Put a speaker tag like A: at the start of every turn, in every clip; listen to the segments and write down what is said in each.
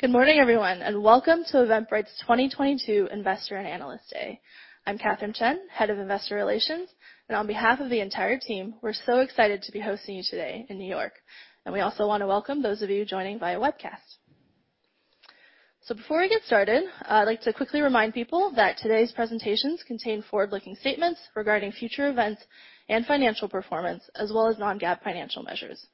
A: Good morning, everyone, and welcome to Eventbrite's 2022 Investor and Analyst Day. I'm Katherine Chen, Head of Investor Relations, and on behalf of the entire team, we're so excited to be hosting you today in New York. We also wanna welcome those of you joining via webcast. Before we get started, I'd like to quickly remind people that today's presentations contain forward-looking statements regarding future events and financial performance, as well as non-GAAP financial measures.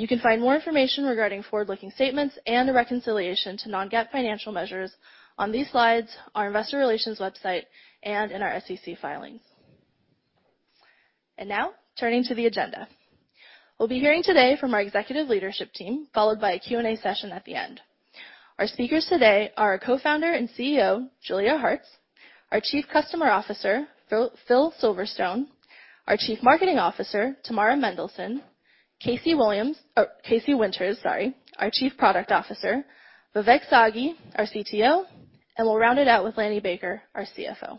A: You can find more information regarding forward-looking statements and a reconciliation to non-GAAP financial measures on these slides, our investor relations website, and in our SEC filings. Now, turning to the agenda. We'll be hearing today from our executive leadership team, followed by a Q&A session at the end. Our speakers today are our Co-founder and CEO, Julia Hartz, our Chief Customer Officer, Phil, Philip Silverstone, our Chief Marketing Officer, Tamara Mendelsohn, Casey Williams... Or Casey Winters, sorry, our Chief Product Officer, Vivek Sagi, our CTO, and we'll round it out with Lanny Baker, our CFO.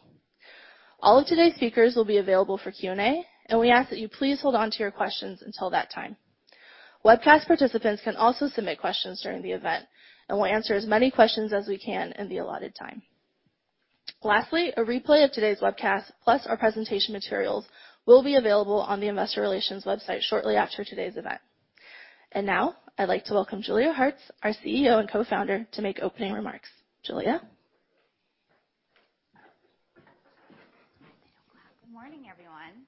A: All of today's speakers will be available for Q&A, and we ask that you please hold on to your questions until that time. Webcast participants can also submit questions during the event, and we'll answer as many questions as we can in the allotted time. Lastly, a replay of today's webcast, plus our presentation materials, will be available on the investor relations website shortly after today's event. Now, I'd like to welcome Julia Hartz, our CEO and co-founder, to make opening remarks. Julia?
B: Good morning, everyone.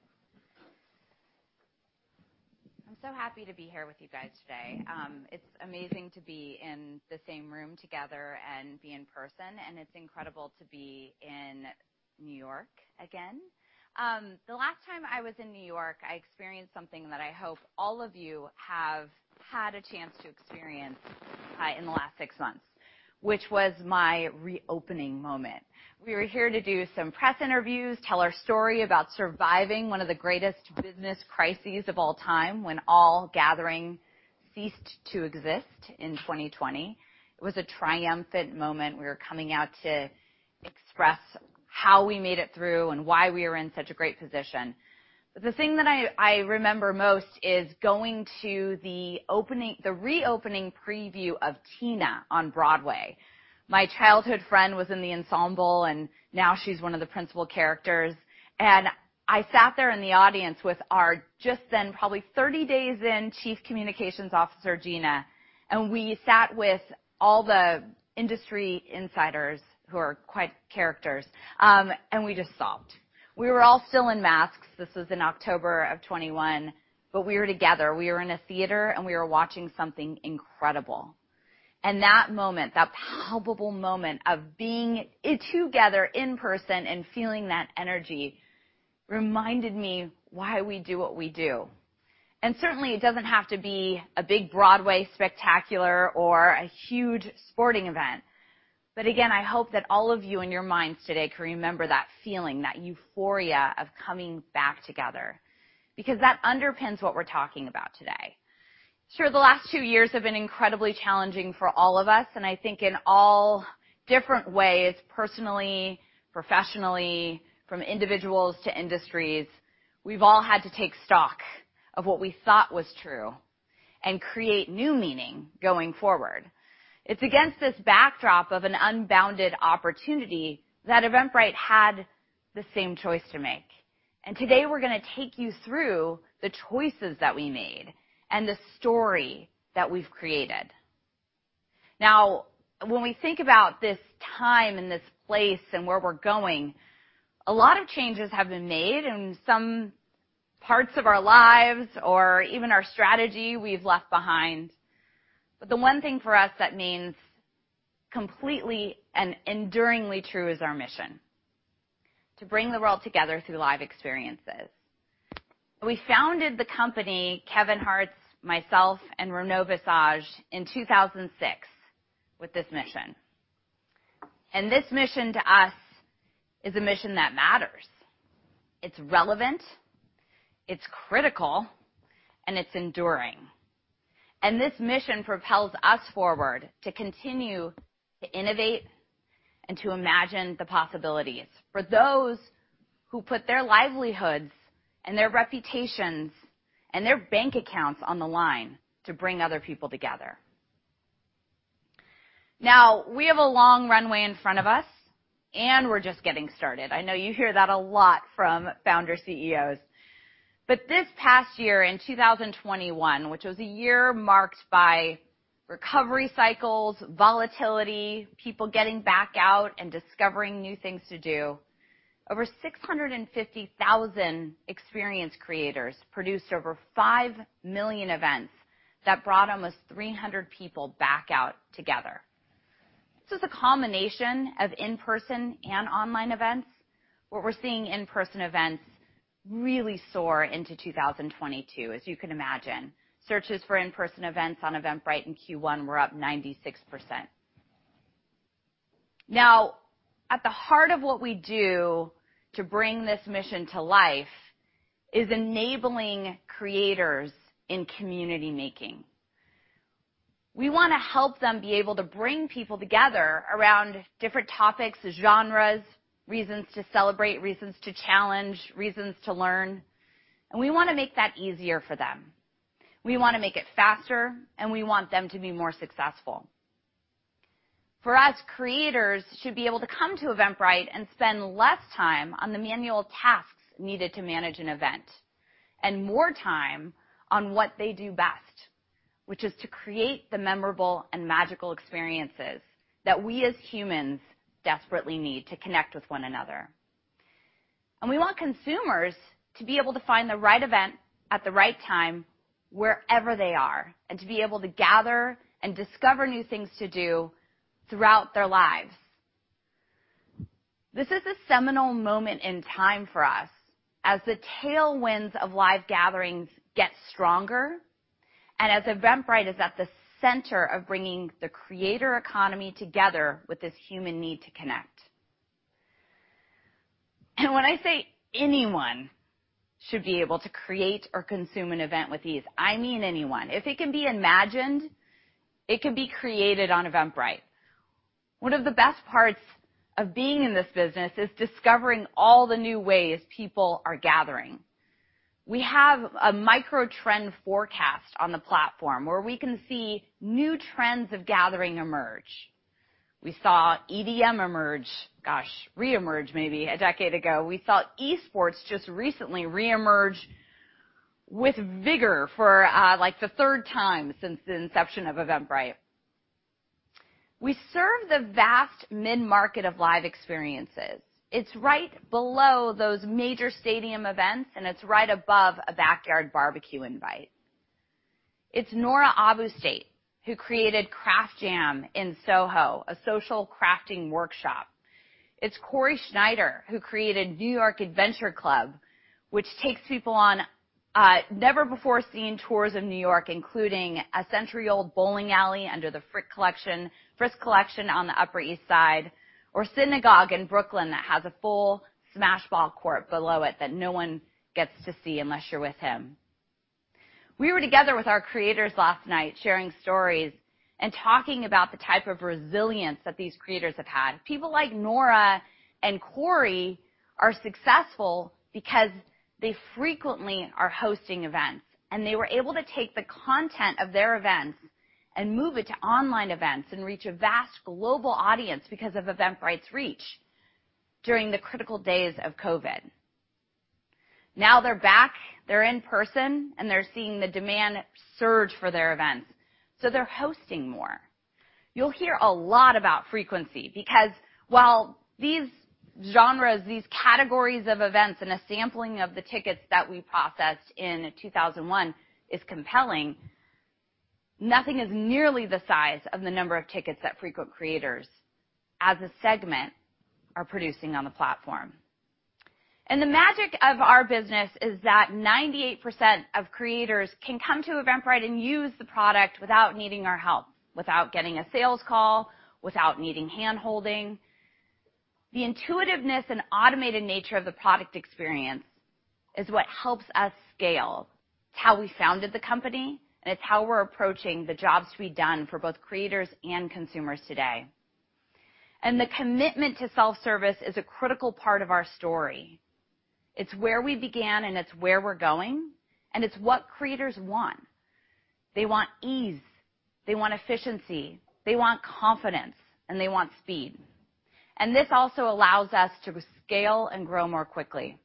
B: I'm so happy to be here with you guys today. It's amazing to be in the same room together and be in person, and it's incredible to be in New York again. The last time I was in New York, I experienced something that I hope all of you have had a chance to experience in the last six months, which was my reopening moment. We were here to do some press interviews, tell our story about surviving one of the greatest business crises of all time when all gathering ceased to exist in 2020. It was a triumphant moment. We were coming out to express how we made it through and why we were in such a great position. The thing that I remember most is going to the reopening preview of Tina on Broadway. My childhood friend was in the ensemble, and now she's one of the principal characters. I sat there in the audience with our, just then, probably 30 days in, Chief Communications Officer Gina, and we sat with all the industry insiders, who are quite characters, and we just sobbed. We were all still in masks. This was in October of 2021, but we were together. We were in a theater, and we were watching something incredible. That moment, that palpable moment of being together in person and feeling that energy reminded me why we do what we do. Certainly, it doesn't have to be a big Broadway spectacular or a huge sporting event. Again, I hope that all of you in your minds today can remember that feeling, that euphoria of coming back together, because that underpins what we're talking about today. Sure, the last two years have been incredibly challenging for all of us, and I think in all different ways, personally, professionally, from individuals to industries, we've all had to take stock of what we thought was true and create new meaning going forward. It's against this backdrop of an unbounded opportunity that Eventbrite had the same choice to make. Today, we're gonna take you through the choices that we made and the story that we've created. Now, when we think about this time and this place and where we're going, a lot of changes have been made in some parts of our lives or even our strategy we've left behind. The one thing for us that means completely and enduringly true is our mission: to bring the world together through live experiences. We founded the company, Kevin Hartz, myself, and Renaud Visage, in 2006 with this mission. This mission to us is a mission that matters. It's relevant, it's critical, and it's enduring. This mission propels us forward to continue to innovate and to imagine the possibilities for those who put their livelihoods and their reputations and their bank accounts on the line to bring other people together. Now, we have a long runway in front of us, and we're just getting started. I know you hear that a lot from founder CEOs. This past year, in 2021, which was a year marked by recovery cycles, volatility, people getting back out and discovering new things to do. Over 650,000 experience creators produced over 5,000,000 events that brought almost 300 people back out together. This was a combination of in-person and online events, where we're seeing in-person events really soar into 2022, as you can imagine. Searches for in-person events on Eventbrite in Q1 were up 96%. Now, at the heart of what we do to bring this mission to life is enabling creators in community making. We wanna help them be able to bring people together around different topics, genres, reasons to celebrate, reasons to challenge, reasons to learn. We wanna make that easier for them. We wanna make it faster, and we want them to be more successful. For us, creators should be able to come to Eventbrite and spend less time on the manual tasks needed to manage an event and more time on what they do best, which is to create the memorable and magical experiences that we as humans desperately need to connect with one another. We want consumers to be able to find the right event at the right time wherever they are, and to be able to gather and discover new things to do throughout their lives. This is a seminal moment in time for us as the tailwinds of live gatherings get stronger and as Eventbrite is at the center of bringing the creator economy together with this human need to connect. When I say anyone should be able to create or consume an event with ease, I mean anyone. If it can be imagined, it can be created on Eventbrite. One of the best parts of being in this business is discovering all the new ways people are gathering. We have a microtrend forecast on the platform where we can see new trends of gathering emerge. We saw EDM emerge, gosh, reemerge maybe a decade ago. We saw esports just recently reemerge with vigor for, like the third time since the inception of Eventbrite. We serve the vast mid-market of live experiences. It's right below those major stadium events, and it's right above a backyard barbecue invite. It's Nora Abousteit, who created CraftJam in SoHo, a social crafting workshop. It's Corey Schneider, who created New York Adventure Club, which takes people on never-before-seen tours of New York, including a century-old bowling alley under the Frick Collection on the Upper East Side, or a synagogue in Brooklyn that has a full squash court below it that no one gets to see unless you're with him. We were together with our creators last night sharing stories and talking about the type of resilience that these creators have had. People like Nora and Corey are successful because they frequently are hosting events, and they were able to take the content of their events and move it to online events and reach a vast global audience because of Eventbrite's reach during the critical days of COVID. Now they're back, they're in person, and they're seeing the demand surge for their events, so they're hosting more. You'll hear a lot about frequency because while these genres, these categories of events, and a sampling of the tickets that we processed in 2021 is compelling, nothing is nearly the size of the number of tickets that frequent creators as a segment are producing on the platform. The magic of our business is that 98% of creators can come to Eventbrite and use the product without needing our help, without getting a sales call, without needing hand-holding. The intuitiveness and automated nature of the product experience is what helps us scale. It's how we founded the company, and it's how we're approaching the jobs to be done for both creators and consumers today. The commitment to self-service is a critical part of our story. It's where we began, and it's where we're going, and it's what creators want. They want ease, they want efficiency, they want confidence, and they want speed. This also allows us to scale and grow more quickly.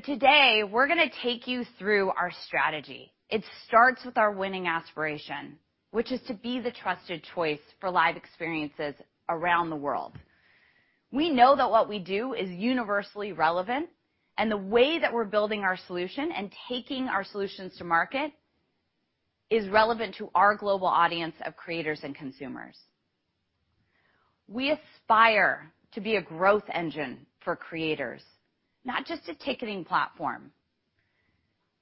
B: Today we're gonna take you through our strategy. It starts with our winning aspiration, which is to be the trusted choice for live experiences around the world. We know that what we do is universally relevant, and the way that we're building our solution and taking our solutions to market is relevant to our global audience of creators and consumers. We aspire to be a growth engine for creators, not just a ticketing platform.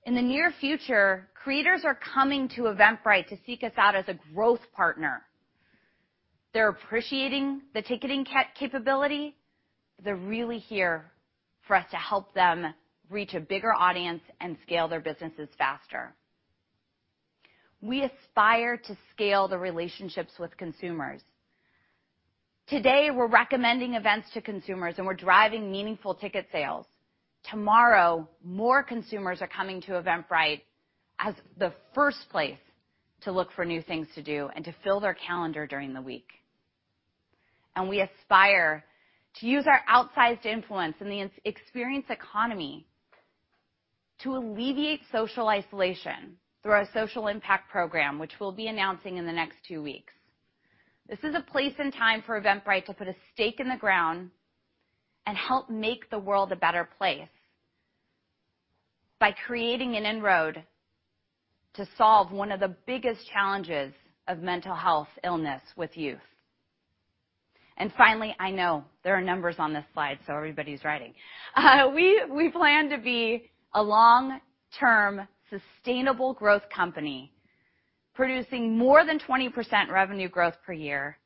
B: In the near future, creators are coming to Eventbrite to seek us out as a growth partner. They're appreciating the ticketing capability. They're really here for us to help them reach a bigger audience and scale their businesses faster. We aspire to scale the relationships with consumers. Today we're recommending events to consumers, and we're driving meaningful ticket sales. Tomorrow, more consumers are coming to Eventbrite as the first place to look for new things to do and to fill their calendar during the week. We aspire to use our outsized influence in the experience economy to alleviate social isolation through our social impact program, which we'll be announcing in the next two weeks. This is a place and time for Eventbrite to put a stake in the ground and help make the world a better place by creating an inroad to solve one of the biggest challenges of mental health illness with youth. Finally, I know there are numbers on this slide, so everybody's writing. We plan to be a long-term sustainable growth company producing more than 20% revenue growth per year,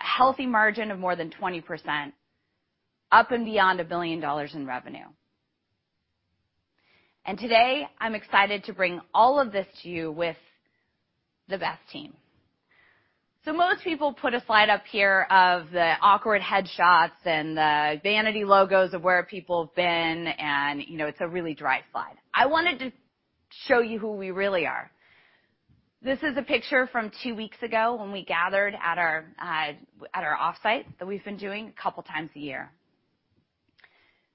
B: a healthy margin of more than 20%, up and beyond $1 billion in revenue. Today, I'm excited to bring all of this to you with the best team. Most people put a slide up here of the awkward headshots and the vanity logos of where people have been and, you know, it's a really dry slide. I wanted to show you who we really are. This is a picture from two weeks ago when we gathered at our offsite that we've been doing a couple times a year.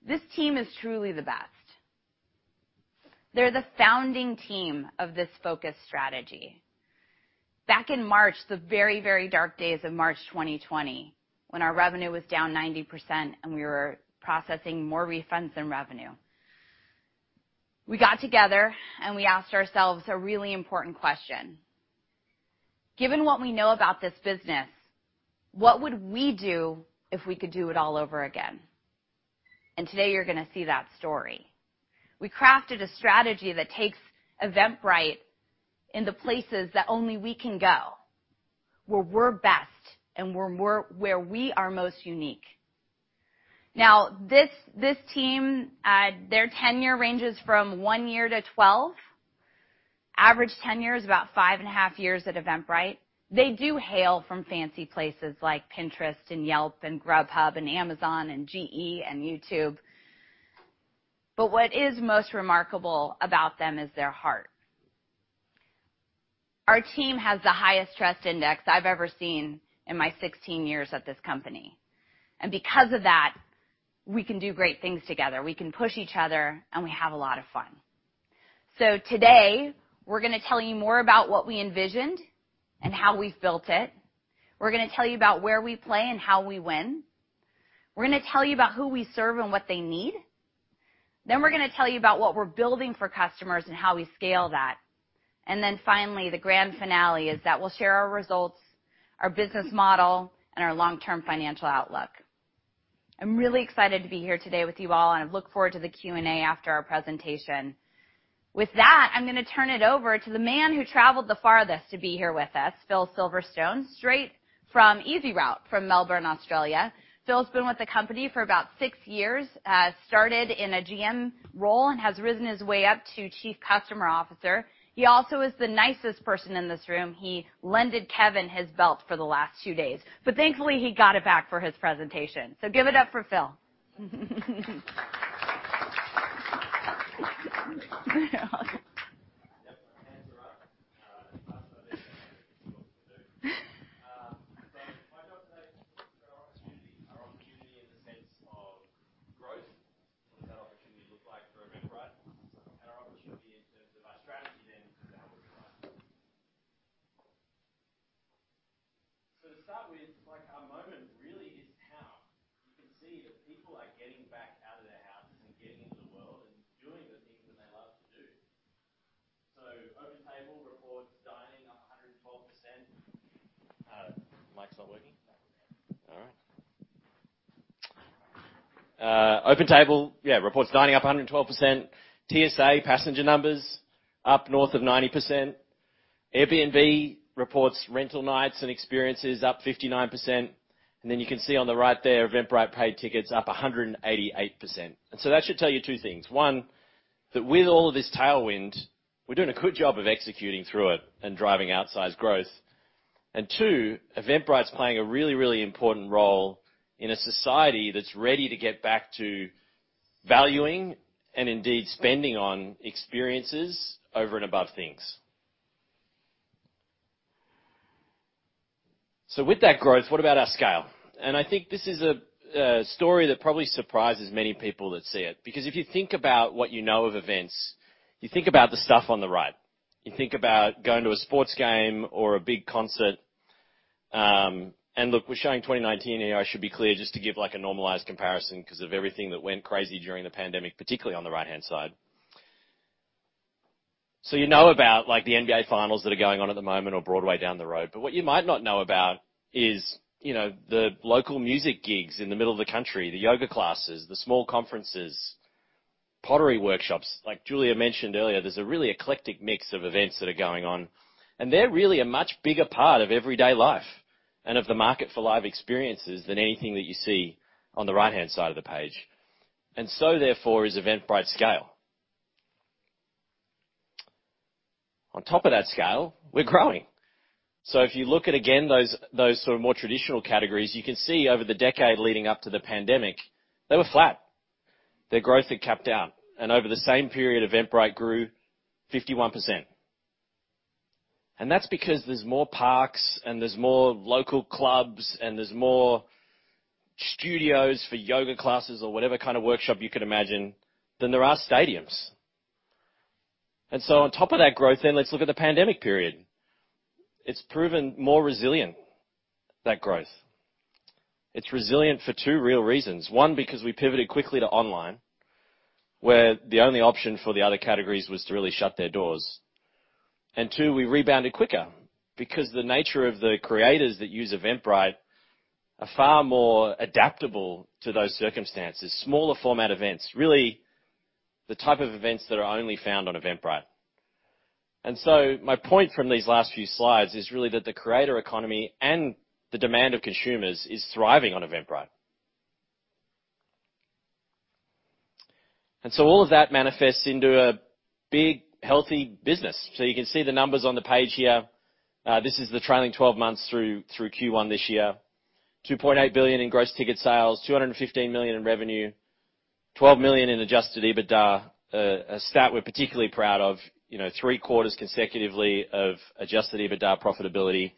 B: This team is truly the best. They're the founding team of this focus strategy. Back in March, the very, very dark days of March 2020, when our revenue was down 90% and we were processing more refunds than revenue, we got together, and we asked ourselves a really important question. Given what we know about this business, what would we do if we could do it all over again? Today, you're gonna see that story. We crafted a strategy that takes Eventbrite into places that only we can go, where we're best and where we are most unique. Now this team, their tenure ranges from one year to 12. Average tenure is about five and a half years at Eventbrite. They do hail from fancy places like Pinterest and Yelp and Grubhub and Amazon and GE and YouTube. What is most remarkable about them is their heart. Our team has the highest trust index I've ever seen in my 16 years at this company. Because of that, we can do great things together. We can push each other, and we have a lot of fun. Today, we're gonna tell you more about what we envisioned and how we've built it. We're gonna tell you about where we play and how we win. We're gonna tell you about who we serve and what they need. We're gonna tell you about what we're building for customers and how we scale that. Finally, the grand finale is that we'll share our results, our business model, and our long-term financial outlook. I'm really excited to be here today with you all, and I look forward to the Q&A after our presentation. With that, I'm gonna turn it over to the man who traveled the farthest to be here with us, Phil Silverstone, straight from his route from Melbourne, Australia. Phil's been with the company for about six years, started in a GM role and has risen his way up to Chief Customer Officer. He also is the nicest person in this room. He lent Kevin his belt for the last two days, but thankfully, he got it back for his presentation. Give it up for Phil.
C: Yep. My pants are up. As fast as I can. My job today is to talk about opportunity, our opportunity in the sense of growth. What does that opportunity look like for Eventbrite? Our opportunity in terms of our strategy, then to capitalize. To start with, like, our moment really is now. You can see that people are getting back out of their houses and getting into the world and doing the things that they love to do. OpenTable reports dining up 112%. Mic's not working? All right. OpenTable reports dining up 112%. TSA passenger numbers up north of 90%. Airbnb reports rental nights and experiences up 59%. You can see on the right there, Eventbrite paid tickets up 188%. That should tell you two things. One, that with all of this tailwind, we're doing a good job of executing through it and driving outsized growth. And two, Eventbrite's playing a really, really important role in a society that's ready to get back to valuing and indeed spending on experiences over and above things. With that growth, what about our scale? I think this is a story that probably surprises many people that see it because if you think about what you know of events, you think about the stuff on the right. You think about going to a sports game or a big concert. Look, we're showing 2019 here. I should be clear just to give, like, a normalized comparison 'cause of everything that went crazy during the pandemic, particularly on the right-hand side. You know about, like, the NBA finals that are going on at the moment or Broadway down the road. What you might not know about is, you know, the local music gigs in the middle of the country, the yoga classes, the small conferences, pottery workshops. Like Julia mentioned earlier, there's a really eclectic mix of events that are going on, and they're really a much bigger part of everyday life and of the market for live experiences than anything that you see on the right-hand side of the page. Therefore, is Eventbrite's scale. On top of that scale, we're growing. If you look at, again, those sort of more traditional categories, you can see over the decade leading up to the pandemic, they were flat. Their growth had capped out, and over the same period, Eventbrite grew 51%. That's because there's more parks, and there's more local clubs, and there's more studios for yoga classes or whatever kind of workshop you could imagine than there are stadiums. On top of that growth, then let's look at the pandemic period. It's proven more resilient, that growth. It's resilient for two real reasons. One, because we pivoted quickly to online, where the only option for the other categories was to really shut their doors. Two, we rebounded quicker because the nature of the creators that use Eventbrite are far more adaptable to those circumstances, smaller format events, really the type of events that are only found on Eventbrite. My point from these last few slides is really that the creator economy and the demand of consumers is thriving on Eventbrite. All of that manifests into a big, healthy business. You can see the numbers on the page here. This is the trailing twelve months through Q1 this year. $2.8 billion in gross ticket sales, $215 million in revenue, $12 million in adjusted EBITDA, a stat we're particularly proud of, you know, three quarters consecutively of adjusted EBITDA profitability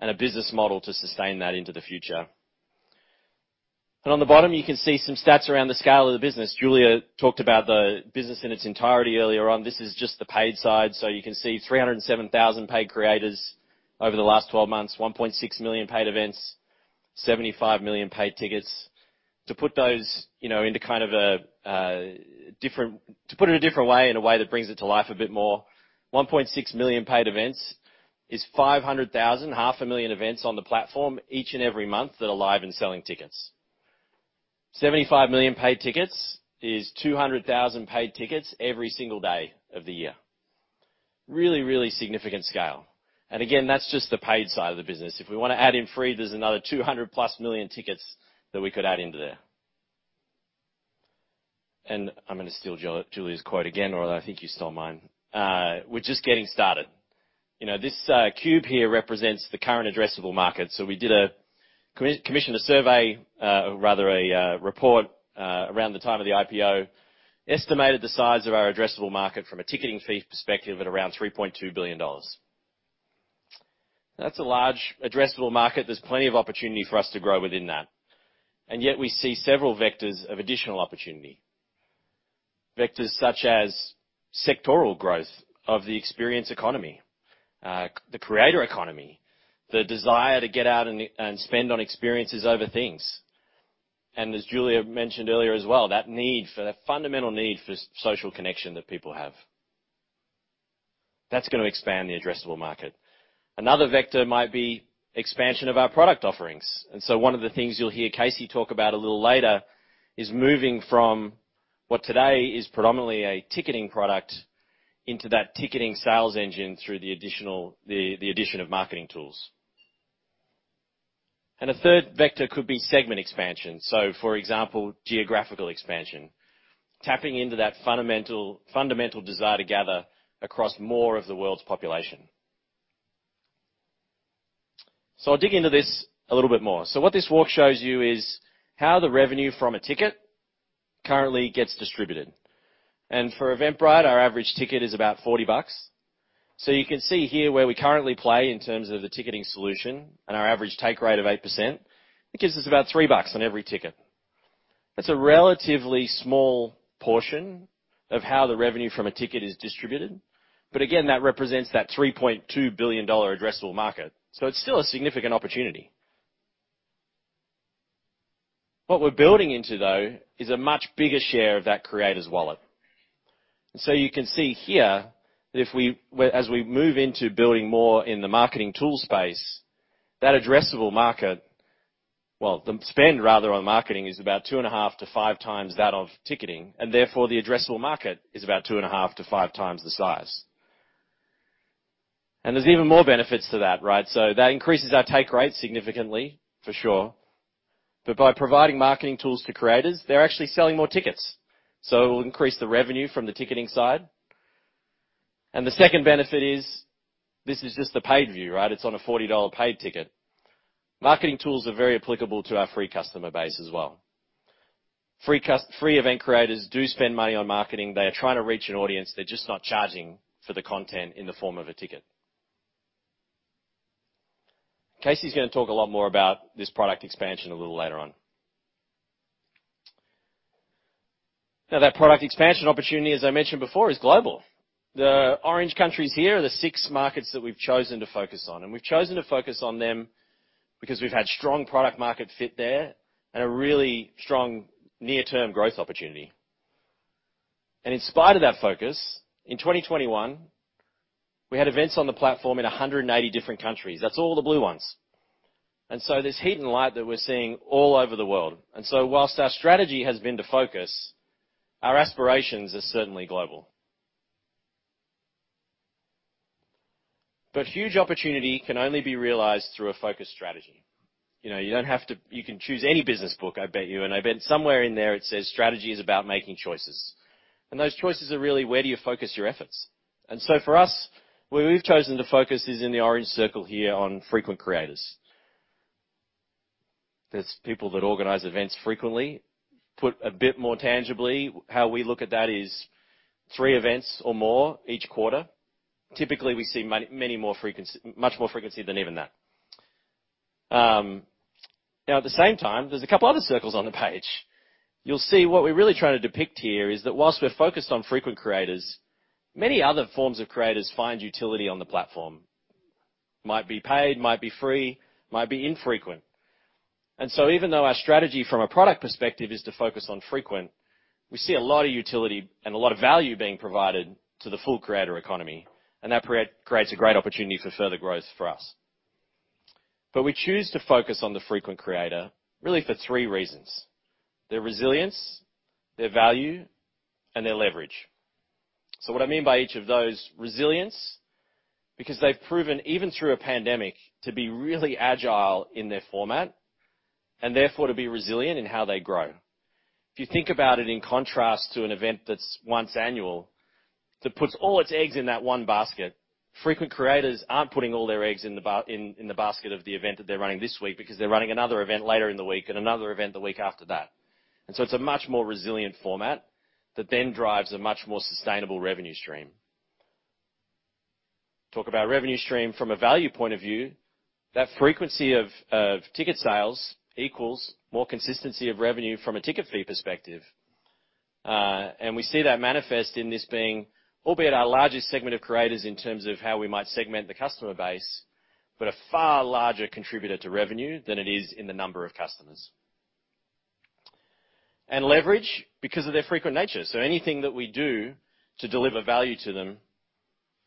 C: and a business model to sustain that into the future. On the bottom, you can see some stats around the scale of the business. Julia talked about the business in its entirety earlier on. This is just the paid side. You can see 307,000 paid creators over the last 12 months, 1.6 million paid events, 75 million paid tickets. To put it a different way, in a way that brings it to life a bit more, 1.6 million paid events is 500,000, half a million events on the platform each and every month that are live and selling tickets. 75 million paid tickets is 200,000 paid tickets every single day of the year. Really, really significant scale. Again, that's just the paid side of the business. If we want to add in free, there's another 200+ million tickets that we could add into there. I'm gonna steal Julia's quote again, or I think you stole mine. We're just getting started. You know, this cube here represents the current addressable market. We commissioned a report around the time of the IPO, estimated the size of our addressable market from a ticketing fee perspective at around $3.2 billion. That's a large addressable market. There's plenty of opportunity for us to grow within that. Yet we see several vectors of additional opportunity. Vectors such as sectoral growth of the experience ecoomy, the creator economy, the desire to get out and spend on experiences over things. As Julia mentioned earlier as well, that fundamental need for social connection that people have. That's gonna expand the addressable market. Another vector might be expansion of our product offerings. One of the things you'll hear Casey talk about a little later is moving from what today is predominantly a ticketing product into that ticketing sales engine through the addition of marketing tools. A third vector could be segment expansion. For example, geographical expansion. Tapping into that fundamental desire to gather across more of the world's population. I'll dig into this a little bit more. What this walk shows you is how the revenue from a ticket currently gets distributed. For Eventbrite, our average ticket is about $40. You can see here where we currently play in terms of the ticketing solution and our average take rate of 8%. It gives us about $3 on every ticket. That's a relatively small portion of how the revenue from a ticket is distributed, but again, that represents that $3.2 billion addressable market, so it's still a significant opportunity. What we're building into, though, is a much bigger share of that creator's wallet. You can see here that as we move into building more in the marketing tool space, that addressable market, well, the spend rather on marketing is about 2.5-5 times that of ticketing, and therefore the addressable market is about 2.5-5 times the size. There's even more benefits to that, right? That increases our take rate significantly, for sure. By providing marketing tools to creators, they're actually selling more tickets. It will increase the revenue from the ticketing side. The second benefit is this is just the paid view, right? It's on a $40 paid ticket. Marketing tools are very applicable to our free customer base as well. Free event creators do spend money on marketing. They are trying to reach an audience. They're just not charging for the content in the form of a ticket. Casey's gonna talk a lot more about this product expansion a little later on. Now that product expansion opportunity, as I mentioned before, is global. The orange countries here are the six markets that we've chosen to focus on, and we've chosen to focus on them because we've had strong product market fit there and a really strong near-term growth opportunity. In spite of that focus, in 2021, we had events on the platform in 180 different countries. That's all the blue ones. There's heat and light that we're seeing all over the world. While our strategy has been to focus, our aspirations are certainly global. Huge opportunity can only be realized through a focused strategy. You know, you can choose any business book, I bet you, and I bet somewhere in there it says strategy is about making choices. Those choices are really where you focus your efforts? For us, where we've chosen to focus is in the orange circle here on frequent creators. There's people that organize events frequently. Put a bit more tangibly, how we look at that is three events or more each quarter. Typically, we see much more frequency than even that. Now at the same time, there's a couple other circles on the page. You'll see what we're really trying to depict here is that while we're focused on frequent creators, many other forms of creators find utility on the platform. Might be paid, might be free, might be infrequent. Even though our strategy from a product perspective is to focus on frequent, we see a lot of utility and a lot of value being provided to the full creator economy, and that creates a great opportunity for further growth for us. We choose to focus on the frequent creator really for three reasons, their resilience, their value, and their leverage. What I mean by each of those, resilience, because they've proven even through a pandemic to be really agile in their format, and therefore to be resilient in how they grow. If you think about it in contrast to an event that's once a year that puts all its eggs in that one basket. Frequent creators aren't putting all their eggs in the basket of the event that they're running this week because they're running another event later in the week and another event the week after that. It's a much more resilient format that then drives a much more sustainable revenue stream. Talk about revenue stream from a value point of view, that frequency of ticket sales equals more consistency of revenue from a ticket fee perspective. We see that manifest in this being albeit our largest segment of creators in terms of how we might segment the customer base, but a far larger contributor to revenue than it is in the number of customers. Leverage because of their frequent nature. Anything that we do to deliver value to them,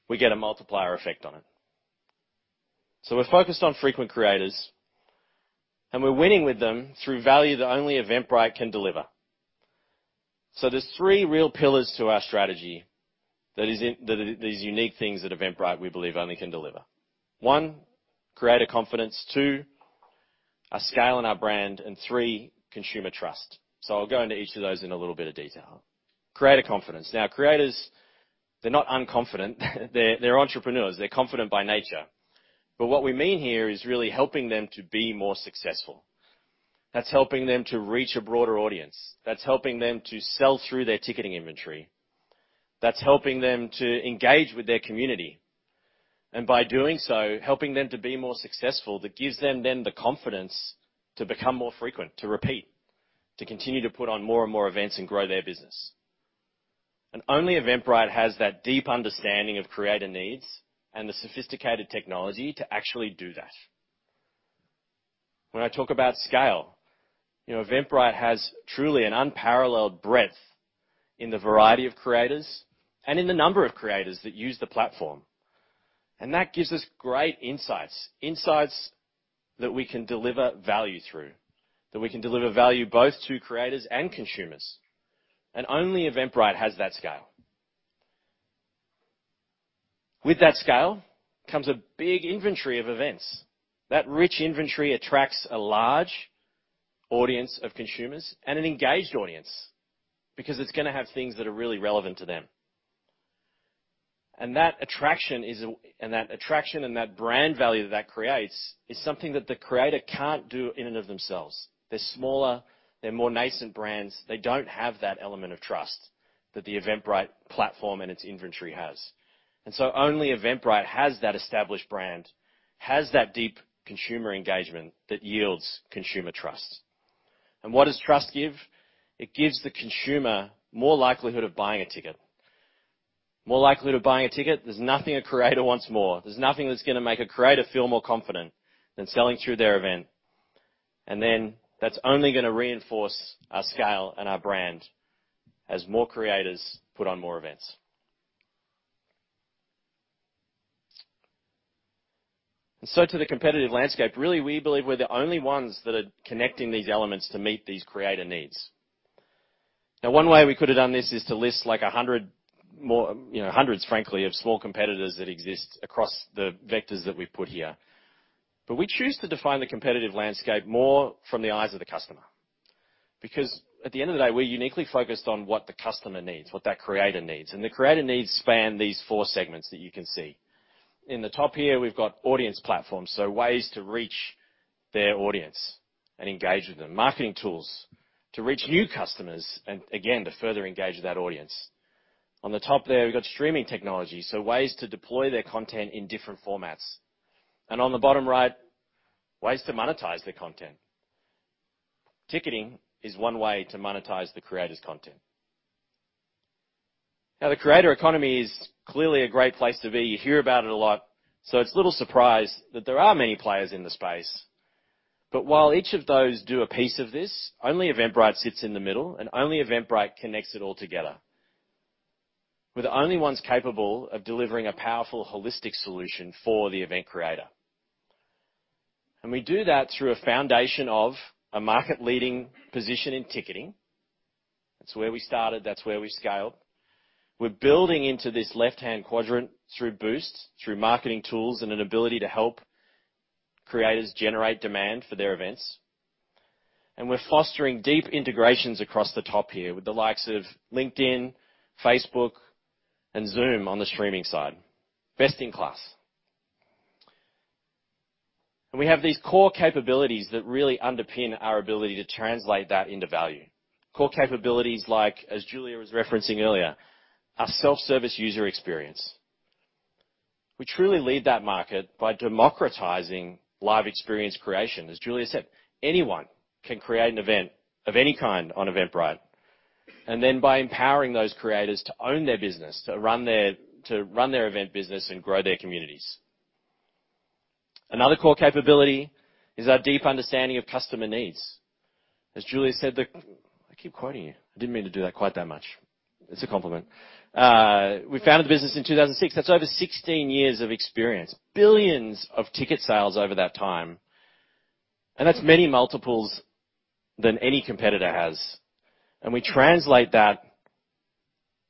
C: we get a multiplier effect on it. We're focused on frequent creators, and we're winning with them through value that only Eventbrite can deliver. There's three real pillars to our strategy that are these unique things that Eventbrite we believe only can deliver. One, creator confidence. Two, our scale and our brand. Three, consumer trust. I'll go into each of those in a little bit of detail. Creator confidence. Now, creators, they're not unconfident. They're entrepreneurs. They're confident by nature. What we mean here is really helping them to be more successful. That's helping them to reach a broader audience. That's helping them to sell through their ticketing inventory. That's helping them to engage with their community. By doing so, helping them to be more successful, that gives them then the confidence to become more frequent, to repeat, to continue to put on more and more events and grow their business. Only Eventbrite has that deep understanding of creator needs and the sophisticated technology to actually do that. When I talk about scale, you know, Eventbrite has truly an unparalleled breadth in the variety of creators and in the number of creators that use the platform. That gives us great insights that we can deliver value through, that we can deliver value both to creators and consumers. Only Eventbrite has that scale. With that scale comes a big inventory of events. That rich inventory attracts a large audience of consumers and an engaged audience because it's gonna have things that are really relevant to them. That attraction and that brand value that creates is something that the creator can't do in and of themselves. They're smaller, they're more nascent brands. They don't have that element of trust that the Eventbrite platform and its inventory has. Only Eventbrite has that established brand, has that deep consumer engagement that yields consumer trust. What does trust give? It gives the consumer more likelihood of buying a ticket. More likelihood of buying a ticket, there's nothing a creator wants more. There's nothing that's gonna make a creator feel more confident than selling through their event. That's only gonna reinforce our scale and our brand as more creators put on more events. To the competitive landscape, really, we believe we're the only ones that are connecting these elements to meet these creator needs. Now, one way we could have done this is to list like a hundred more, you know, hundreds, frankly, of small competitors that exist across the vectors that we've put here. We choose to define the competitive landscape more from the eyes of the customer, because at the end of the day, we're uniquely focused on what the customer needs, what that creator needs. The creator needs span these four segments that you can see. In the top here, we've got audience platforms, so ways to reach their audience and engage with them. Marketing tools to reach new customers and, again, to further engage that audience. On the top there, we've got streaming technology, so ways to deploy their content in different formats. On the bottom right, ways to monetize their content. Ticketing is one way to monetize the creator's content. Now, the creator economy is clearly a great place to be. You hear about it a lot, so it's little surprise that there are many players in the space. While each of those do a piece of this, only Eventbrite sits in the middle, and only Eventbrite connects it all together. We're the only ones capable of delivering a powerful holistic solution for the event creator. We do that through a foundation of a market-leading position in ticketing. That's where we started. That's where we scaled. We're building into this left-hand quadrant through Boost, through marketing tools and an ability to help creators generate demand for their events. We're fostering deep integrations across the top here with the likes of LinkedIn, Facebook, and Zoom on the streaming side. Best in class. We have these core capabilities that really underpin our ability to translate that into value. Core capabilities like, as Julia was referencing earlier, our self-service user experience. We truly lead that market by democratizing live experience creation. As Julia said, anyone can create an event of any kind on Eventbrite. Then by empowering those creators to own their business, to run their event business and grow their communities. Another core capability is our deep understanding of customer needs. As Julia said, I keep quoting you. I didn't mean to do that quite that much. It's a compliment. We founded the business in 2006. That's over 16 years of experience. Billions of ticket sales over that time, and that's many multiples than any competitor has. We translate that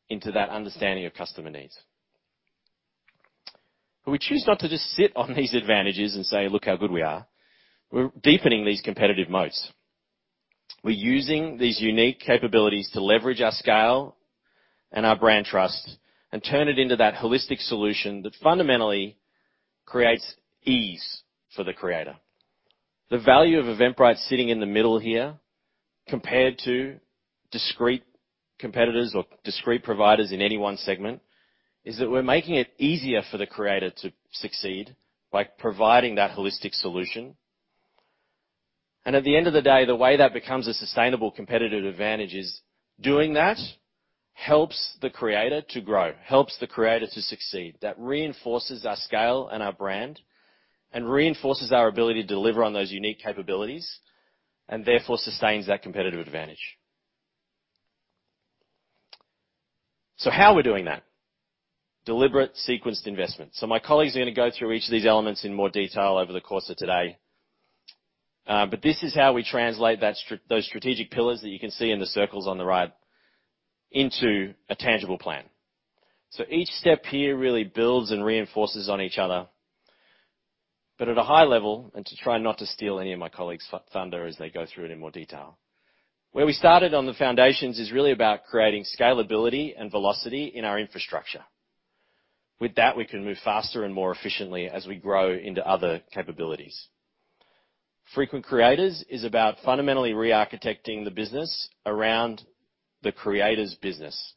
C: into that understanding of customer needs. We choose not to just sit on these advantages and say, "Look how good we are." We're deepening these competitive moats. We're using these unique capabilities to leverage our scale and our brand trust and turn it into that holistic solution that fundamentally creates ease for the creator. The value of Eventbrite sitting in the middle here compared to discrete competitors or discrete providers in any one segment is that we're making it easier for the creator to succeed by providing that holistic solution. At the end of the day, the way that becomes a sustainable competitive advantage is doing that helps the creator to grow, helps the creator to succeed. That reinforces our scale and our brand and reinforces our ability to deliver on those unique capabilities, and therefore sustains that competitive advantage. How are we doing that? Deliberate sequenced investment. My colleagues are gonna go through each of these elements in more detail over the course of today. This is how we translate those strategic pillars that you can see in the circles on the right into a tangible plan. Each step here really builds and reinforces on each other. At a high level, and to try not to steal any of my colleagues' thunder as they go through it in more detail. Where we started on the foundations is really about creating scalability and velocity in our infrastructure. With that, we can move faster and more efficiently as we grow into other capabilities. Frequent creators is about fundamentally rearchitecting the business around the creator's business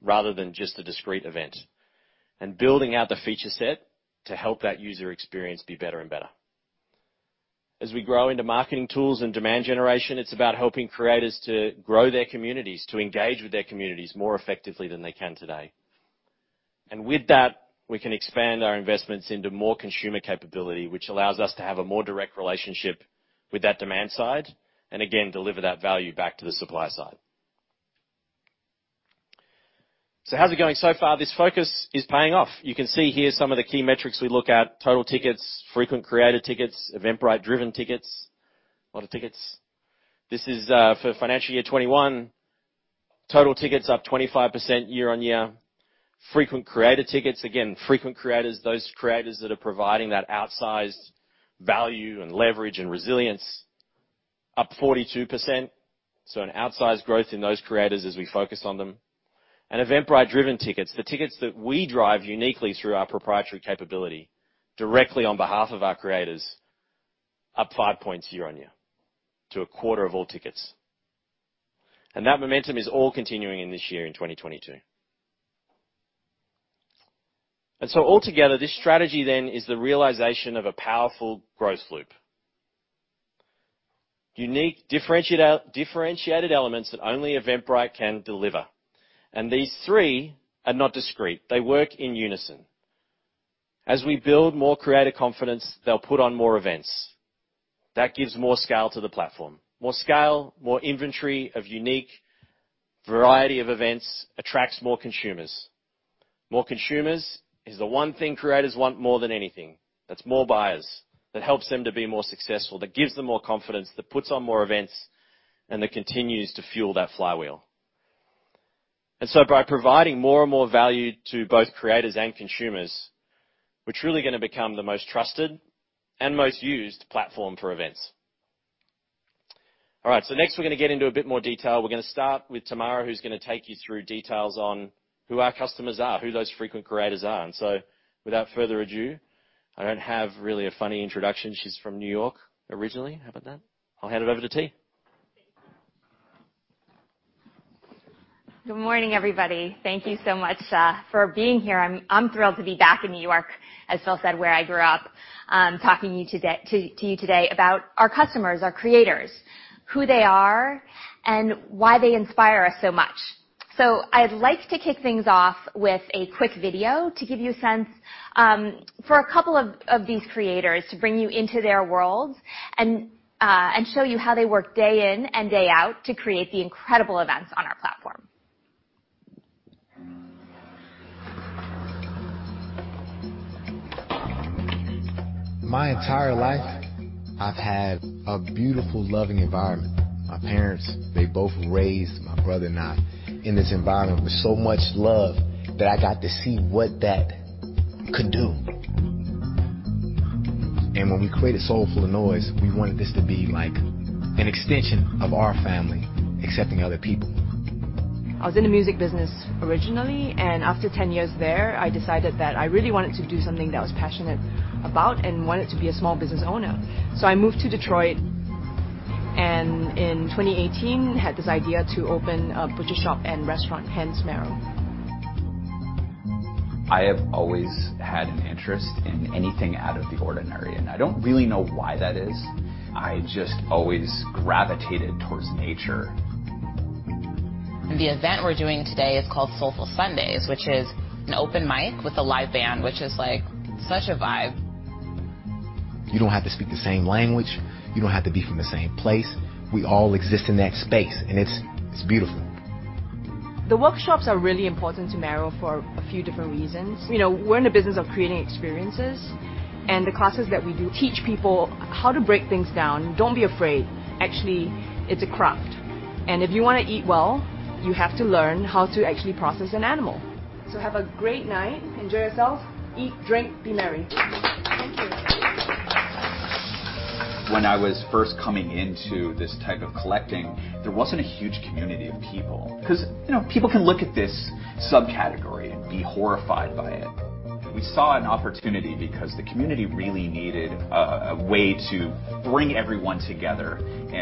C: rather than just the discrete event, and building out the feature set to help that user experience be better and better. As we grow into marketing tools and demand generation, it's about helping creators to grow their communities, to engage with their communities more effectively than they can today. With that, we can expand our investments into more consumer capability, which allows us to have a more direct relationship with that demand side, and again, deliver that value back to the supply side. How's it going so far? This focus is paying off. You can see here some of the key metrics we look at, total tickets, frequent creator tickets, Eventbrite-driven tickets. A lot of tickets. This is for financial year 2021. Total tickets up 25% year-on-year. Frequent creator tickets, again, frequent creators, those creators that are providing that outsized value and leverage and resilience up 42%, so an outsized growth in those creators as we focus on them. Eventbrite-driven tickets, the tickets that we drive uniquely through our proprietary capability directly on behalf of our creators up five points year-on-year to a quarter of all tickets. That momentum is all continuing in this year in 2022. So altogether, this strategy then is the realization of a powerful growth loop. Unique differentiated elements that only Eventbrite can deliver. These three are not discrete. They work in unison. As we build more creator confidence, they'll put on more events. That gives more scale to the platform. More scale, more inventory of unique variety of events attracts more consumers. More consumers is the one thing creators want more than anything. That's more buyers. That helps them to be more successful, that gives them more confidence, that puts on more events, and that continues to fuel that flywheel. By providing more and more value to both creators and consumers, we're truly gonna become the most trusted and most used platform for events. All right, next we're gonna get into a bit more detail. We're gonna start with Tamara, who's gonna take you through details on who our customers are, who those frequent creators are. Without further ado, I don't have really a funny introduction. She's from New York originally. How about that? I'll hand it over to T.
D: Good morning, everybody. Thank you so much for being here. I'm thrilled to be back in New York, as Phil said, where I grew up, talking to you today about our customers, our creators, who they are, and why they inspire us so much. I'd like to kick things off with a quick video to give you a sense for a couple of these creators to bring you into their world and show you how they work day in and day out to create the incredible events on our platform.
E: My entire life, I've had a beautiful, loving environment. My parents, they both raised my brother and I in this environment with so much love that I got to see what that could do. When we created Soulful of Noise, we wanted this to be like an extension of our family, accepting other people. I was in the music business originally, and after 10 years there, I decided that I really wanted to do something that I was passionate about and wanted to be a small business owner. I moved to Detroit, and in 2018 had this idea to open a butcher shop and restaurant, hence Marrow. I have always had an interest in anything out of the ordinary, and I don't really know why that is. I just always gravitated towards nature. The event we're doing today is called Soulful Sundays, which is an open mic with a live band, which is, like, such a vibe. You don't have to speak the same language. You don't have to be from the same place. We all exist in that space, and it's beautiful. The workshops are really important to Marrow for a few different reasons. You know, we're in the business of creating experiences, and the classes that we do teach people how to break things down. Don't be afraid. Actually, it's a craft. If you want to eat well, you have to learn how to actually process an animal. Have a great night. Enjoy yourselves. Eat, drink, be merry. Thank you. When I was first coming into this type of collecting, there wasn't a huge community of people 'cause, you know, people can look at this subcategory and be horrified by it. We saw an opportunity because the community really needed a way to bring everyone together.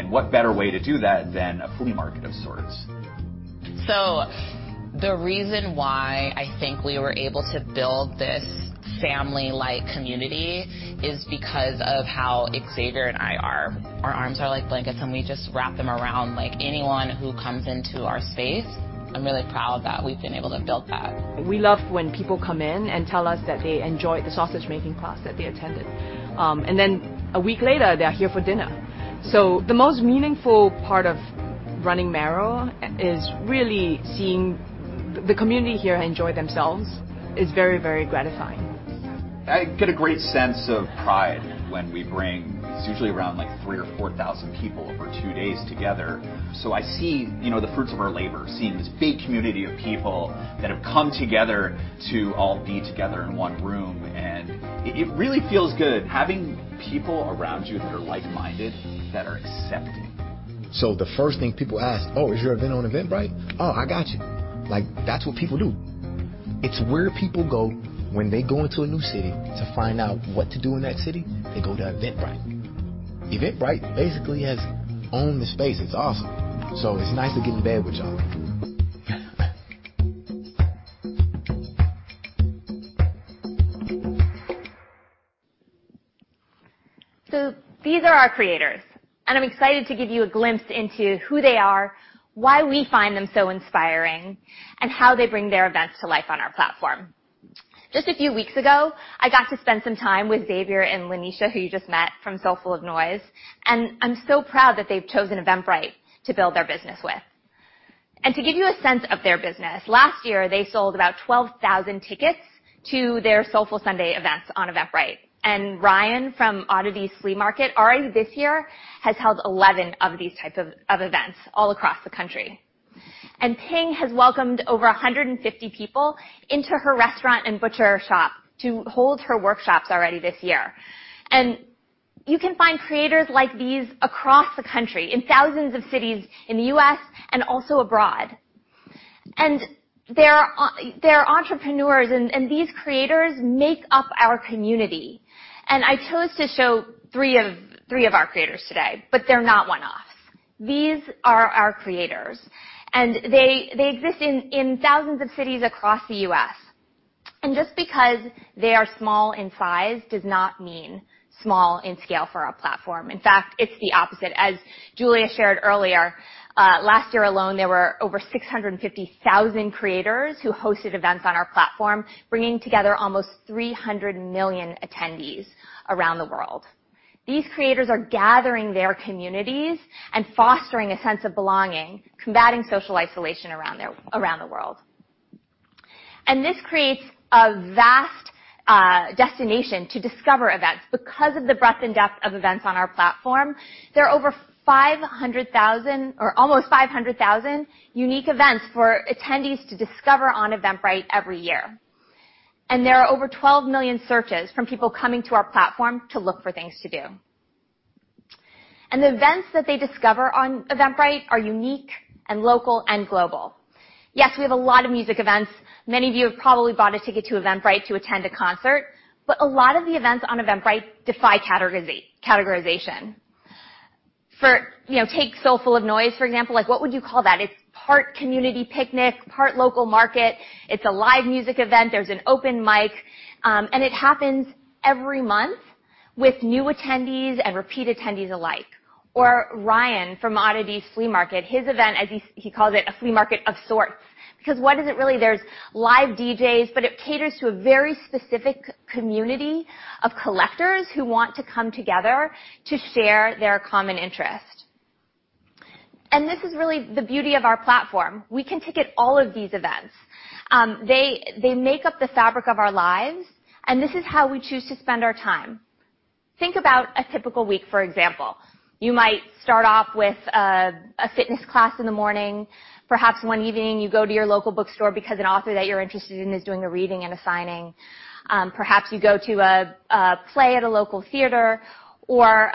E: What better way to do that than a flea market of sorts? The reason why I think we were able to build this family-like community is because of how Xavier and I are. Our arms are like blankets, and we just wrap them around like anyone who comes into our space. I'm really proud that we've been able to build that. We love when people come in and tell us that they enjoyed the sausage-making class that they attended. A week later, they're here for dinner. The most meaningful part of running Marrow is really seeing the community here enjoy themselves. It's very, very gratifying. I get a great sense of pride when we bring. It's usually around, like 3,000 or 4,000 people over two days together. I see, you know, the fruits of our labor, seeing this big community of people that have come together to all be together in one room, and it really feels good having people around you that are like-minded, that are accepting. The first thing people ask, "Oh, is your event on Eventbrite? Oh, I got you." Like, that's what people do. It's where people go when they go into a new city to find out what to do in that city, they go to Eventbrite. Eventbrite basically has owned the space. It's awesome. It's nice to get in bed with y'all.
D: These are our creators, and I'm excited to give you a glimpse into who they are, why we find them so inspiring, and how they bring their events to life on our platform. Just a few weeks ago, I got to spend some time with Xavier and Lanesha, who you just met from Soulful of Noise, and I'm so proud that they've chosen Eventbrite to build their business with. To give you a sense of their business, last year, they sold about 12,000 tickets to their Soulful Sunday events on Eventbrite. Ryan from The Oddities Flea Market already this year has held 11 of these types of events all across the country. Ping has welcomed over 150 people into her restaurant and butcher shop to hold her workshops already this year. You can find creators like these across the country in thousands of cities in the US and also abroad. They're entrepreneurs, and these creators make up our community. I chose to show three of our creators today, but they're not one-offs. These are our creators, and they exist in thousands of cities across the U.S. Just because they are small in size does not mean small in scale for our platform. In fact, it's the opposite. As Julia shared earlier, last year alone, there were over 650,000 creators who hosted events on our platform, bringing together almost 300 million attendees around the world. These creators are gathering their communities and fostering a sense of belonging, combating social isolation around the world. This creates a vast destination to discover events. Because of the breadth and depth of events on our platform, there are over 500,000, or almost 500,000 unique events for attendees to discover on Eventbrite every year. There are over 12 million searches from people coming to our platform to look for things to do. The events that they discover on Eventbrite are unique and local and global. Yes, we have a lot of music events. Many of you have probably bought a ticket to Eventbrite to attend a concert, but a lot of the events on Eventbrite defy categorization. For, you know, take Soulful of Noise, for example. Like, what would you call that? It's part community picnic, part local market. It's a live music event. There's an open mic. It happens every month with new attendees and repeat attendees alike. Ryan from The Oddities Flea Market, his event as he calls it, a flea market of sorts. Because what is it really? There's live DJs, but it caters to a very specific community of collectors who want to come together to share their common interest. This is really the beauty of our platform. We can ticket all of these events. They make up the fabric of our lives, and this is how we choose to spend our time. Think about a typical week, for example. You might start off with a fitness class in the morning. Perhaps one evening you go to your local bookstore because an author that you're interested in is doing a reading and a signing. Perhaps you go to a play at a local theater or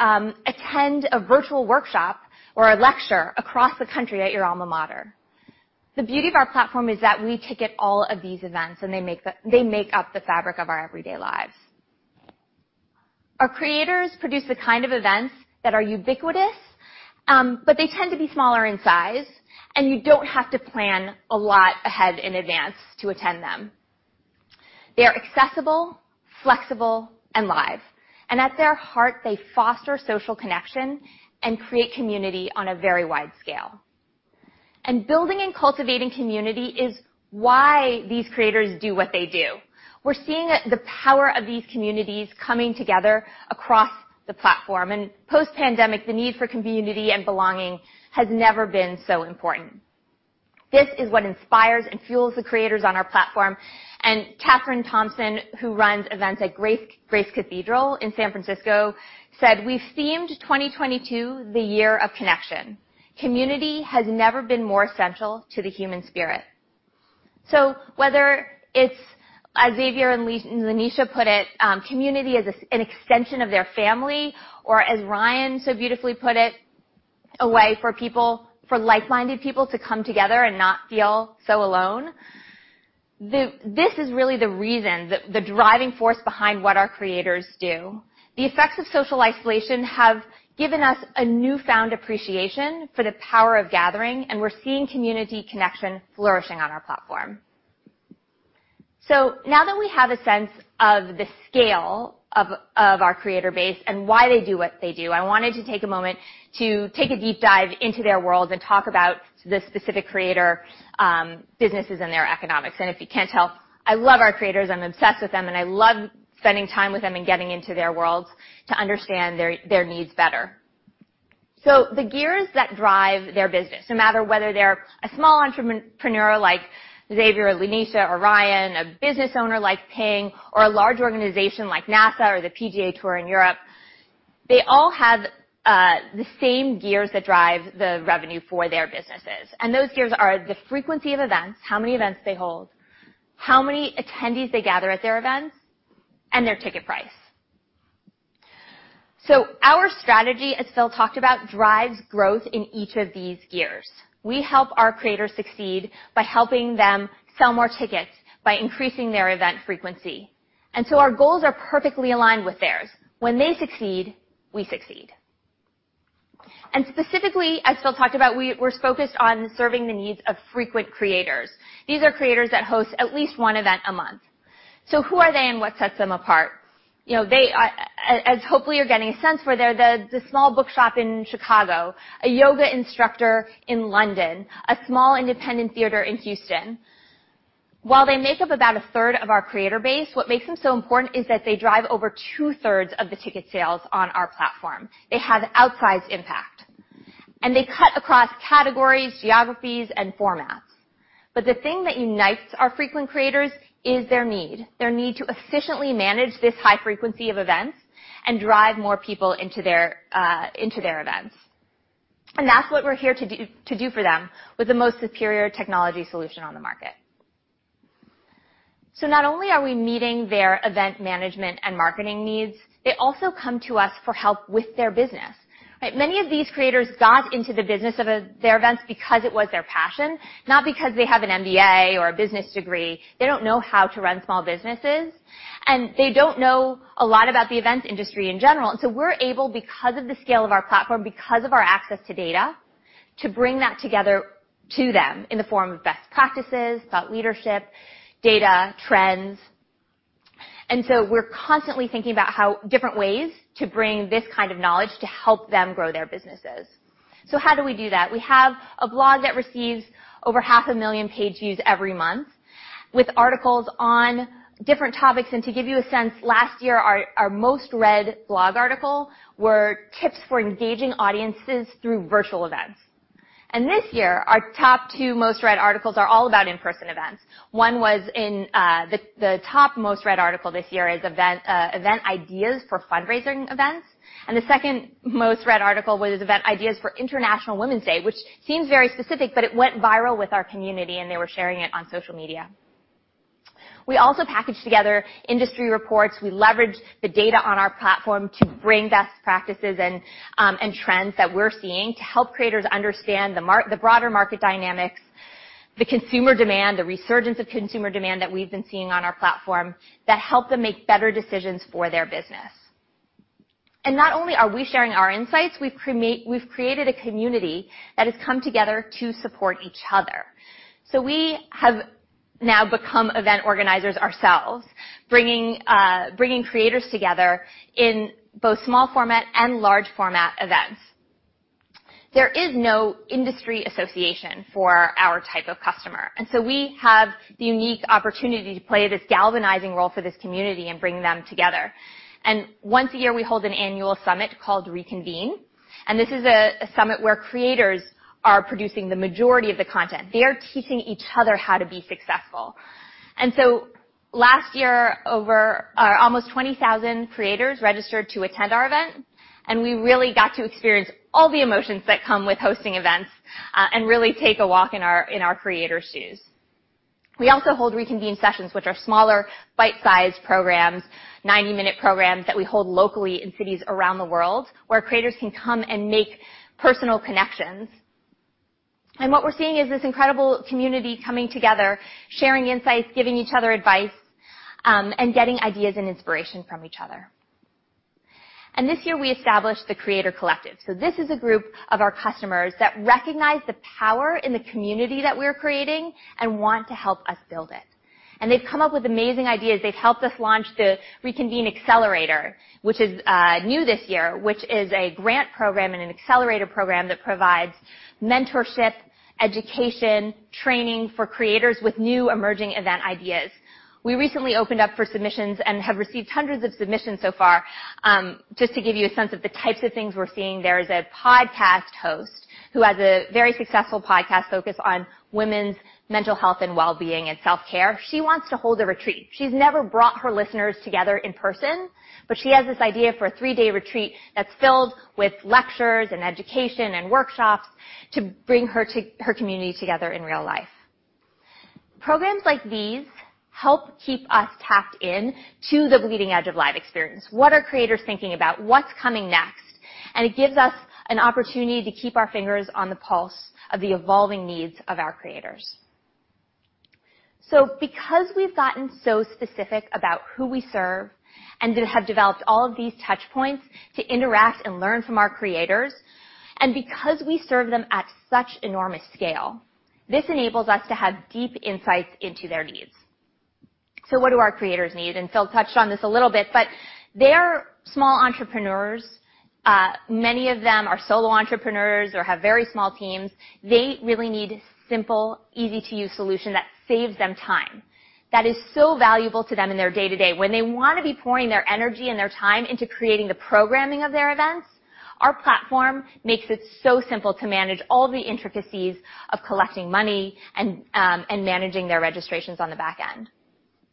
D: attend a virtual workshop or a lecture across the country at your alma mater. The beauty of our platform is that we ticket all of these events, and they make up the fabric of our everyday lives. Our creators produce the kind of events that are ubiquitous, but they tend to be smaller in size, and you don't have to plan a lot ahead in advance to attend them. They are accessible, flexible, and live. At their heart, they foster social connection and create community on a very wide scale. Building and cultivating community is why these creators do what they do. We're seeing the power of these communities coming together across the platform. Post-pandemic, the need for community and belonging has never been so important. This is what inspires and fuels the creators on our platform. Katherine Thompson, who runs events at Grace Cathedral in San Francisco, said, "We've themed 2022 'The Year of Connection.' Community has never been more essential to the human spirit." Whether it's Xavier and Lanesha put it, community is an extension of their family, or as Ryan so beautifully put it, a way for people, for like-minded people to come together and not feel so alone. This is really the reason, the driving force behind what our creators do. The effects of social isolation have given us a newfound appreciation for the power of gathering, and we're seeing community connection flourishing on our platform. Now that we have a sense of the scale of our creator base and why they do what they do, I wanted to take a moment to take a deep dive into their world and talk about the specific creator businesses and their economics. If you can't tell, I love our creators, I'm obsessed with them, and I love spending time with them and getting into their worlds to understand their needs better. The gears that drive their business, no matter whether they're a small entrepreneur like Xavier or Lanesha or Ryan, a business owner like Ping, or a large organization like NASA or the PGA Tour in Europe, they all have the same gears that drive the revenue for their businesses. Those gears are the frequency of events, how many events they hold, how many attendees they gather at their events, and their ticket price. Our strategy, as Phil talked about, drives growth in each of these gears. We help our creators succeed by helping them sell more tickets by increasing their event frequency. Our goals are perfectly aligned with theirs. When they succeed, we succeed. Specifically, as Phil talked about, we're focused on serving the needs of frequent creators. These are creators that host at least one event a month. Who are they and what sets them apart? You know, they, as hopefully you're getting a sense for, they're the small bookshop in Chicago, a yoga instructor in London, a small independent theater in Houston. While they make up about a third of our creator base, what makes them so important is that they drive over two-thirds of the ticket sales on our platform. They have outsized impact, and they cut across categories, geographies, and formats. The thing that unites our frequent creators is their need. Their need to efficiently manage this high frequency of events and drive more people into their events. That's what we're here to do for them with the most superior technology solution on the market. Not only are we meeting their event management and marketing needs, they also come to us for help with their business. Right? Many of these creators got into the business of their events because it was their passion, not because they have an MBA or a business degree. They don't know how to run small businesses, and they don't know a lot about the events industry in general. We're able, because of the scale of our platform, because of our access to data, to bring that together to them in the form of best practices, thought leadership, data, trends. We're constantly thinking about how different ways to bring this kind of knowledge to help them grow their businesses. How do we do that? We have a blog that receives over 500,000 page views every month with articles on different topics. To give you a sense, last year, our most-read blog article were tips for engaging audiences through virtual events. This year, our top two most read articles are all about in-person events. One was in. The top most read article this year is event ideas for fundraising events, and the second most read article was about ideas for International Women's Day, which seems very specific, but it went viral with our community, and they were sharing it on social media. We also package together industry reports. We leverage the data on our platform to bring best practices and trends that we're seeing to help creators understand the broader market dynamics, the consumer demand, the resurgence of consumer demand that we've been seeing on our platform that help them make better decisions for their business. Not only are we sharing our insights, we've created a community that has come together to support each other. We have now become event organizers ourselves, bringing creators together in both small format and large format events. There is no industry association for our type of customer, and so we have the unique opportunity to play this galvanizing role for this community and bring them together. Once a year, we hold an annual summit called RECONVENE, and this is a summit where creators are producing the majority of the content. They are teaching each other how to be successful. Last year, over or almost 20,000 creators registered to attend our event, and we really got to experience all the emotions that come with hosting events, and really take a walk in our creators' shoes. We also hold RECONVENE sessions, which are smaller, bite-sized programs, 90-minute programs that we hold locally in cities around the world, where creators can come and make personal connections. What we're seeing is this incredible community coming together, sharing insights, giving each other advice, and getting ideas and inspiration from each other. This year, we established the Creator Collective. This is a group of our customers that recognize the power in the community that we're creating and want to help us build it. They've come up with amazing ideas. They've helped us launch the RECONVENE Accelerator, which is new this year, which is a grant program and an accelerator program that provides mentorship, education, training for creators with new emerging event ideas. We recently opened up for submissions and have received hundreds of submissions so far. Just to give you a sense of the types of things we're seeing, there is a podcast host who has a very successful podcast focused on women's mental health and wellbeing and self-care. She wants to hold a retreat. She's never brought her listeners together in person, but she has this idea for a three-day retreat that's filled with lectures and education and workshops to bring her community together in real life. Programs like these help keep us tapped in to the bleeding edge of live experience. What are creators thinking about? What's coming next? It gives us an opportunity to keep our fingers on the pulse of the evolving needs of our creators. Because we've gotten so specific about who we serve and to have developed all of these touch points to interact and learn from our creators, and because we serve them at such enormous scale, this enables us to have deep insights into their needs. What do our creators need? Phil touched on this a little bit, but they're small entrepreneurs. Many of them are solo entrepreneurs or have very small teams. They really need simple, easy to use solution that saves them time. That is so valuable to them in their day-to-day. When they wanna be pouring their energy and their time into creating the programming of their events, our platform makes it so simple to manage all the intricacies of collecting money and managing their registrations on the back end.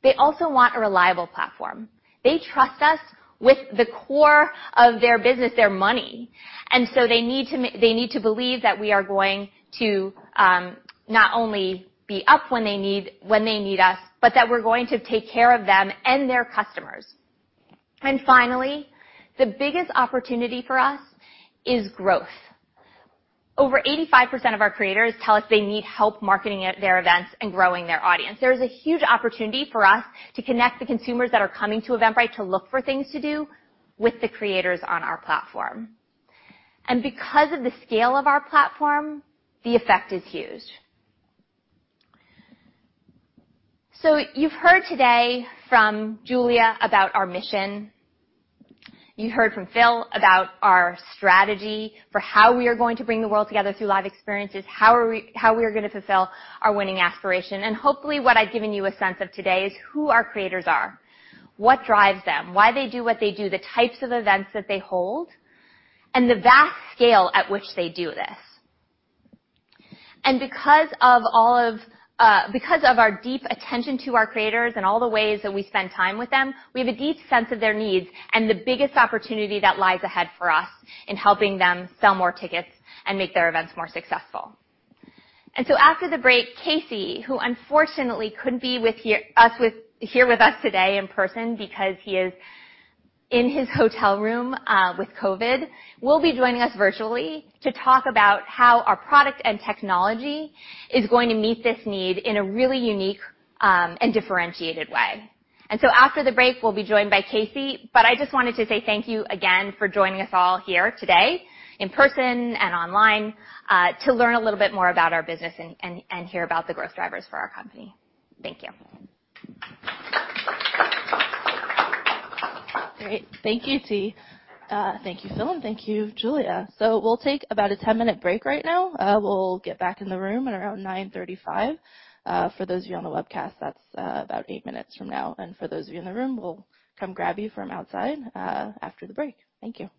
D: They also want a reliable platform. They trust us with the core of their business, their money, and so they need to believe that we are going to not only be up when they need us, but that we're going to take care of them and their customers. Finally, the biggest opportunity for us is growth. Over 85% of our creators tell us they need help marketing at their events and growing their audience. There is a huge opportunity for us to connect the consumers that are coming to Eventbrite to look for things to do with the creators on our platform. Because of the scale of our platform, the effect is huge. You've heard today from Julia about our mission. You heard from Phil about our strategy for how we are going to bring the world together through live experiences, how we are gonna fulfill our winning aspiration. Hopefully, what I've given you a sense of today is who our creators are, what drives them, why they do what they do, the types of events that they hold, and the vast scale at which they do this. Because of our deep attention to our creators and all the ways that we spend time with them, we have a deep sense of their needs and the biggest opportunity that lies ahead for us in helping them sell more tickets and make their events more successful. After the break, Casey, who unfortunately couldn't be with us here today in person because he is in his hotel room with COVID, will be joining us virtually to talk about how our product and technology is going to meet this need in a really unique and differentiated way. After the break, we'll be joined by Casey, but I just wanted to say thank you again for joining us all here today in person and online, to learn a little bit more about our business and hear about the growth drivers for our company. Thank you.
A: Great. Thank you, T. Thank you, Phil, and thank you, Julia. We'll take about a 10-minute break right now. We'll get back in the room at around 9:35 A.M. For those of you on the webcast, that's about eight minutes from now. For those of you in the room, we'll come grab you from outside after the break. Thank you.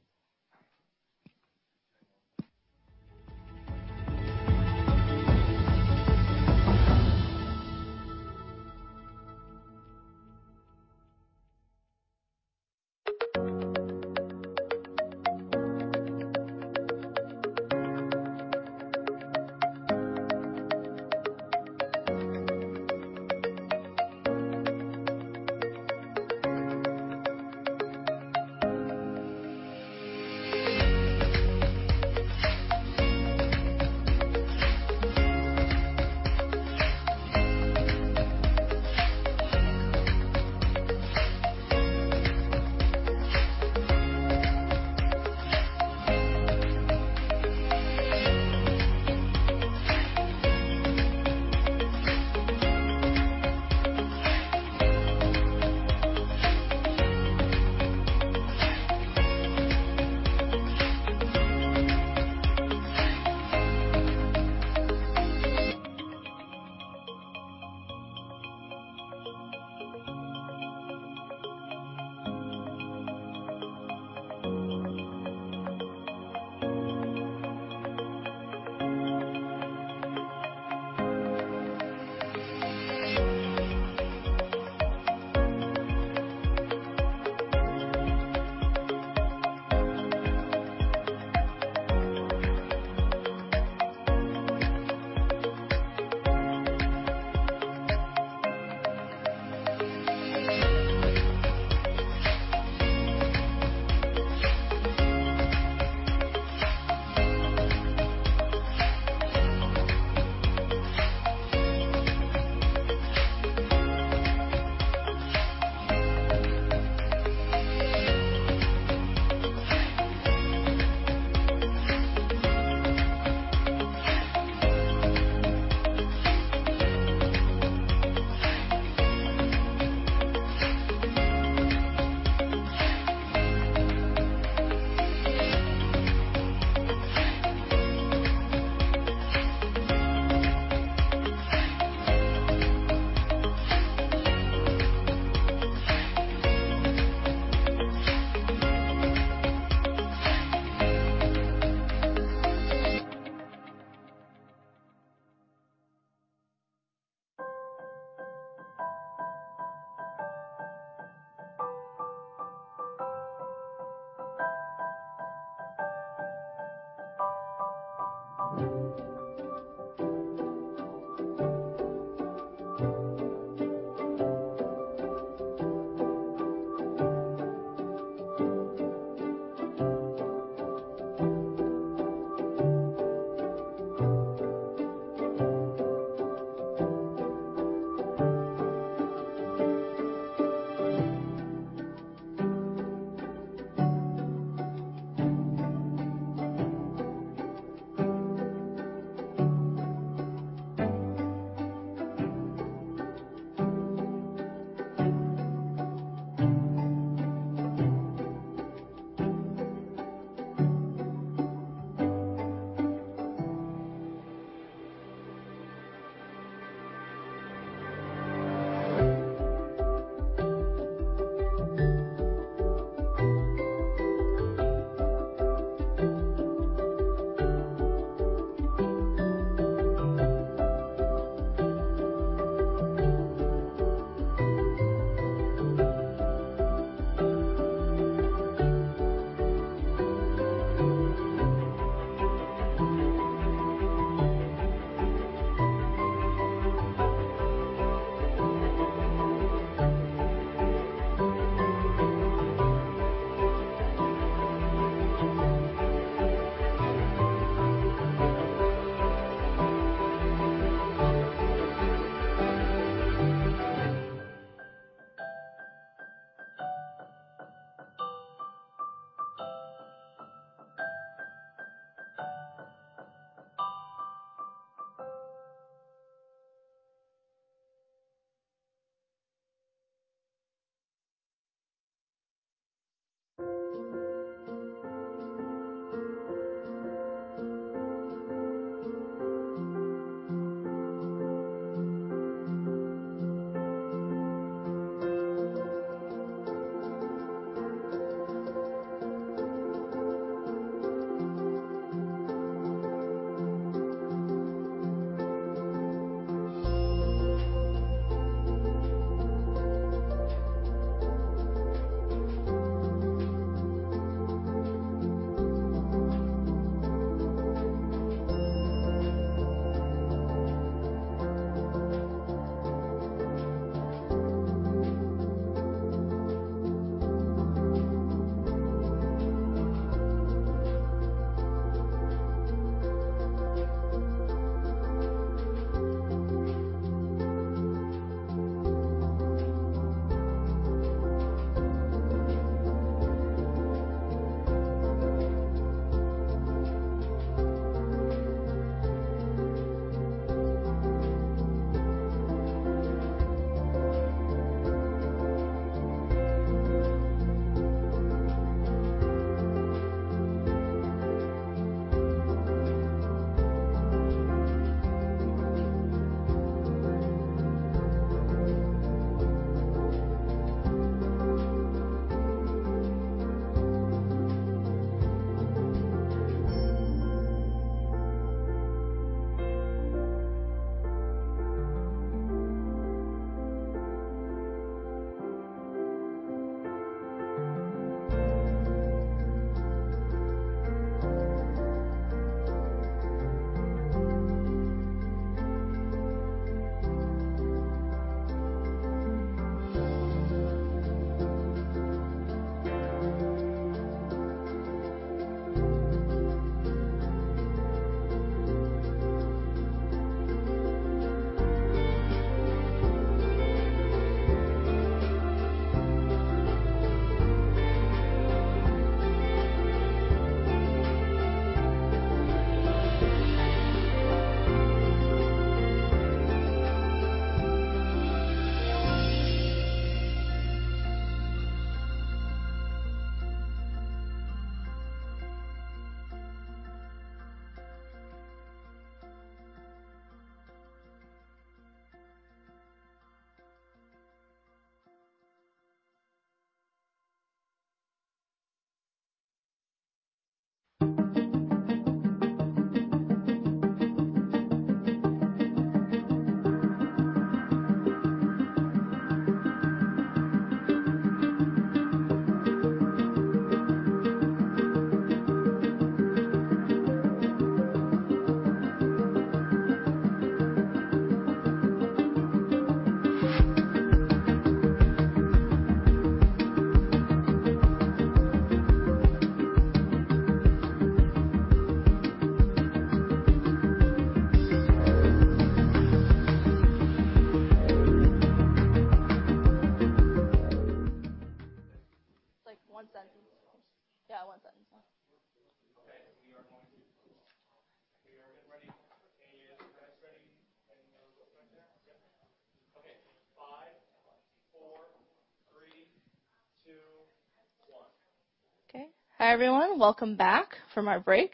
A: Okay. Hi, everyone. Welcome back from our break.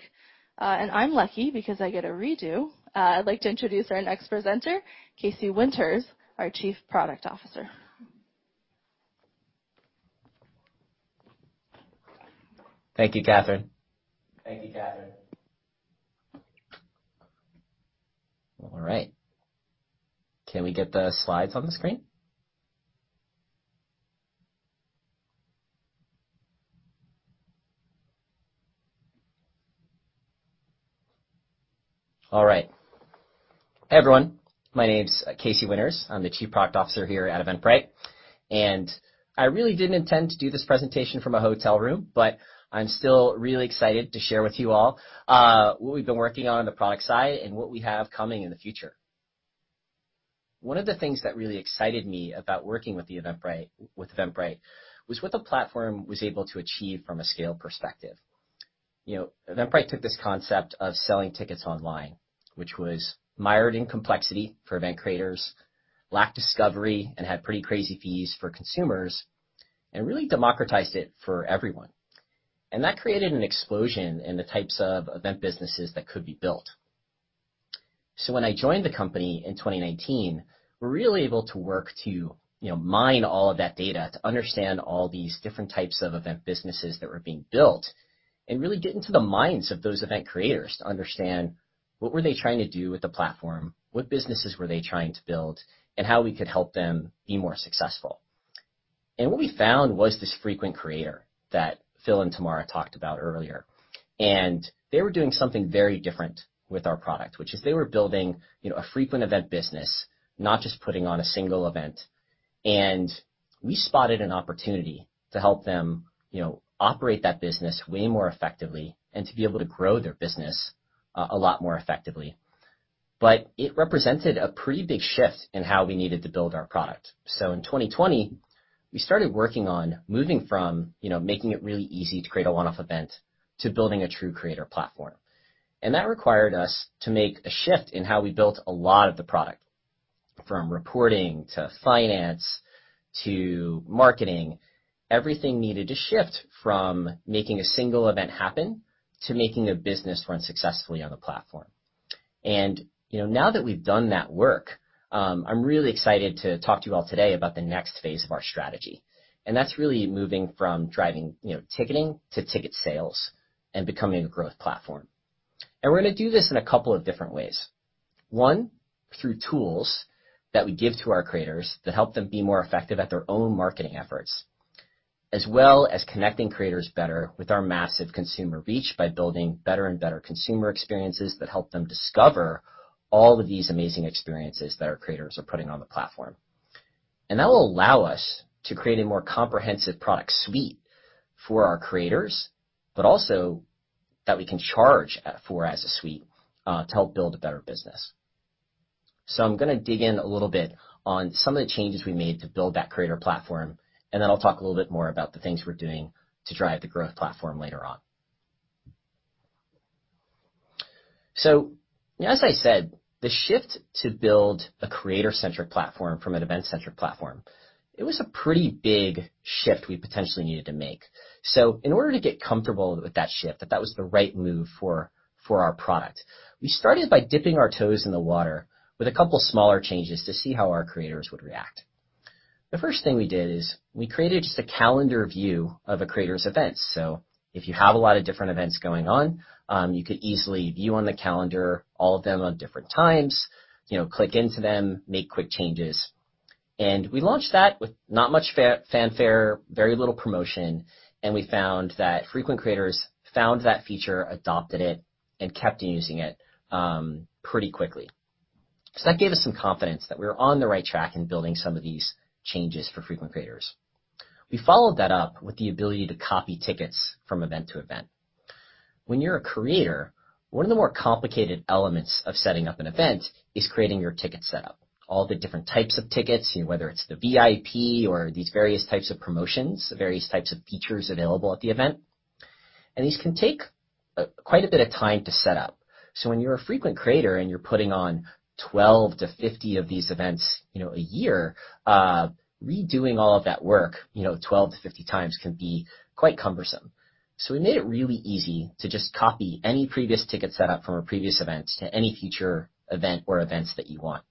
A: I'm lucky because I get a redo. I'd like to introduce our next presenter, Casey Winters, our Chief Product Officer.
F: Thank you, Katherine. All right. Can we get the slides on the screen? All right. Hey, everyone. My name's Casey Winters. I'm the Chief Product Officer here at Eventbrite, and I really didn't intend to do this presentation from a hotel room, but I'm still really excited to share with you all what we've been working on on the product side and what we have coming in the future. One of the things that really excited me about working with Eventbrite was what the platform was able to achieve from a scale perspective. You know, Eventbrite took this concept of selling tickets online, which was mired in complexity for event creators, lacked discovery and had pretty crazy fees for consumers, and really democratized it for everyone. That created an explosion in the types of event businesses that could be built. When I joined the company in 2019, we're really able to work to, you know, mine all of that data to understand all these different types of event businesses that were being built and really get into the minds of those event creators to understand what were they trying to do with the platform, what businesses were they trying to build, and how we could help them be more successful. What we found was this frequent creator that Phil and Tamara talked about earlier. They were doing something very different with our product, which is they were building, you know, a frequent event business, not just putting on a single event. We spotted an opportunity to help them, you know, operate that business way more effectively and to be able to grow their business a lot more effectively. It represented a pretty big shift in how we needed to build our product. In 2020, we started working on moving from, you know, making it really easy to create a one-off event to building a true creator platform. That required us to make a shift in how we built a lot of the product, from reporting to finance to marketing. Everything needed to shift from making a single event happen to making a business run successfully on the platform. You know, now that we've done that work, I'm really excited to talk to you all today about the next phase of our strategy. That's really moving from driving, you know, ticketing to ticket sales and becoming a growth platform. We're gonna do this in a couple of different ways. 1, through tools that we give to our creators that help them be more effective at their own marketing efforts, as well as connecting creators better with our massive consumer reach by building better and better consumer experiences that help them discover all of these amazing experiences that our creators are putting on the platform. That will allow us to create a more comprehensive product suite for our creators, but also that we can charge for as a suite to help build a better business. I'm gonna dig in a little bit on some of the changes we made to build that creator platform, and then I'll talk a little bit more about the things we're doing to drive the growth platform later on. As I said, the shift to build a creator-centric platform from an event-centric platform, it was a pretty big shift we potentially needed to make. In order to get comfortable with that shift, that was the right move for our product, we started by dipping our toes in the water with a couple smaller changes to see how our creators would react. The first thing we did is we created just a calendar view of a creator's event. If you have a lot of different events going on, you could easily view on the calendar all of them at different times, you know, click into them, make quick changes. We launched that with not much fanfare, very little promotion, and we found that frequent creators found that feature, adopted it, and kept using it, pretty quickly. That gave us some confidence that we were on the right track in building some of these changes for frequent creators. We followed that up with the ability to copy tickets from event to event. When you're a creator, one of the more complicated elements of setting up an event is creating your ticket setup. All the different types of tickets, you know, whether it's the VIP or these various types of promotions, various types of features available at the event. These can take quite a bit of time to set up. When you're a frequent creator and you're putting on 12-50 of these events, you know, a year, redoing all of that work, you know, 12-50 times can be quite cumbersome. We made it really easy to just copy any previous ticket setup from a previous event to any future event or events that you want.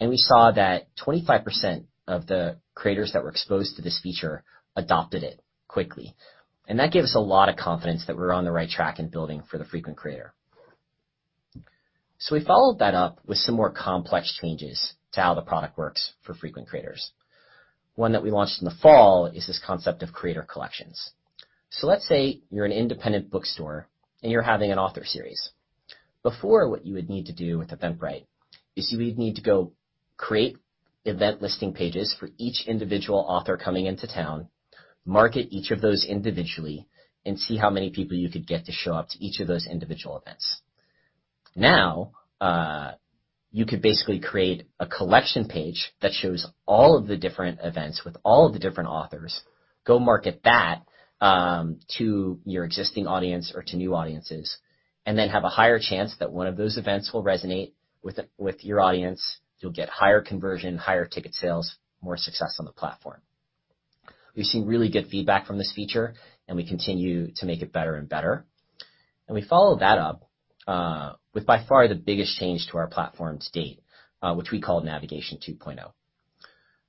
F: We saw that 25% of the creators that were exposed to this feature adopted it quickly. That gave us a lot of confidence that we're on the right track in building for the frequent creator. We followed that up with some more complex changes to how the product works for frequent creators. One that we launched in the fall is this concept of creator collections. Let's say you're an independent bookstore, and you're having an author series. Before, what you would need to do with Eventbrite is you would need to go create event listing pages for each individual author coming into town, market each of those individually, and see how many people you could get to show up to each of those individual events. Now, you could basically create a collection page that shows all of the different events with all of the different authors, go market that, to your existing audience or to new audiences, and then have a higher chance that one of those events will resonate with your audience, you'll get higher conversion, higher ticket sales, more success on the platform. We've seen really good feedback from this feature, and we continue to make it better and better. We follow that up with by far the biggest change to our platform to date, which we call Navigation 2.0.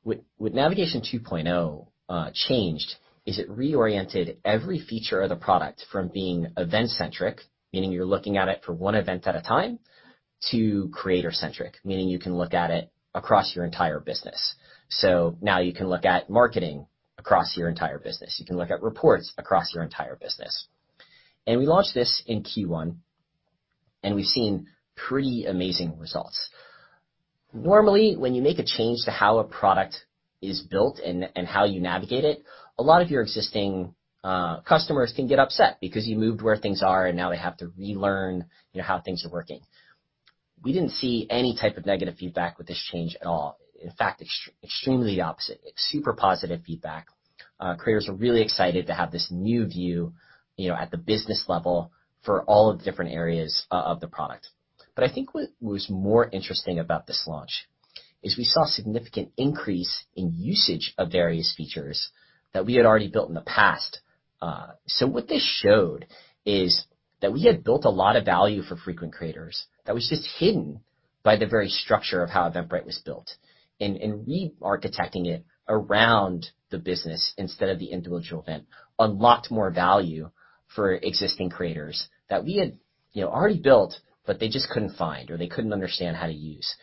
F: What Navigation 2.0 changed is it reoriented every feature of the product from being event-centric, meaning you're looking at it for one event at a time, to creator-centric, meaning you can look at it across your entire business. Now you can look at marketing across your entire business. You can look at reports across your entire business. We launched this in Q1, and we've seen pretty amazing results. Normally, when you make a change to how a product is built and how you navigate it, a lot of your existing customers can get upset because you moved where things are, and now they have to relearn, you know, how things are working. We didn't see any type of negative feedback with this change at all. In fact, extremely the opposite. Super positive feedback. Creators are really excited to have this new view, you know, at the business level for all of the different areas of the product. I think what was more interesting about this launch is we saw significant increase in usage of various features that we had already built in the past. What this showed is that we had built a lot of value for frequent creators that was just hidden by the very structure of how Eventbrite was built. Re-architecting it around the business instead of the individual event unlocked more value for existing creators that we had, you know, already built, but they just couldn't find or they couldn't understand how to use.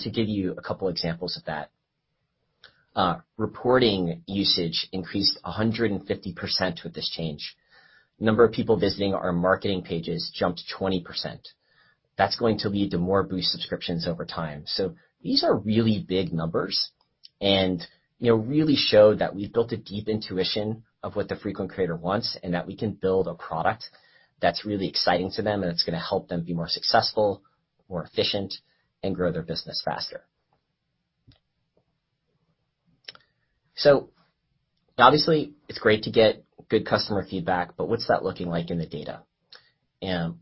F: To give you a couple examples of that, reporting usage increased 150% with this change. Number of people visiting our marketing pages jumped 20%. That's going to lead to more Boost subscriptions over time. These are really big numbers and, you know, really show that we've built a deep intuition of what the frequent creator wants, and that we can build a product that's really exciting to them, and it's gonna help them be more successful, more efficient, and grow their business faster. Obviously, it's great to get good customer feedback, but what's that looking like in the data?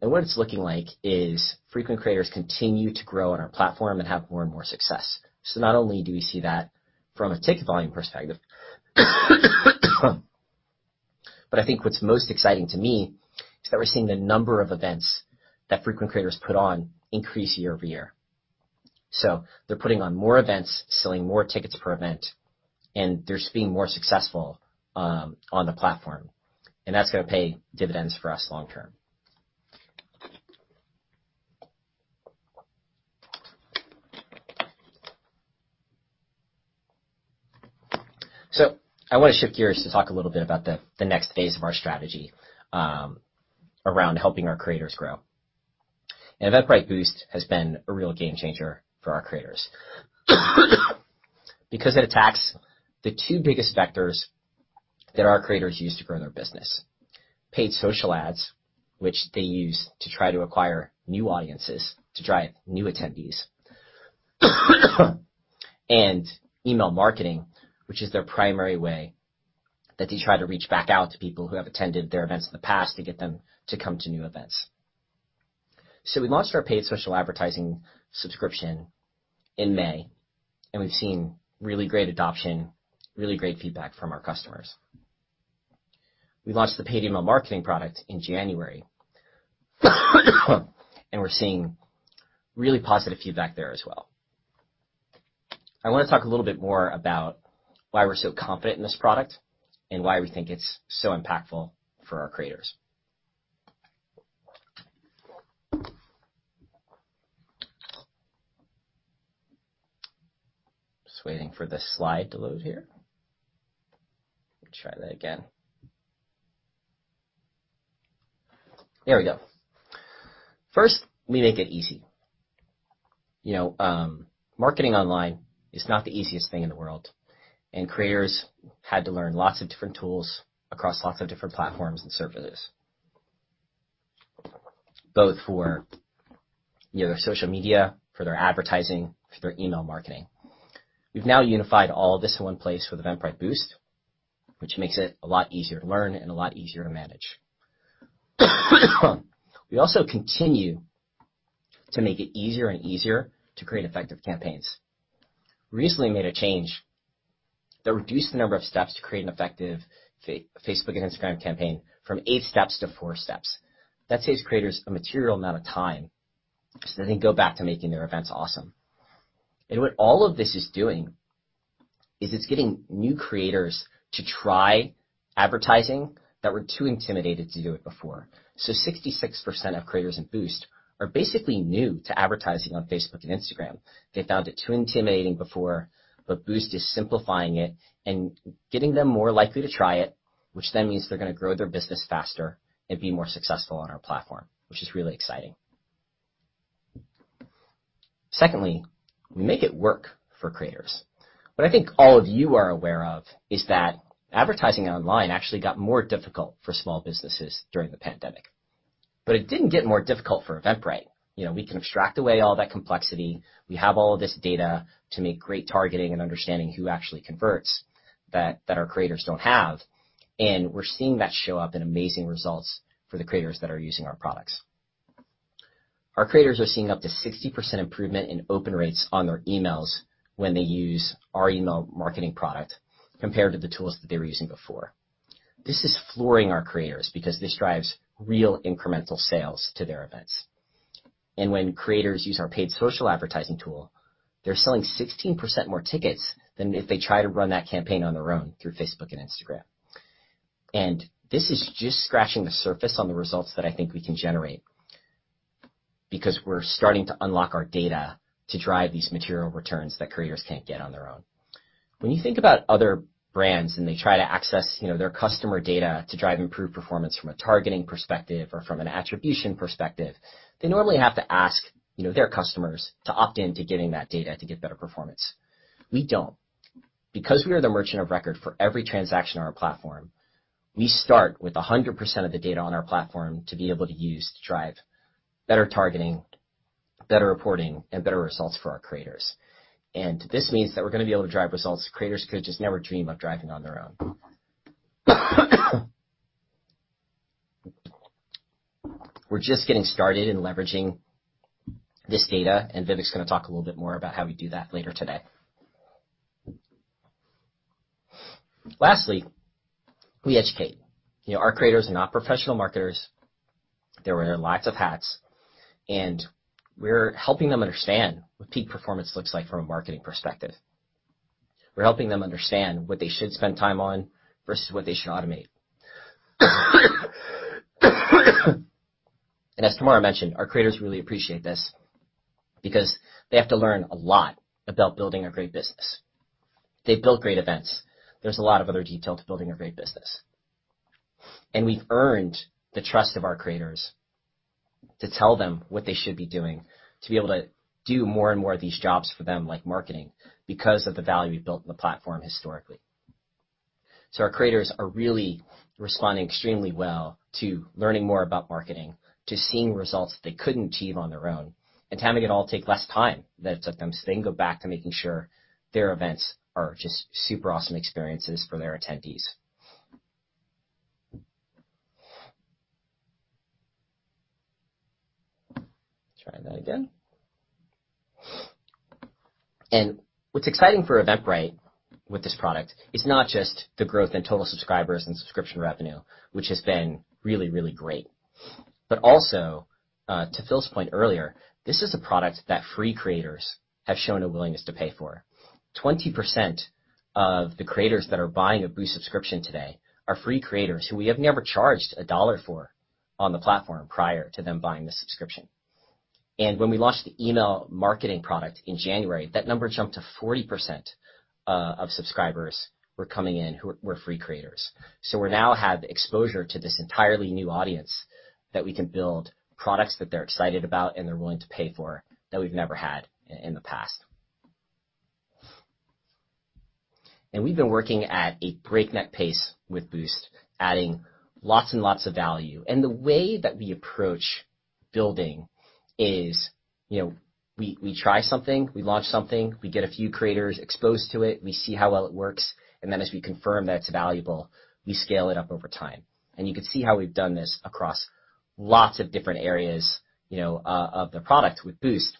F: what it's looking like is frequent creators continue to grow on our platform and have more and more success. Not only do we see that from a ticket volume perspective, but I think what's most exciting to me is that we're seeing the number of events that frequent creators put on increase year over year. They're putting on more events, selling more tickets per event, and they're just being more successful on the platform, and that's gonna pay dividends for us long term. I wanna shift gears to talk a little bit about the next phase of our strategy around helping our creators grow. Eventbrite Boost has been a real game changer for our creators because it attacks the two biggest vectors that our creators use to grow their business. Paid social ads, which they use to try to acquire new audiences to drive new attendees, and email marketing, which is their primary way that they try to reach back out to people who have attended their events in the past to get them to come to new events. We launched our paid social advertising subscription in May, and we've seen really great adoption, really great feedback from our customers. We launched the paid email marketing product in January, and we're seeing really positive feedback there as well. I wanna talk a little bit more about why we're so confident in this product and why we think it's so impactful for our creators. Just waiting for this slide to load here. Let me try that again. There we go. First, we make it easy. You know, marketing online is not the easiest thing in the world, and creators had to learn lots of different tools across lots of different platforms and services, both for, you know, their social media, for their advertising, for their email marketing. We've now unified all this in one place with Eventbrite Boost, which makes it a lot easier to learn and a lot easier to manage. We also continue to make it easier and easier to create effective campaigns. Recently made a change that reduced the number of steps to create an effective Facebook and Instagram campaign from eight steps to four steps. That saves creators a material amount of time, so they can go back to making their events awesome. What all of this is doing is it's getting new creators to try advertising that were too intimidated to do it before. 66% of creators in Boost are basically new to advertising on Facebook and Instagram. They found it too intimidating before, but Boost is simplifying it and getting them more likely to try it, which then means they're gonna grow their business faster and be more successful on our platform, which is really exciting. Secondly, we make it work for creators. What I think all of you are aware of is that advertising online actually got more difficult for small businesses during the pandemic. It didn't get more difficult for Eventbrite. You know, we can abstract away all that complexity. We have all of this data to make great targeting and understanding who actually converts that our creators don't have, and we're seeing that show up in amazing results for the creators that are using our products. Our creators are seeing up to 60% improvement in open rates on their emails when they use our email marketing product compared to the tools that they were using before. This is flooring our creators because this drives real incremental sales to their events. When creators use our paid social advertising tool, they're selling 16% more tickets than if they try to run that campaign on their own through Facebook and Instagram. This is just scratching the surface on the results that I think we can generate because we're starting to unlock our data to drive these material returns that creators can't get on their own. When you think about other brands and they try to access, you know, their customer data to drive improved performance from a targeting perspective or from an attribution perspective, they normally have to ask, you know, their customers to opt in to getting that data to get better performance. We don't. Because we are the merchant of record for every transaction on our platform, we start with 100% of the data on our platform to be able to use to drive better targeting, better reporting, and better results for our creators. This means that we're gonna be able to drive results creators could just never dream of driving on their own. We're just getting started in leveraging this data, and Vivek's gonna talk a little bit more about how we do that later today. Lastly, we educate. You know, our creators are not professional marketers. They wear lots of hats, and we're helping them understand what peak performance looks like from a marketing perspective. We're helping them understand what they should spend time on versus what they should automate. As Tamara mentioned, our creators really appreciate this because they have to learn a lot about building a great business. They build great events. There's a lot of other detail to building a great business. We've earned the trust of our creators to tell them what they should be doing to be able to do more and more of these jobs for them, like marketing, because of the value we've built in the platform historically. Our creators are really responding extremely well to learning more about marketing, to seeing results they couldn't achieve on their own, and having it all take less time than it took them, so they can go back to making sure their events are just super awesome experiences for their attendees. What's exciting for Eventbrite with this product is not just the growth in total subscribers and subscription revenue, which has been really, really great. Also, to Phil's point earlier, this is a product that free creators have shown a willingness to pay for. 20% of the creators that are buying a Boost subscription today are free creators who we have never charged a dollar for on the platform prior to them buying the subscription. When we launched the email marketing product in January, that number jumped to 40% of subscribers were coming in who were free creators. We now have exposure to this entirely new audience that we can build products that they're excited about and they're willing to pay for that we've never had in the past. We've been working at a breakneck pace with Boost, adding lots and lots of value. The way that we approach building is, you know, we try something, we launch something, we get a few creators exposed to it, we see how well it works, and then as we confirm that it's valuable, we scale it up over time. You can see how we've done this across lots of different areas, you know, of the product with Boost.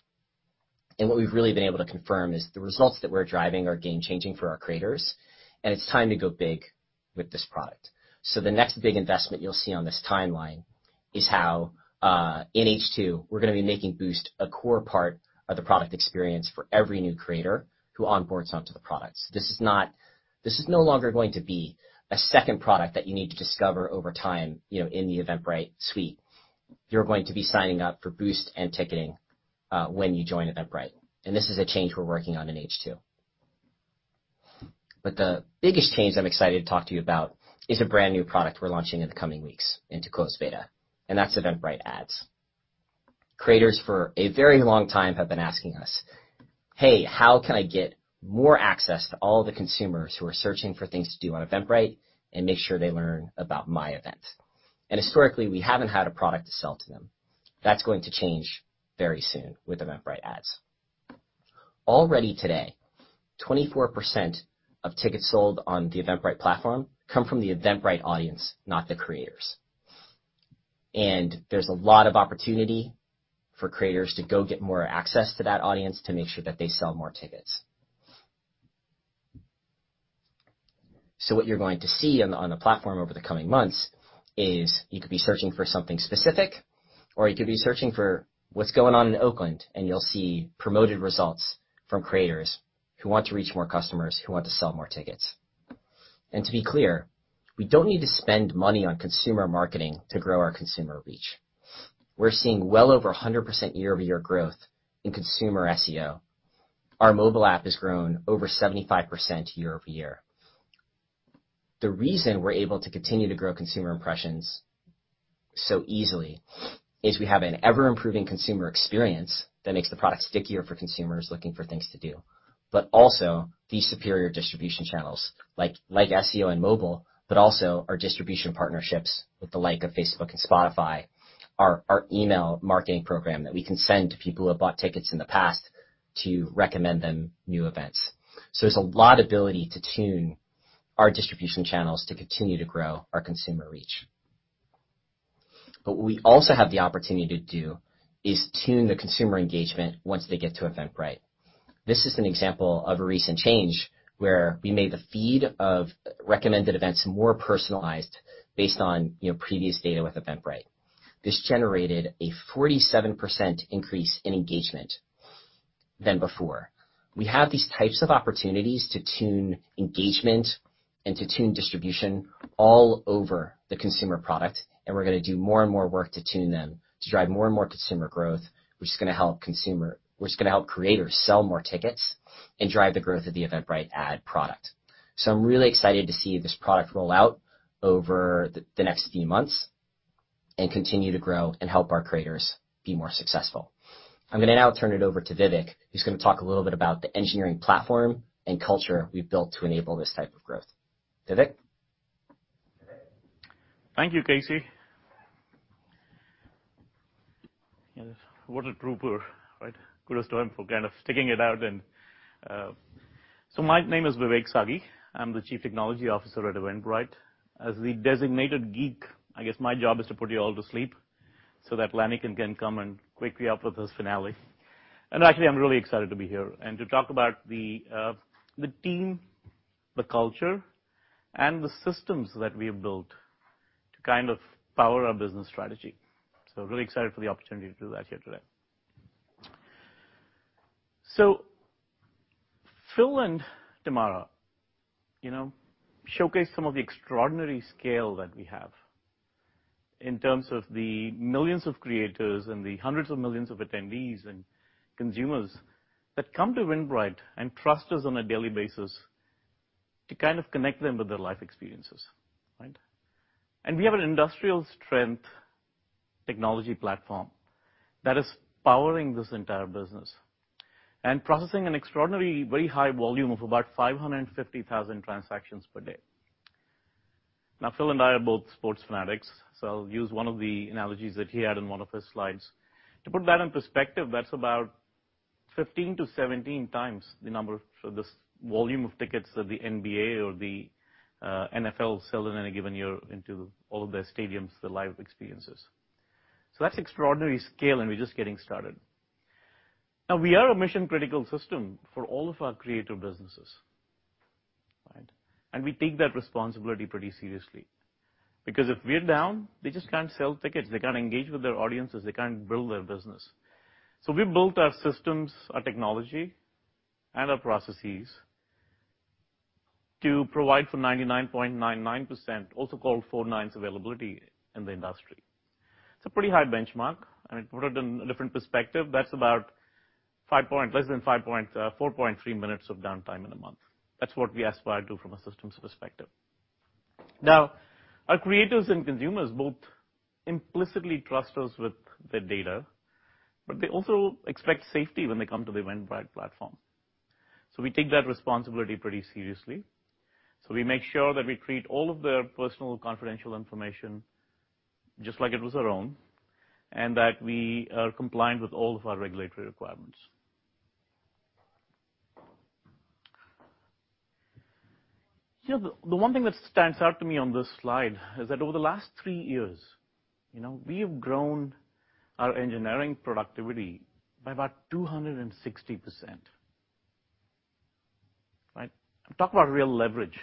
F: What we've really been able to confirm is the results that we're driving are game-changing for our creators, and it's time to go big with this product. The next big investment you'll see on this timeline is how in H2, we're gonna be making Boost a core part of the product experience for every new creator who onboards onto the products. This is no longer going to be a second product that you need to discover over time, you know, in the Eventbrite suite. You're going to be signing up for Boost and ticketing when you join Eventbrite, and this is a change we're working on in H2. The biggest change I'm excited to talk to you about is a brand-new product we're launching in the coming weeks into closed beta, and that's Eventbrite Ads. Creators for a very long time have been asking us, "Hey, how can I get more access to all the consumers who are searching for things to do on Eventbrite and make sure they learn about my event?" Historically, we haven't had a product to sell to them. That's going to change very soon with Eventbrite Ads. Already today, 24% of tickets sold on the Eventbrite platform come from the Eventbrite audience, not the creators. There's a lot of opportunity for creators to go get more access to that audience to make sure that they sell more tickets. What you're going to see on the platform over the coming months is you could be searching for something specific, or you could be searching for what's going on in Oakland, and you'll see promoted results from creators who want to reach more customers, who want to sell more tickets. To be clear, we don't need to spend money on consumer marketing to grow our consumer reach. We're seeing well over 100% year-over-year growth in consumer SEO. Our mobile app has grown over 75% year-over-year. The reason we're able to continue to grow consumer impressions so easily is we have an ever-improving consumer experience that makes the product stickier for consumers looking for things to do. Also these superior distribution channels like SEO and mobile, but also our distribution partnerships with the like of Facebook and Spotify, our email marketing program that we can send to people who have bought tickets in the past to recommend them new events. There's a lot of ability to tune our distribution channels to continue to grow our consumer reach. What we also have the opportunity to do is tune the consumer engagement once they get to Eventbrite. This is an example of a recent change where we made the feed of recommended events more personalized based on, you know, previous data with Eventbrite. This generated a 47% increase in engagement than before. We have these types of opportunities to tune engagement and to tune distribution all over the consumer product, and we're gonna do more and more work to tune them to drive more and more consumer growth, which is gonna help creators sell more tickets and drive the growth of the Eventbrite ad product. I'm really excited to see this product roll out over the next few months and continue to grow and help our creators be more successful. I'm gonna now turn it over to Vivek, who's gonna talk a little bit about the engineering platform and culture we've built to enable this type of growth. Vivek.
G: Thank you, Casey. What a trooper, right? Kudos to him for kind of sticking it out and. My name is Vivek Sagi. I'm the Chief Technology Officer at Eventbrite. As the designated geek, I guess my job is to put you all to sleep so that Lanny can come and wake me up with his finale. Actually, I'm really excited to be here and to talk about the team, the culture, and the systems that we have built to kind of power our business strategy. Really excited for the opportunity to do that here today. Phil and Tamara, you know, showcased some of the extraordinary scale that we have in terms of the millions of creators and the hundreds of millions of attendees and consumers that come to Eventbrite and trust us on a daily basis to kind of connect them with their life experiences, right? We have an industrial-strength technology platform that is powering this entire business and processing an extraordinary, very high volume of about 550,000 transactions per day. Now, Phil and I are both sports fanatics, so I'll use one of the analogies that he had in one of his slides. To put that in perspective, that's about 15-17 times the number for this volume of tickets that the NBA or the NFL sell in any given year into all of their stadiums for live experiences. That's extraordinary scale, and we're just getting started. Now, we are a mission-critical system for all of our creator businesses, right? We take that responsibility pretty seriously because if we're down, they just can't sell tickets, they can't engage with their audiences, they can't build their business. We built our systems, our technology, and our processes to provide for 99.99%, also called four nines availability in the industry. It's a pretty high benchmark, and to put it in a different perspective, that's less than 4.3 minutes of downtime in a month. That's what we aspire to from a systems perspective. Now, our creators and consumers both implicitly trust us with their data, but they also expect safety when they come to the Eventbrite platform. We take that responsibility pretty seriously. We make sure that we treat all of their personal confidential information just like it was our own, and that we are compliant with all of our regulatory requirements. You know, the one thing that stands out to me on this slide is that over the last three years, you know, we have grown our engineering productivity by about 260%. Right. Talk about real leverage.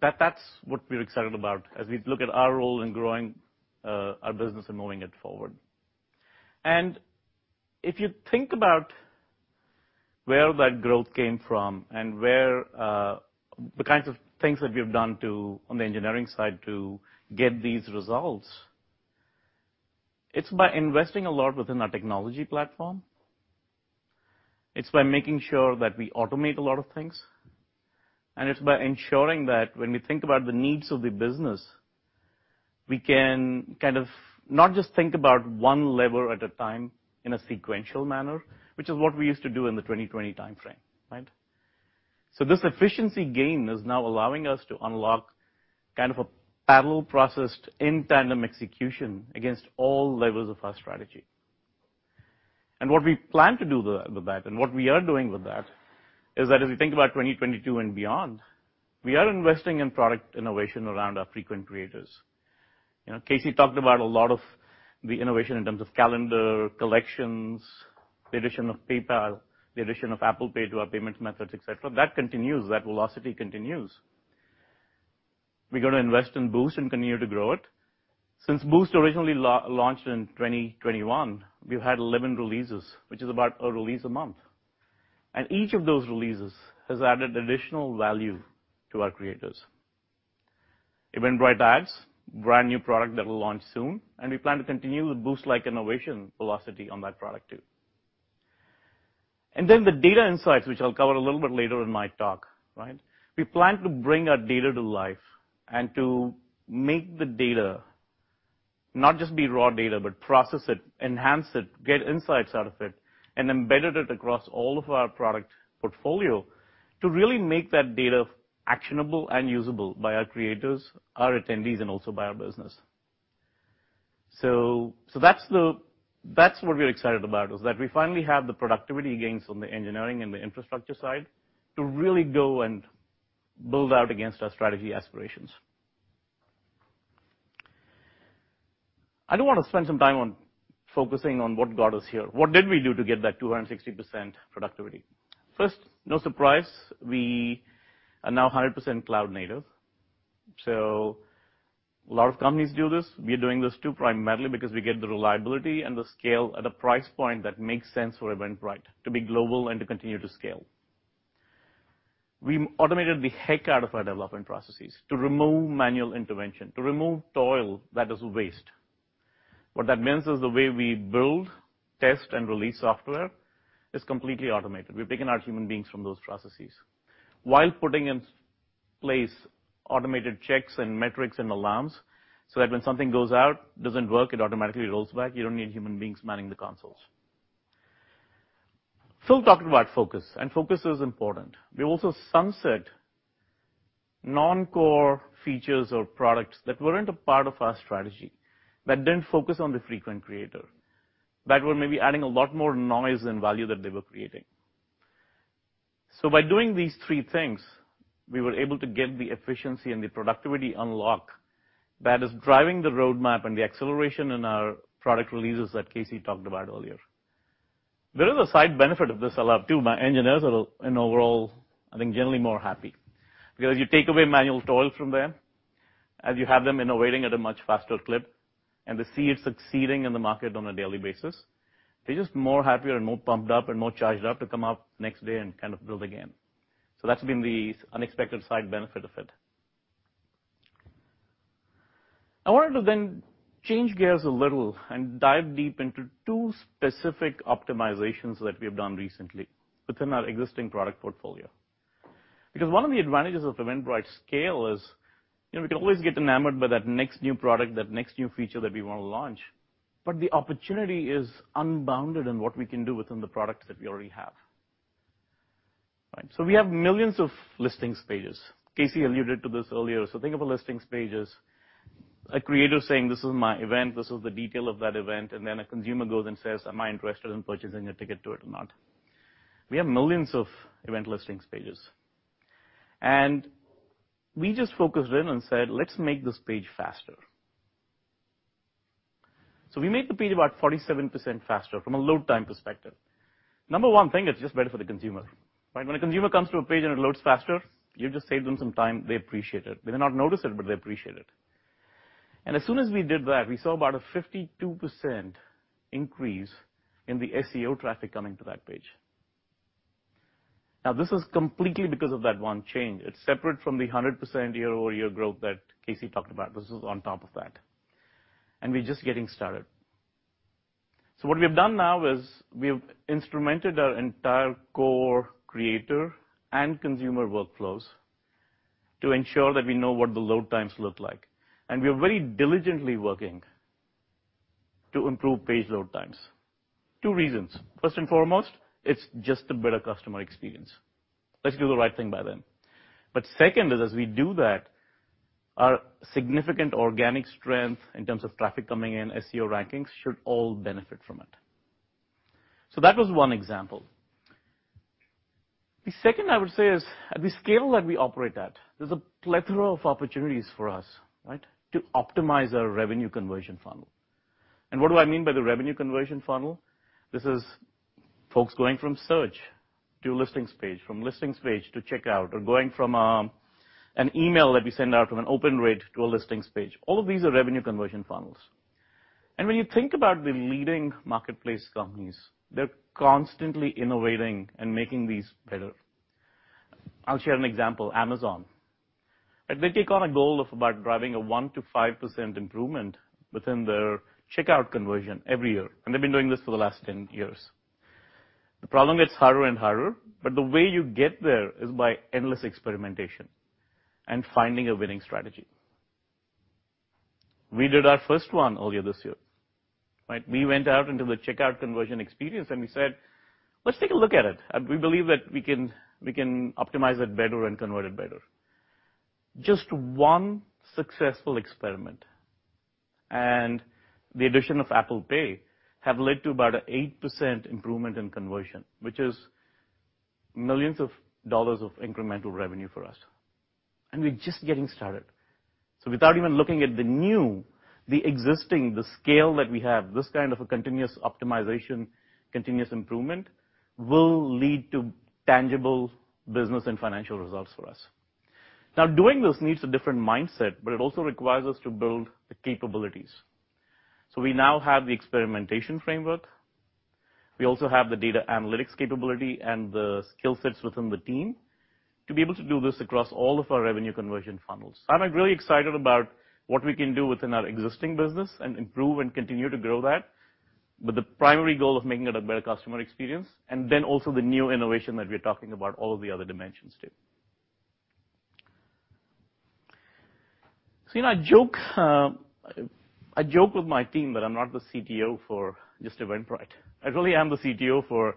G: That's what we're excited about as we look at our role in growing our business and moving it forward. If you think about where that growth came from and where the kinds of things that we've done on the engineering side to get these results, it's by investing a lot within our technology platform. It's by making sure that we automate a lot of things. It's by ensuring that when we think about the needs of the business, we can kind of not just think about one level at a time in a sequential manner, which is what we used to do in the 2020 timeframe, right? This efficiency gain is now allowing us to unlock kind of a parallel processing in tandem execution against all levels of our strategy. What we plan to do with that and what we are doing with that is that as we think about 2022 and beyond, we are investing in product innovation around our frequent creators. You know, Casey talked about a lot of the innovation in terms of calendar, collections, the addition of PayPal, the addition of Apple Pay to our payment methods, et cetera. That continues. That velocity continues. We're gonna invest in Boost and continue to grow it. Since Boost originally launched in 2021, we've had 11 releases, which is about a release a month. Each of those releases has added additional value to our creators. Eventbrite Ads, brand-new product that will launch soon, and we plan to continue with Boost-like innovation velocity on that product too. Then the data insights, which I'll cover a little bit later in my talk, right? We plan to bring our data to life and to make the data not just be raw data, but process it, enhance it, get insights out of it, and embed it across all of our product portfolio to really make that data actionable and usable by our creators, our attendees, and also by our business. That's what we're excited about, is that we finally have the productivity gains from the engineering and the infrastructure side to really go and build out against our strategy aspirations. I do wanna spend some time on focusing on what got us here. What did we do to get that 260% productivity? First, no surprise, we are now 100% cloud native. A lot of companies do this. We are doing this too, primarily because we get the reliability and the scale at a price point that makes sense for Eventbrite to be global and to continue to scale. We automated the heck out of our development processes to remove manual intervention, to remove toil that is waste. What that means is the way we build, test and release software is completely automated. We've taken out human beings from those processes while putting in place automated checks and metrics and alarms, so that when something goes out, doesn't work, it automatically rolls back. You don't need human beings manning the consoles. Phil talked about focus, and focus is important. We also sunset non-core features or products that weren't a part of our strategy, that didn't focus on the frequent creator, that were maybe adding a lot more noise than value that they were creating. By doing these three things, we were able to get the efficiency and the productivity unlock that is driving the roadmap and the acceleration in our product releases that Casey talked about earlier. There is a side benefit of this a lot too. My engineers are, in overall, I think, generally more happy because you take away manual toil from them, and you have them innovating at a much faster clip, and they see it succeeding in the market on a daily basis. They're just more happier and more pumped up and more charged up to come up next day and kind of build again. That's been the unexpected side benefit of it. I wanted to then change gears a little and dive deep into two specific optimizations that we have done recently within our existing product portfolio. Because one of the advantages of Eventbrite scale is, you know, we can always get enamored by that next new product, that next new feature that we wanna launch, but the opportunity is unbounded in what we can do within the products that we already have. Right, we have millions of listings pages. Casey alluded to this earlier. Think of a listings page as a creator saying, "This is my event. This is the detail of that event." A consumer goes and says, "Am I interested in purchasing a ticket to it or not?" We have millions of event listings pages, and we just focused in and said, "Let's make this page faster." We made the page about 47% faster from a load time perspective. Number one thing, it's just better for the consumer, right? When a consumer comes to a page and it loads faster, you just saved them some time. They appreciate it. They may not notice it, but they appreciate it. As soon as we did that, we saw about a 52% increase in the SEO traffic coming to that page. Now, this is completely because of that one change. It's separate from the 100% year-over-year growth that Casey talked about. This is on top of that, and we're just getting started. What we've done now is we've instrumented our entire core creator and consumer workflows to ensure that we know what the load times look like. We are very diligently working to improve page load times. Two reasons. First and foremost, it's just a better customer experience. Let's do the right thing by them. Second is, as we do that, our significant organic strength in terms of traffic coming in, SEO rankings, should all benefit from it. That was one example. The second, I would say, is at the scale that we operate at, there's a plethora of opportunities for us, right? To optimize our revenue conversion funnel. What do I mean by the revenue conversion funnel? This is folks going from search to a listings page, from listings page to checkout, or going from an email that we send out from an open rate to a listings page. All of these are revenue conversion funnels. When you think about the leading marketplace companies, they're constantly innovating and making these better. I'll share an example, Amazon. They take on a goal of about driving a 1%-5% improvement within their checkout conversion every year, and they've been doing this for the last 10 years. The problem gets harder and harder, but the way you get there is by endless experimentation and finding a winning strategy. We did our first one earlier this year, right? We went out into the checkout conversion experience, and we said, "Let's take a look at it, and we believe that we can optimize it better and convert it better." Just one successful experiment and the addition of Apple Pay have led to about an 8% improvement in conversion, which is $ millions of incremental revenue for us, and we're just getting started. Without even looking at the existing scale that we have, this kind of a continuous optimization, continuous improvement will lead to tangible business and financial results for us. Doing this needs a different mindset, but it also requires us to build the capabilities. We now have the experimentation framework. We also have the data analytics capability and the skill sets within the team to be able to do this across all of our revenue conversion funnels. I'm, like, really excited about what we can do within our existing business and improve and continue to grow that. The primary goal of making it a better customer experience and then also the new innovation that we're talking about, all of the other dimensions too. You know, I joke with my team that I'm not the CTO for just Eventbrite. I really am the CTO for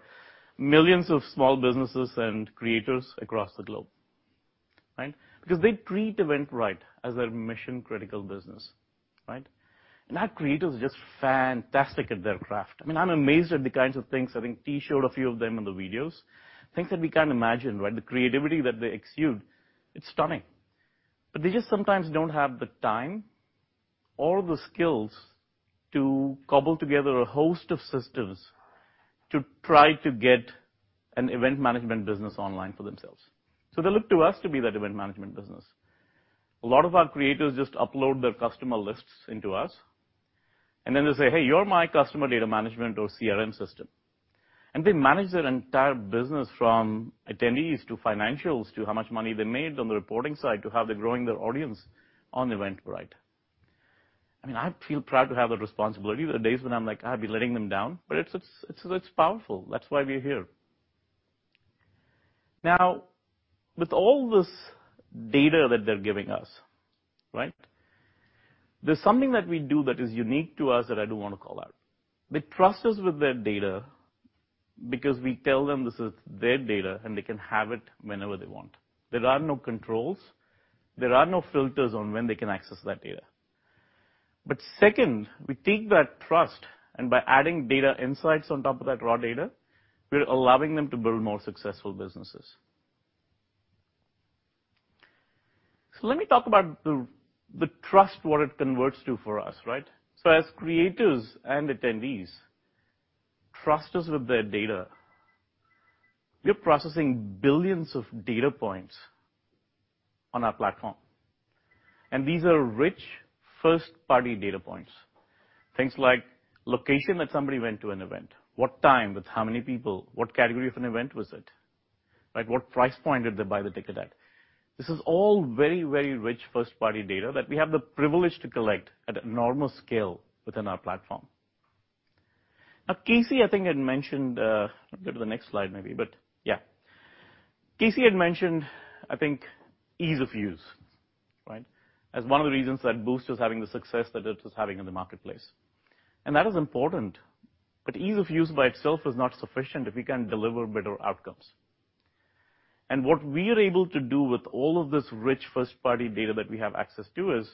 G: millions of small businesses and creators across the globe. Right? Because they treat Eventbrite as their mission-critical business, right? Our creators are just fantastic at their craft. I mean, I'm amazed at the kinds of things. I think T showed a few of them in the videos. Things that we can't imagine, right? The creativity that they exude, it's stunning. They just sometimes don't have the time or the skills to cobble together a host of systems to try to get an event management business online for themselves. They look to us to be that event management business. A lot of our creators just upload their customer lists into us, and then they say, "Hey, you're my customer data management or CRM system." They manage their entire business from attendees to financials to how much money they made on the reporting side to how they're growing their audience on Eventbrite. I mean, I feel proud to have that responsibility. There are days when I'm like, "I'd be letting them down," but it's powerful. That's why we're here. Now, with all this data that they're giving us, right? There's something that we do that is unique to us that I do wanna call out. They trust us with their data because we tell them this is their data, and they can have it whenever they want. There are no controls, there are no filters on when they can access that data. Second, we take that trust, and by adding data insights on top of that raw data, we're allowing them to build more successful businesses. Let me talk about the trust, what it converts to for us, right? As creators and attendees trust us with their data, we're processing billions of data points on our platform, and these are rich first-party data points. Things like location that somebody went to an event, what time, with how many people, what category of an event was it, right? What price point did they buy the ticket at? This is all very, very rich first-party data that we have the privilege to collect at enormous scale within our platform. Now, Casey, I think, had mentioned. Go to the next slide, maybe. Yeah. Casey had mentioned, I think, ease of use, right, as one of the reasons that Boost is having the success that it is having in the marketplace. That is important, but ease of use by itself is not sufficient if we can't deliver better outcomes. What we are able to do with all of this rich first-party data that we have access to is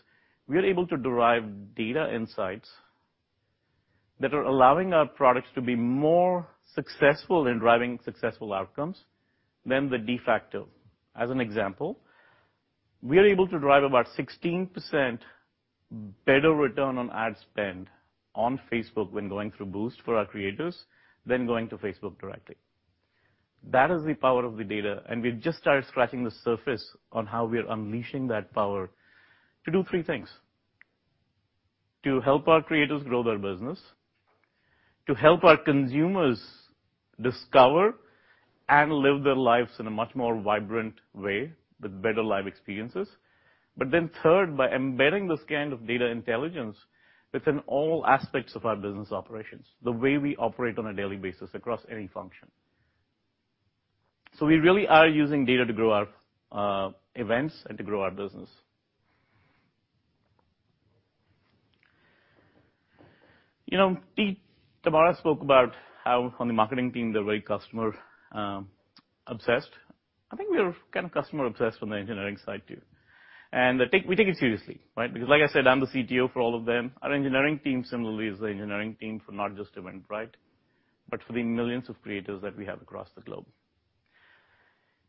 G: we are able to derive data insights that are allowing our products to be more successful in driving successful outcomes than the de facto. As an example, we are able to drive about 16% better return on ad spend on Facebook when going through Boost for our creators than going to Facebook directly. That is the power of the data, and we've just started scratching the surface on how we are unleashing that power to do three things: to help our creators grow their business, to help our consumers discover and live their lives in a much more vibrant way with better live experiences. Third, by embedding this kind of data intelligence within all aspects of our business operations, the way we operate on a daily basis across any function. We really are using data to grow our events and to grow our business. You know, Tamara spoke about how on the marketing team they're very customer obsessed. I think we are kind of customer-obsessed from the engineering side too. We take it seriously, right? Because like I said, I'm the CTO for all of them. Our engineering team similarly is the engineering team for not just Eventbrite, but for the millions of creators that we have across the globe.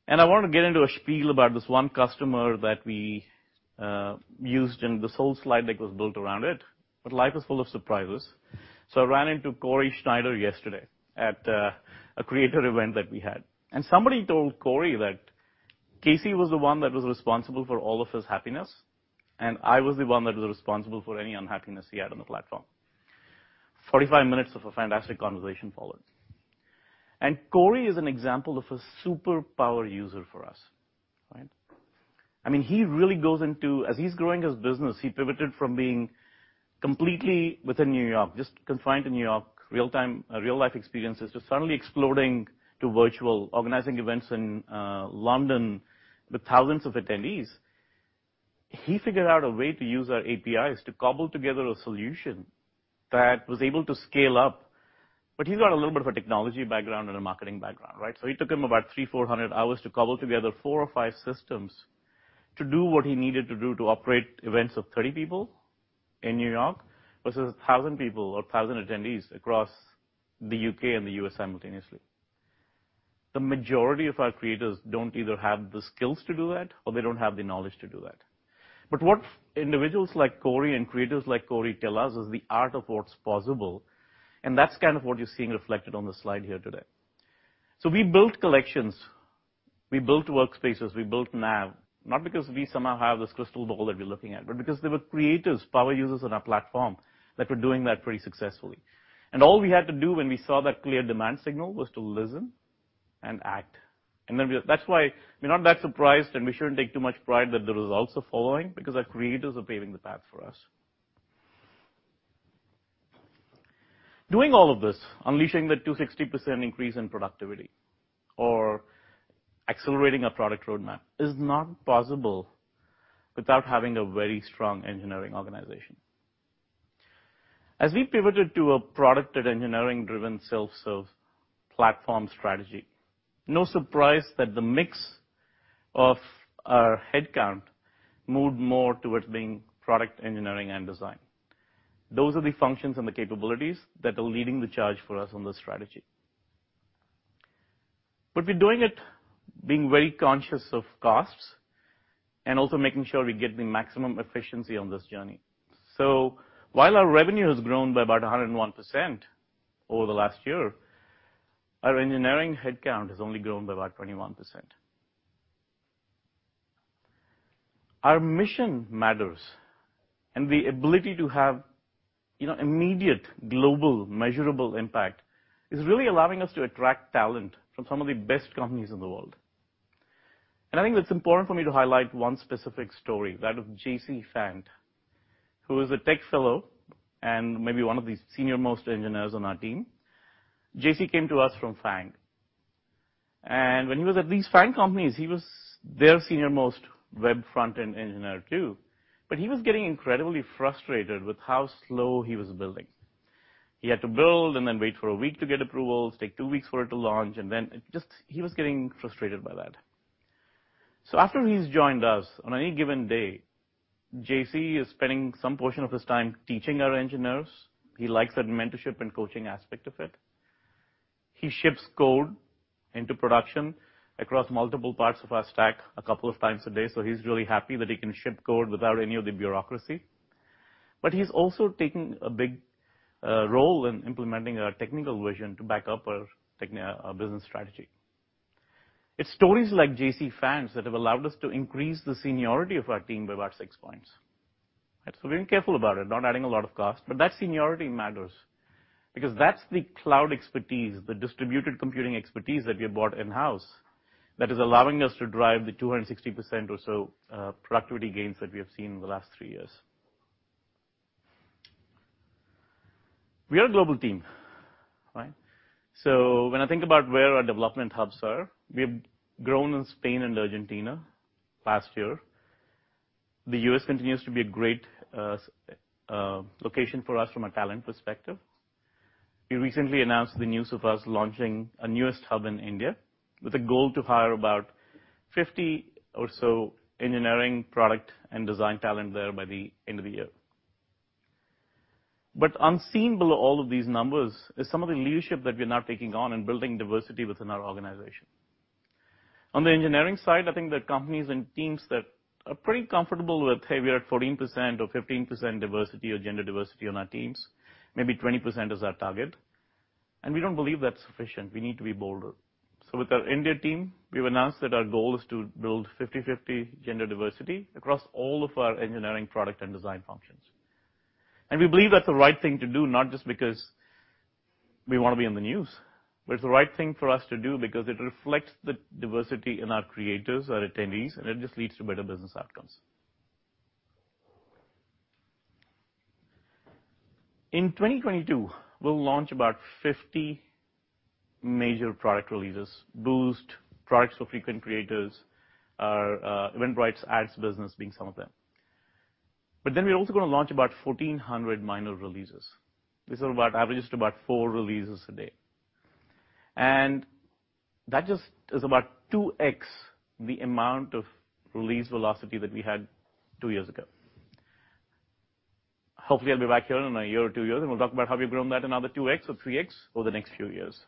G: I wanna get into a spiel about this one customer that we used, and this whole slide deck was built around it, but life is full of surprises. I ran into Corey Schneider yesterday at a creator event that we had. Somebody told Corey that Casey was the one that was responsible for all of his happiness, and I was the one that was responsible for any unhappiness he had on the platform. 45 minutes of a fantastic conversation followed. Corey is an example of a super power user for us. Right? I mean, he really goes into. As he's growing his business, he pivoted from being completely within New York, just confined to New York real-time, real-life experiences, to suddenly exploding to virtual, organizing events in London with thousands of attendees. He figured out a way to use our APIs to cobble together a solution that was able to scale up. He's got a little bit of a technology background and a marketing background, right? It took him about 300-400 hours to cobble together four or five systems to do what he needed to do to operate events of 30 people in New York versus 1,000 people or 1,000 attendees across the UK and the US simultaneously. The majority of our creators don't either have the skills to do that, or they don't have the knowledge to do that. What individuals like Corey and creators like Corey tell us is the art of what's possible, and that's kind of what you're seeing reflected on the slide here today. We built collections, we built workspaces, we built Nav, not because we somehow have this crystal ball that we're looking at, but because there were creators, power users on our platform that were doing that pretty successfully. All we had to do when we saw that clear demand signal was to listen and act. That's why we're not that surprised, and we shouldn't take too much pride that the results are following because our creators are paving the path for us. Doing all of this, unleashing the 260% increase in productivity or accelerating our product roadmap is not possible without having a very strong engineering organization. As we pivoted to a product and engineering-driven self-serve platform strategy, no surprise that the mix of our headcount moved more towards being product engineering and design. Those are the functions and the capabilities that are leading the charge for us on this strategy. We're doing it being very conscious of costs and also making sure we get the maximum efficiency on this journey. While our revenue has grown by about 101% over the last year, our engineering headcount has only grown by about 21%. Our mission matters, and the ability to have, you know, immediate, global measurable impact is really allowing us to attract talent from some of the best companies in the world. I think it's important for me to highlight one specific story, that of JC Fant, who is a Technical Fellow and maybe one of the senior-most engineers on our team. JC came to us from FAANG. When he was at these FAANG companies, he was their senior-most web front-end engineer, too. He was getting incredibly frustrated with how slow he was building. He had to build and then wait for a week to get approvals, take two weeks for it to launch, and then it just. He was getting frustrated by that. After he's joined us, on any given day, JC is spending some portion of his time teaching our engineers. He likes that mentorship and coaching aspect of it. He ships code into production across multiple parts of our stack a couple of times a day, so he's really happy that he can ship code without any of the bureaucracy. He's also taking a big role in implementing our technical vision to back up our business strategy. It's stories like JC Fant's that have allowed us to increase the seniority of our team by about six points. We're being careful about it, not adding a lot of cost. That seniority matters because that's the cloud expertise, the distributed computing expertise that we have brought in-house that is allowing us to drive the 260% or so productivity gains that we have seen in the last three years. We are a global team, right? When I think about where our development hubs are, we have grown in Spain and Argentina last year. The U.S. continues to be a great location for us from a talent perspective. We recently announced the news of us launching a newest hub in India with a goal to hire about 50 or so engineering, product, and design talent there by the end of the year. Unseen below all of these numbers is some of the leadership that we're now taking on in building diversity within our organization. On the engineering side, I think that companies and teams that are pretty comfortable with, hey, we are at 14% or 15% diversity or gender diversity on our teams, maybe 20% is our target, and we don't believe that's sufficient. We need to be bolder. With our India team, we've announced that our goal is to build 50-50 gender diversity across all of our engineering, product, and design functions. We believe that's the right thing to do, not just because we wanna be in the news, but it's the right thing for us to do because it reflects the diversity in our creators, our attendees, and it just leads to better business outcomes. In 2022, we'll launch about 50 major product releases, Boost products for frequent creators, Eventbrite Ads business being some of them. We're also gonna launch about 1,400 minor releases. These average to about four releases a day. That just is about 2x the amount of release velocity that we had two years ago. Hopefully, I'll be back here in a year or two years, and we'll talk about how we've grown that another 2x or 3x over the next few years.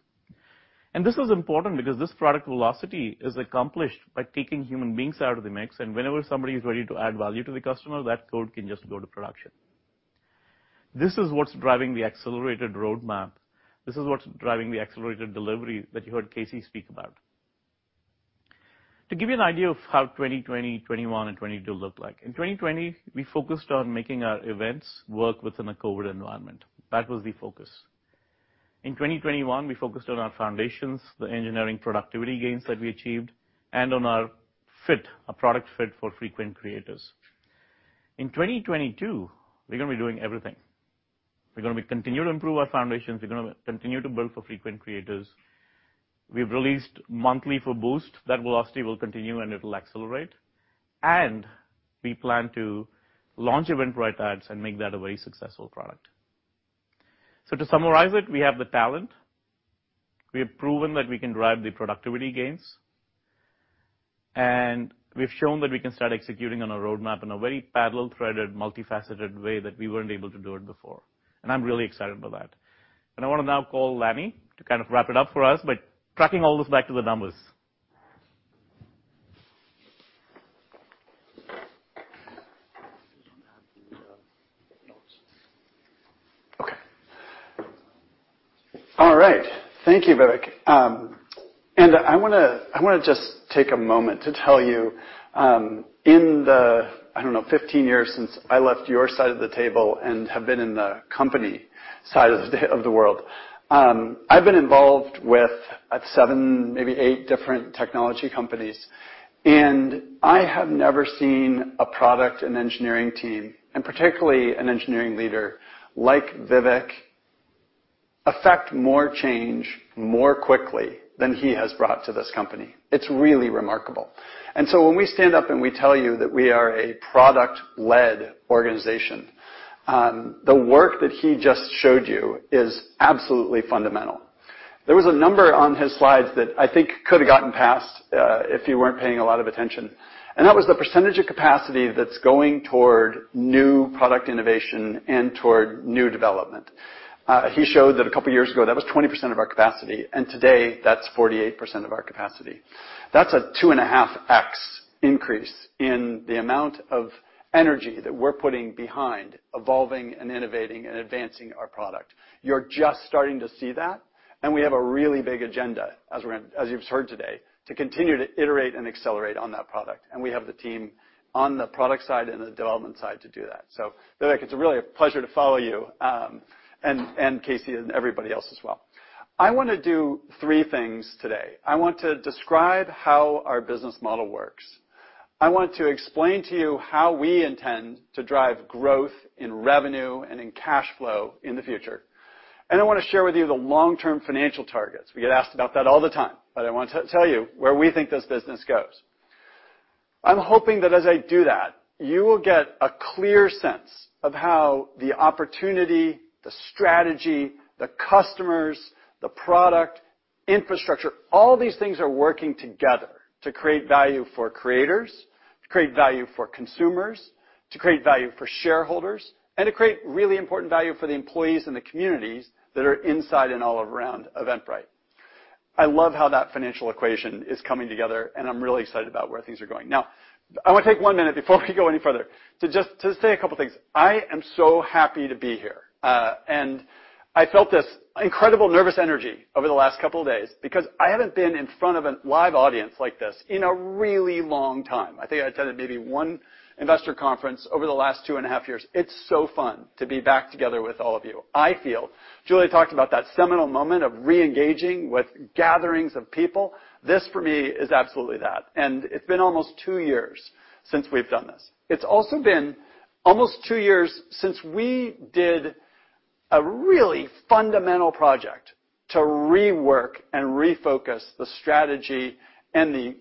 G: This is important because this product velocity is accomplished by taking human beings out of the mix, and whenever somebody is ready to add value to the customer, that code can just go to production. This is what's driving the accelerated roadmap. This is what's driving the accelerated delivery that you heard Casey speak about. To give you an idea of how 2020, 2021, and 2022 look like. In 2020, we focused on making our events work within a COVID environment. That was the focus. In 2021, we focused on our foundations, the engineering productivity gains that we achieved, and on our fit, our product fit for frequent creators. In 2022, we're gonna be doing everything. We're gonna be continue to improve our foundations. We're gonna continue to build for frequent creators. We've released monthly for Boost. That velocity will continue, and it'll accelerate. We plan to launch Eventbrite Ads and make that a very successful product. To summarize it, we have the talent. We have proven that we can drive the productivity gains, and we've shown that we can start executing on a roadmap in a very parallel-threaded, multifaceted way that we weren't able to do it before. I'm really excited about that. I wanna now call Lanny to kind of wrap it up for us by tracking all this back to the numbers.
H: Okay. All right. Thank you, Vivek. I wanna just take a moment to tell you, in the 15 years since I left your side of the table and have been in the company side of the world, I've been involved with at seven, maybe eight different technology companies, and I have never seen a product and engineering team, and particularly an engineering leader like Vivek has affected more change more quickly than he has brought to this company. It's really remarkable. When we stand up and we tell you that we are a product-led organization, the work that he just showed you is absolutely fundamental. There was a number on his slides that I think could have gotten past, if you weren't paying a lot of attention, and that was the percentage of capacity that's going toward new product innovation and toward new development. He showed that a couple of years ago, that was 20% of our capacity, and today that's 48% of our capacity. That's a 2.5x increase in the amount of energy that we're putting behind evolving and innovating and advancing our product. You're just starting to see that, and we have a really big agenda, as you've heard today, to continue to iterate and accelerate on that product. We have the team on the product side and the development side to do that. Vivek, it's really a pleasure to follow you, and Casey and everybody else as well. I wanna do three things today. I want to describe how our business model works. I want to explain to you how we intend to drive growth in revenue and in cash flow in the future. I wanna share with you the long-term financial targets. We get asked about that all the time, but I want to tell you where we think this business goes. I'm hoping that as I do that, you will get a clear sense of how the opportunity, the strategy, the customers, the product, infrastructure, all these things are working together to create value for creators, to create value for consumers, to create value for shareholders, and to create really important value for the employees and the communities that are inside and all around Eventbrite. I love how that financial equation is coming together, and I'm really excited about where things are going. Now, I want to take one minute before we go any further to just, to say a couple of things. I am so happy to be here. I felt this incredible nervous energy over the last couple of days because I haven't been in front of a live audience like this in a really long time. I think I attended maybe one investor conference over the last two and a half years. It's so fun to be back together with all of you. I feel Julia talked about that seminal moment of reengaging with gatherings of people. This, for me, is absolutely that. It's been almost two years since we've done this. It's also been almost two years since we did a really fundamental project to rework and refocus the strategy and the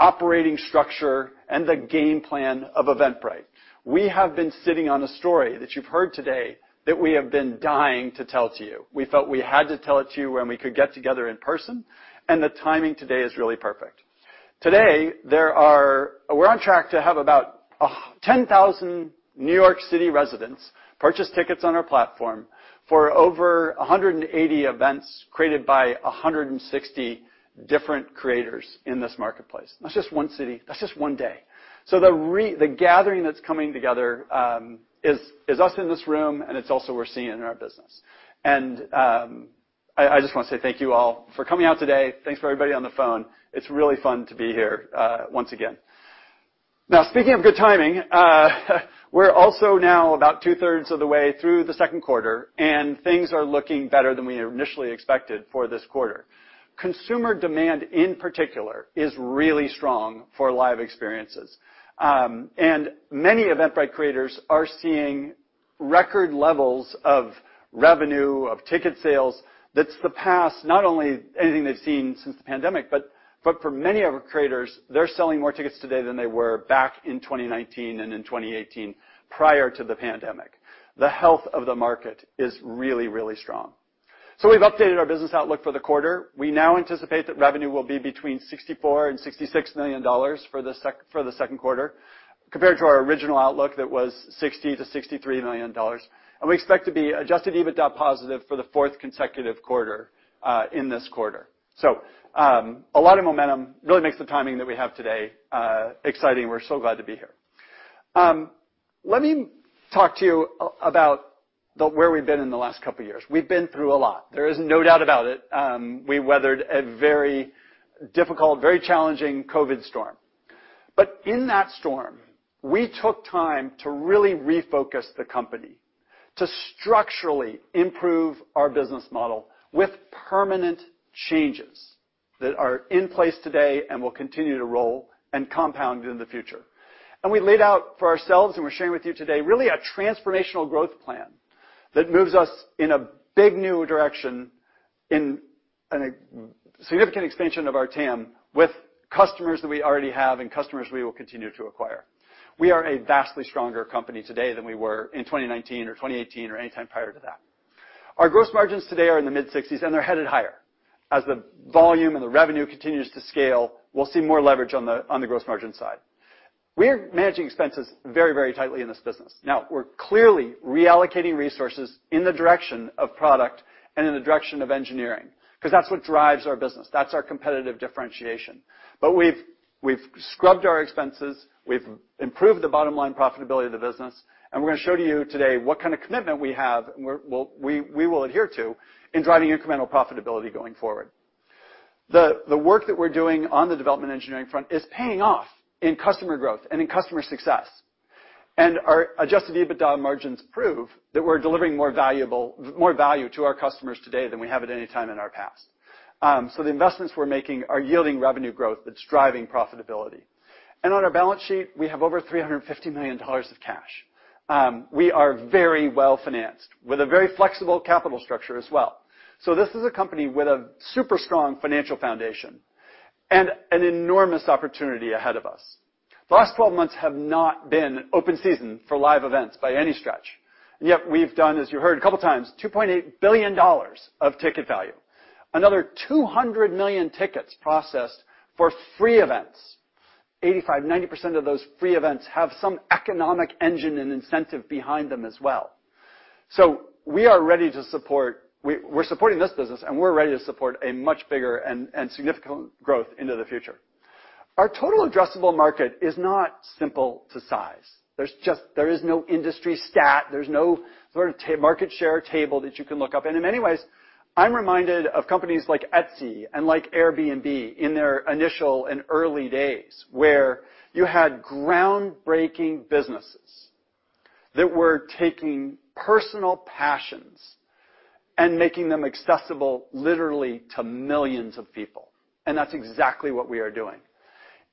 H: operating structure and the game plan of Eventbrite. We have been sitting on a story that you've heard today that we have been dying to tell to you. We felt we had to tell it to you when we could get together in person, and the timing today is really perfect. Today, we're on track to have about 10,000 New York City residents purchase tickets on our platform for over 180 events created by 160 different creators in this marketplace. That's just one city, that's just one day. The gathering that's coming together is us in this room, and it's also we're seeing in our business. I just want to say thank you all for coming out today. Thanks for everybody on the phone. It's really fun to be here once again. Speaking of good timing, we're also now about two-thirds of the way through the second quarter, and things are looking better than we initially expected for this quarter. Consumer demand, in particular, is really strong for live experiences. Many Eventbrite creators are seeing record levels of revenue, of ticket sales that surpass not only anything they've seen since the pandemic, but for many of our creators, they're selling more tickets today than they were back in 2019 and in 2018 prior to the pandemic. The health of the market is really, really strong. We've updated our business outlook for the quarter. We now anticipate that revenue will be between $64 million and $66 million for the second quarter compared to our original outlook that was $60 million-$63 million. We expect to be adjusted EBITDA positive for the fourth consecutive quarter in this quarter. A lot of momentum really makes the timing that we have today exciting. We're so glad to be here. Let me talk to you about where we've been in the last couple of years. We've been through a lot. There is no doubt about it. We weathered a very difficult, very challenging COVID storm. In that storm, we took time to really refocus the company, to structurally improve our business model with permanent changes that are in place today and will continue to roll and compound in the future. We laid out for ourselves, and we're sharing with you today, really a transformational growth plan that moves us in a big new direction in a significant expansion of our TAM with customers that we already have and customers we will continue to acquire. We are a vastly stronger company today than we were in 2019 or 2018 or any time prior to that. Our gross margins today are in the mid-60s%, and they're headed higher. As the volume and the revenue continues to scale, we'll see more leverage on the gross margin side. We're managing expenses very, very tightly in this business. Now, we're clearly reallocating resources in the direction of product and in the direction of engineering 'cause that's what drives our business. That's our competitive differentiation. We've scrubbed our expenses, we've improved the bottom line profitability of the business, and we're gonna show to you today what kind of commitment we have and we will adhere to in driving incremental profitability going forward. The work that we're doing on the development engineering front is paying off in customer growth and in customer success. Our adjusted EBITDA margins prove that we're delivering more value to our customers today than we have at any time in our past. The investments we're making are yielding revenue growth that's driving profitability. On our balance sheet, we have over $350 million of cash. We are very well-financed with a very flexible capital structure as well. This is a company with a super strong financial foundation and an enormous opportunity ahead of us. The last 12 months have not been open season for live events by any stretch. Yet we've done, as you heard a couple of times, $2.8 billion of ticket value. Another 200 million tickets processed for free events. 85%-90% of those free events have some economic engine and incentive behind them as well. We're ready to support. We're supporting this business, and we're ready to support a much bigger and significant growth into the future. Our total addressable market is not simple to size. There's just no industry stat, there's no sort of TAM market share table that you can look up. In many ways, I'm reminded of companies like Etsy and like Airbnb in their initial and early days, where you had groundbreaking businesses that were taking personal passions and making them accessible literally to millions of people. That's exactly what we are doing.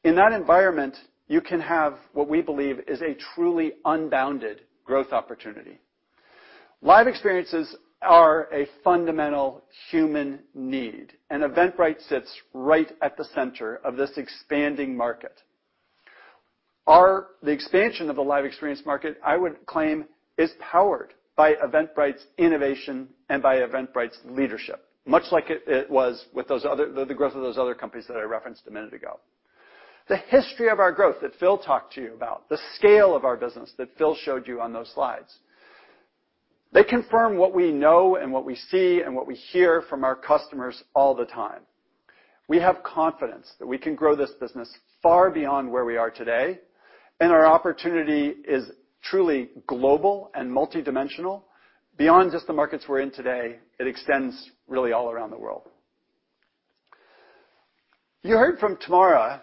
H: In that environment, you can have what we believe is a truly unbounded growth opportunity. Live experiences are a fundamental human need, and Eventbrite sits right at the center of this expanding market. The expansion of the live experience market, I would claim, is powered by Eventbrite's innovation and by Eventbrite's leadership, much like it was with those other, the growth of those other companies that I referenced a minute ago. The history of our growth that Phil talked to you about, the scale of our business that Phil showed you on those slides. They confirm what we know and what we see and what we hear from our customers all the time. We have confidence that we can grow this business far beyond where we are today, and our opportunity is truly global and multidimensional. Beyond just the markets we're in today, it extends really all around the world. You heard from Tamara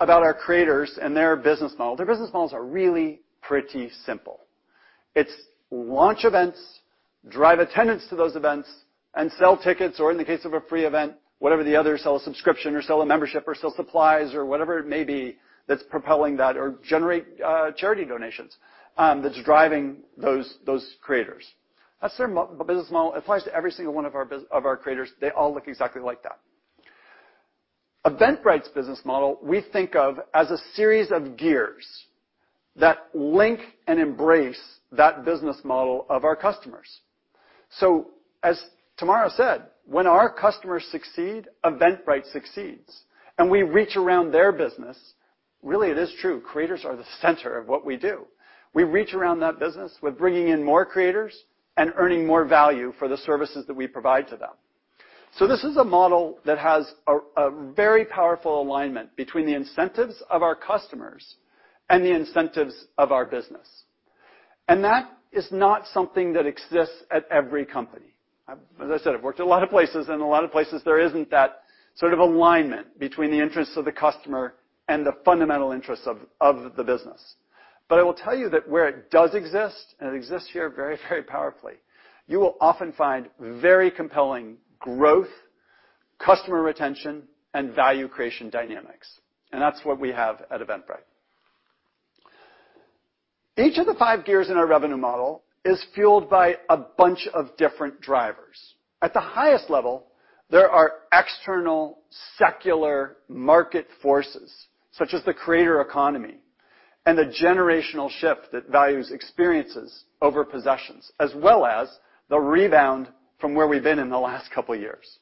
H: about our creators and their business model. Their business models are really pretty simple. It's launch events, drive attendance to those events, and sell tickets, or in the case of a free event, whatever the other, sell a subscription or sell a membership or sell supplies or whatever it may be that's propelling that or generate charity donations, that's driving those creators. That's their business model. It applies to every single one of our creators. They all look exactly like that. Eventbrite's business model we think of as a series of gears that link and embrace that business model of our customers. As Tamara said, when our customers succeed, Eventbrite succeeds. We reach around their business. Really, it is true, creators are the center of what we do. We reach around that business with bringing in more creators and earning more value for the services that we provide to them. This is a model that has a very powerful alignment between the incentives of our customers and the incentives of our business. That is not something that exists at every company. As I said, I've worked a lot of places, and a lot of places there isn't that sort of alignment between the interests of the customer and the fundamental interests of the business. I will tell you that where it does exist, and it exists here very, very powerfully, you will often find very compelling growth, customer retention, and value creation dynamics. That's what we have at Eventbrite. Each of the five gears in our revenue model is fueled by a bunch of different drivers. At the highest level, there are external secular market forces such as the creator economy and the generational shift that values experiences over possessions, as well as the rebound from where we've been in the last couple of years.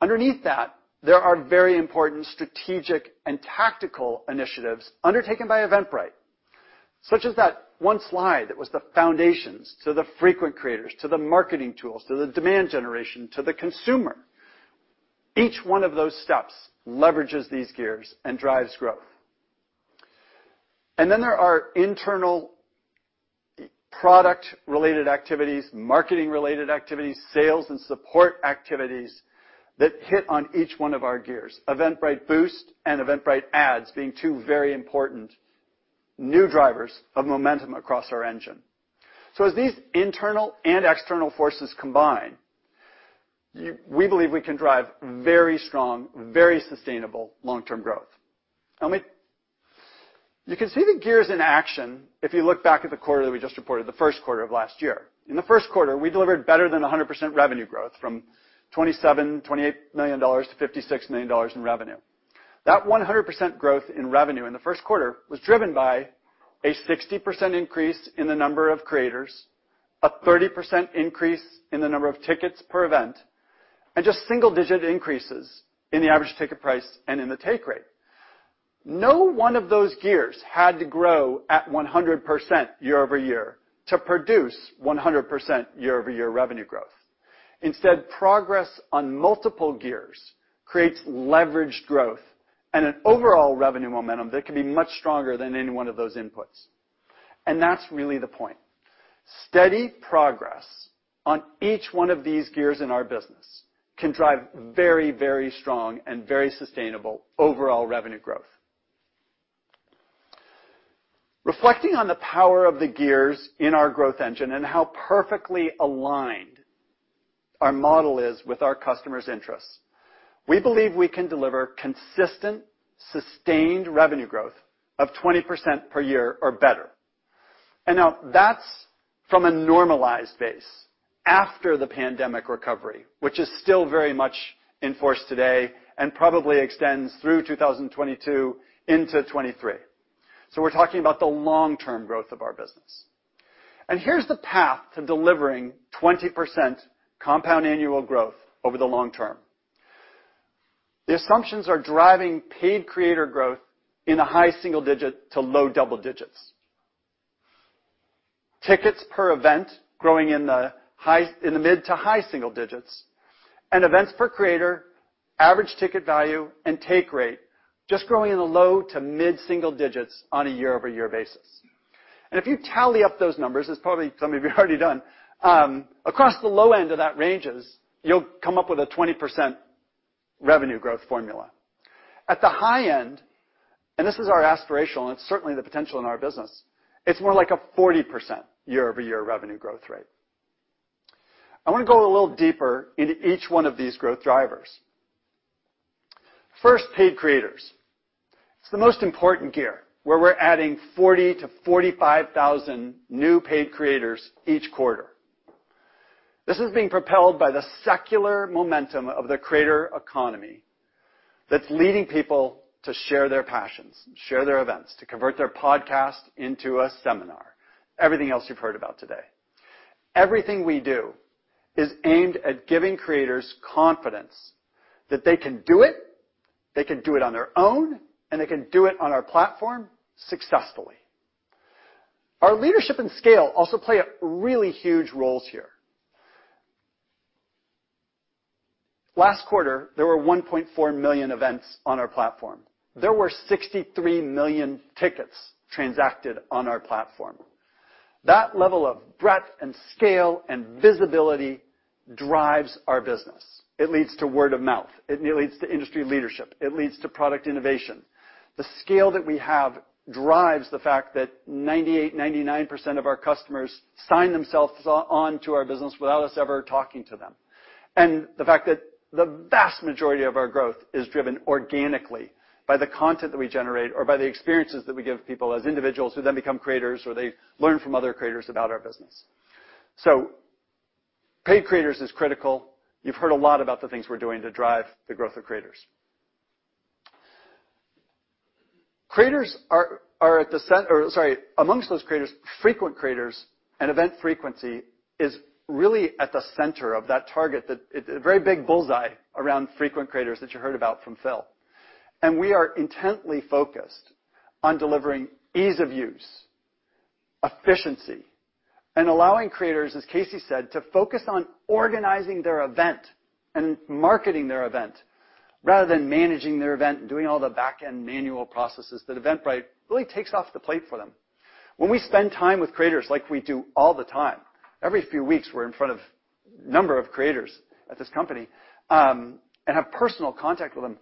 H: Underneath that, there are very important strategic and tactical initiatives undertaken by Eventbrite, such as that one slide that was the foundations to the frequent creators, to the marketing tools, to the demand generation, to the consumer. Each one of those steps leverages these gears and drives growth. There are internal product-related activities, marketing-related activities, sales and support activities that hit on each one of our gears. Eventbrite Boost and Eventbrite Ads being two very important new drivers of momentum across our engine. As these internal and external forces combine, we believe we can drive very strong, very sustainable long-term growth. You can see the gears in action if you look back at the quarter that we just reported, the first quarter of last year. In the first quarter, we delivered better than 100% revenue growth from $27 million-$28 million to $56 million in revenue. That 100% growth in revenue in the first quarter was driven by a 60% increase in the number of creators, a 30% increase in the number of tickets per event, and just single-digit increases in the average ticket price and in the take rate. No one of those gears had to grow at 100% year-over-year to produce 100% year-over-year revenue growth. Instead, progress on multiple gears creates leveraged growth and an overall revenue momentum that can be much stronger than any one of those inputs. That's really the point. Steady progress on each one of these gears in our business can drive very, very strong and very sustainable overall revenue growth. Reflecting on the power of the gears in our growth engine and how perfectly aligned our model is with our customers' interests, we believe we can deliver consistent, sustained revenue growth of 20% per year or better. Now that's from a normalized base after the pandemic recovery, which is still very much in force today and probably extends through 2022 into 2023. We're talking about the long-term growth of our business. Here's the path to delivering 20% compound annual growth over the long term. The assumptions are driving paid creator growth in a high single digit to low double digits. Tickets per event growing in the mid to high single digits, and events per creator, average ticket value, and take rate just growing in the low to mid single digits on a year-over-year basis. If you tally up those numbers, as probably some of you have already done, across the low end of that ranges, you'll come up with a 20% revenue growth formula. At the high end, and this is our aspirational, and it's certainly the potential in our business, it's more like a 40% year-over-year revenue growth rate. I want to go a little deeper into each one of these growth drivers. First, paid creators. It's the most important gear, where we're adding 40,000-45,000 new paid creators each quarter. This is being propelled by the secular momentum of the creator economy that's leading people to share their passions, share their events, to convert their podcast into a seminar. Everything else you've heard about today. Everything we do is aimed at giving creators confidence that they can do it, they can do it on their own, and they can do it on our platform successfully. Our leadership and scale also play a really huge roles here. Last quarter, there were 1.4 million events on our platform. There were 63 million tickets transacted on our platform. That level of breadth and scale and visibility drives our business. It leads to word of mouth, it leads to industry leadership, it leads to product innovation. The scale that we have drives the fact that 98%-99% of our customers sign themselves on to our business without us ever talking to them. The fact that the vast majority of our growth is driven organically by the content that we generate or by the experiences that we give people as individuals who then become creators, or they learn from other creators about our business. Paid creators is critical. You've heard a lot about the things we're doing to drive the growth of creators. Creators are at the center, or sorry, amongst those creators, frequent creators and event frequency is really at the center of that target. A very big bullseye around frequent creators that you heard about from Phil. We are intently focused on delivering ease of use, efficiency, and allowing creators, as Casey said, to focus on organizing their event and marketing their event rather than managing their event and doing all the back-end manual processes that Eventbrite really takes off the plate for them. When we spend time with creators like we do all the time, every few weeks, we're in front of number of creators at this company, and have personal contact with them,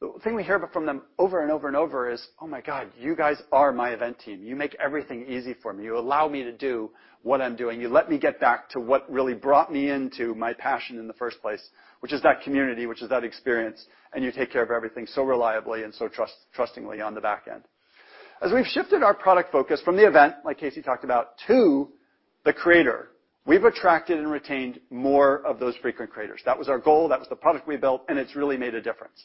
H: the thing we hear from them over and over and over is, "Oh, my God, you guys are my event team. You make everything easy for me. You allow me to do what I'm doing. You let me get back to what really brought me into my passion in the first place, which is that community, which is that experience, and you take care of everything so reliably and so trustingly on the back end." As we've shifted our product focus from the event, like Casey talked about, to the creator, we've attracted and retained more of those frequent creators. That was our goal, that was the product we built, and it's really made a difference.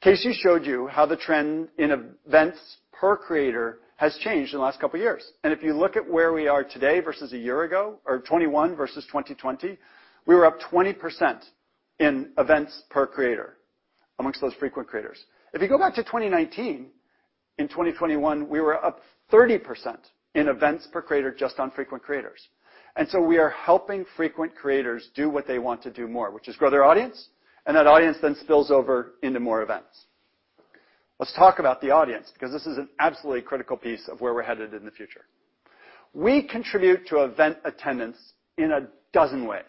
H: Casey showed you how the trend in events per creator has changed in the last couple of years. If you look at where we are today versus a year ago, or 2021 versus 2020, we were up 20% in events per creator amongst those frequent creators. If you go back to 2019, in 2021, we were up 30% in events per creator just on frequent creators. We are helping frequent creators do what they want to do more, which is grow their audience, and that audience then spills over into more events. Let's talk about the audience, because this is an absolutely critical piece of where we're headed in the future. We contribute to event attendance in a dozen ways.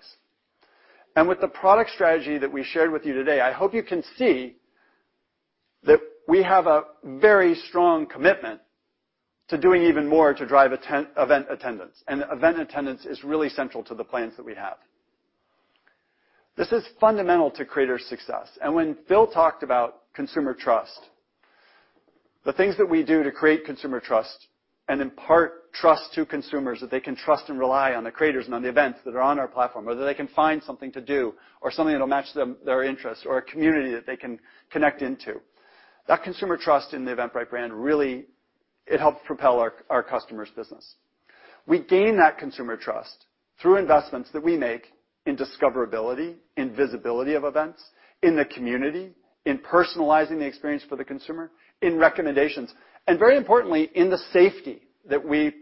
H: With the product strategy that we shared with you today, I hope you can see that we have a very strong commitment to doing even more to drive event attendance. Event attendance is really central to the plans that we have. This is fundamental to creator success. When Phil talked about consumer trust, the things that we do to create consumer trust and impart trust to consumers that they can trust and rely on the creators and on the events that are on our platform, or that they can find something to do or something that'll match them, their interests or a community that they can connect into. That consumer trust in the Eventbrite brand, really it helps propel our customers' business. We gain that consumer trust through investments that we make in discoverability, in visibility of events, in the community, in personalizing the experience for the consumer, in recommendations, and very importantly, in the safety that we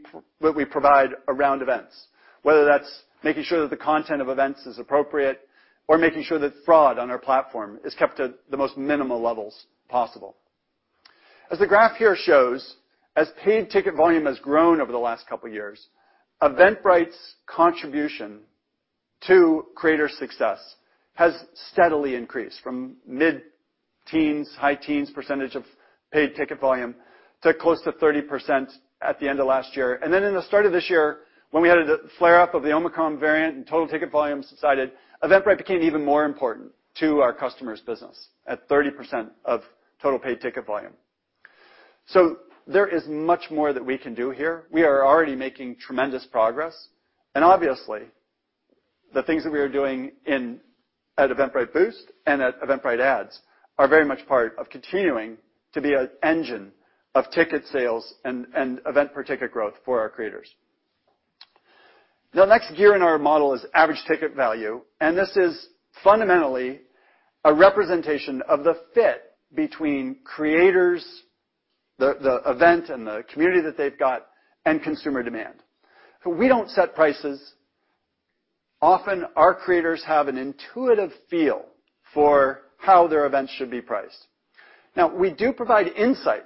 H: provide around events. Whether that's making sure that the content of events is appropriate or making sure that fraud on our platform is kept at the most minimal levels possible. As the graph here shows, as paid ticket volume has grown over the last couple of years, Eventbrite's contribution to creator success has steadily increased from mid-teens, high teens percentage of paid ticket volume to close to 30% at the end of last year. In the start of this year, when we had a flare-up of the Omicron variant and total ticket volume subsided, Eventbrite became even more important to our customers' business at 30% of total paid ticket volume. There is much more that we can do here. We are already making tremendous progress. Obviously, the things that we are doing in at Eventbrite Boost and at Eventbrite Ads are very much part of continuing to be an engine of ticket sales and event per ticket growth for our creators. The next gear in our model is average ticket value, and this is fundamentally a representation of the fit between creators, the event and the community that they've got, and consumer demand. We don't set prices. Often, our creators have an intuitive feel for how their events should be priced. Now, we do provide insight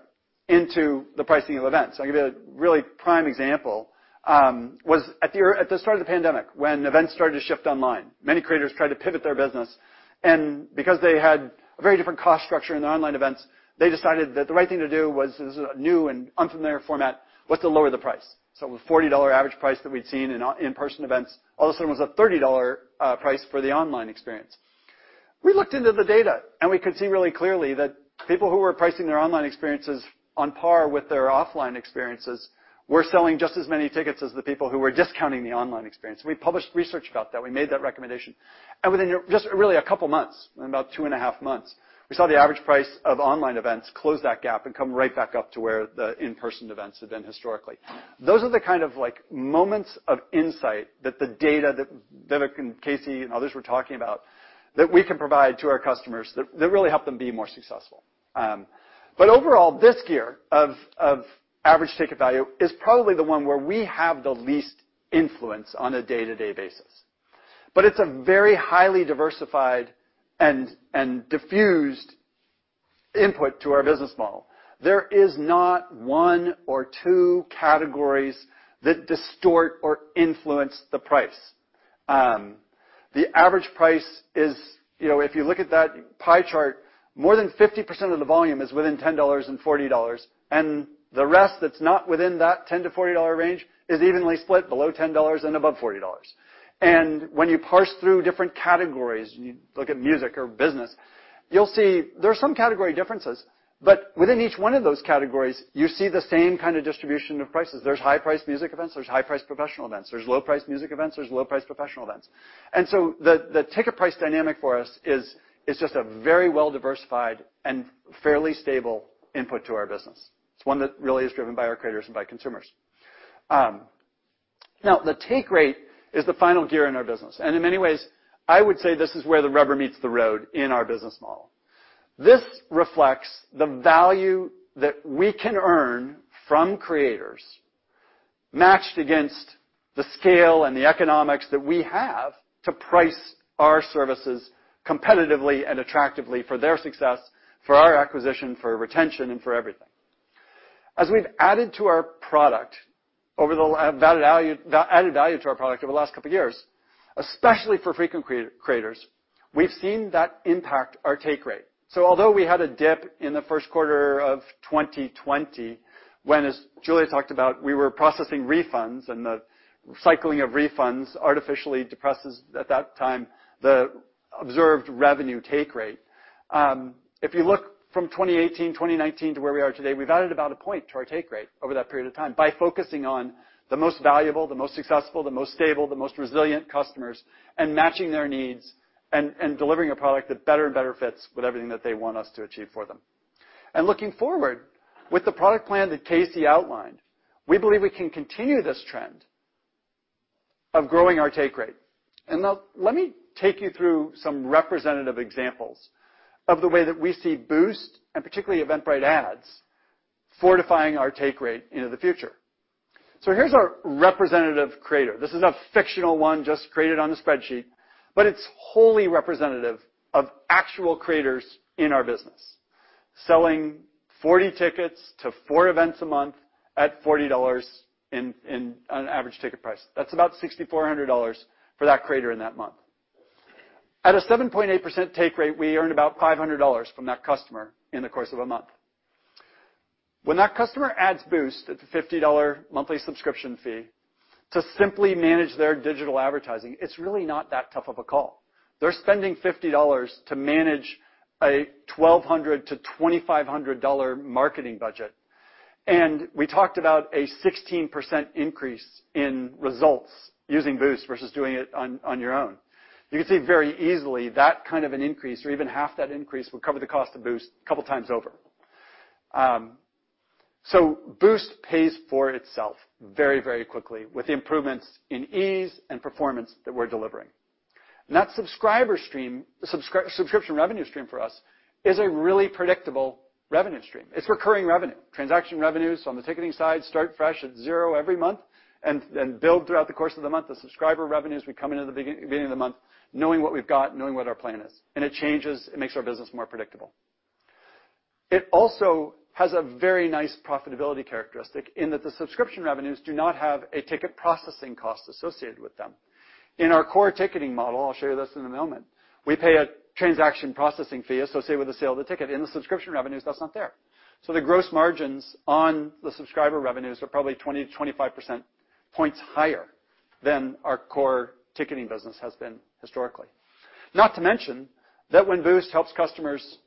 H: into the pricing of events. I'll give you a really prime example was at the start of the pandemic, when events started to shift online, many creators tried to pivot their business. Because they had a very different cost structure in their online events, they decided that the right thing to do was, as a new and unfamiliar format, to lower the price. A $40 average price that we'd seen in in-person events all of a sudden was a $30 price for the online experience. We looked into the data, and we could see really clearly that people who were pricing their online experiences on par with their offline experiences were selling just as many tickets as the people who were discounting the online experience. We published research about that. We made that recommendation. Within just really a couple of months, about 2.5 months, we saw the average price of online events close that gap and come right back up to where the in-person events had been historically. Those are the kind of like moments of insight that the data that Vivek and Casey and others were talking about that we can provide to our customers that really help them be more successful. Overall, this area of average ticket value is probably the one where we have the least influence on a day-to-day basis. It's a very highly diversified and diffused input to our business model. There is not one or two categories that distort or influence the price. The average price is, you know, if you look at that pie chart, more than 50% of the volume is within $10 and $40, and the rest that's not within that $10-$40 range is evenly split below $10 and above $40. When you parse through different categories, you look at music or business, you'll see there are some category differences, but within each one of those categories, you see the same kind of distribution of prices. There's high-priced music events, there's high-priced professional events, there's low-priced music events, there's low-priced professional events. The ticket price dynamic for us is just a very well-diversified and fairly stable input to our business. It's one that really is driven by our creators and by consumers. Now, the take rate is the final gear in our business. In many ways, I would say this is where the rubber meets the road in our business model. This reflects the value that we can earn from creators matched against the scale and the economics that we have to price our services competitively and attractively for their success, for our acquisition, for retention, and for everything. As we've added value to our product over the last couple of years, especially for frequent creators, we've seen that impact our take rate. Although we had a dip in the first quarter of 2020, when, as Julia talked about, we were processing refunds and the cycling of refunds artificially depresses, at that time, the observed revenue take rate. If you look from 2018, 2019 to where we are today, we've added about a point to our take rate over that period of time by focusing on the most valuable, the most successful, the most stable, the most resilient customers and matching their needs and delivering a product that better and better fits with everything that they want us to achieve for them. Looking forward, with the product plan that Casey outlined, we believe we can continue this trend of growing our take rate. Now, let me take you through some representative examples of the way that we see Boost, and particularly Eventbrite Ads, fortifying our take rate into the future. Here's our representative creator. This is a fictional one just created on the spreadsheet, but it's wholly representative of actual creators in our business. Selling 40 tickets to four events a month at $40 in an average ticket price. That's about $6,400 for that creator in that month. At a 7.8% take rate, we earn about $500 from that customer in the course of a month. When that customer adds Boost at the $50 monthly subscription fee to simply manage their digital advertising, it's really not that tough of a call. They're spending $50 to manage a $1,200-$2,500 marketing budget. We talked about a 16% increase in results using Boost versus doing it on your own. You can see very easily that kind of an increase or even half that increase will cover the cost of Boost a couple times over. Boost pays for itself very, very quickly with improvements in ease and performance that we're delivering. That subscriber stream, subscription revenue stream for us is a really predictable revenue stream. It's recurring revenue. Transaction revenues on the ticketing side start fresh at zero every month and build throughout the course of the month. The subscriber revenues, we come into the beginning of the month knowing what we've got, knowing what our plan is, and it changes, it makes our business more predictable. It also has a very nice profitability characteristic in that the subscription revenues do not have a ticket processing cost associated with them. In our core ticketing model, I'll show you this in a moment, we pay a transaction processing fee associated with the sale of the ticket. In the subscription revenues, that's not there. The gross margins on the subscriber revenues are probably 20-25 percentage points higher than our core ticketing business has been historically. Not to mention that when Boost helps customers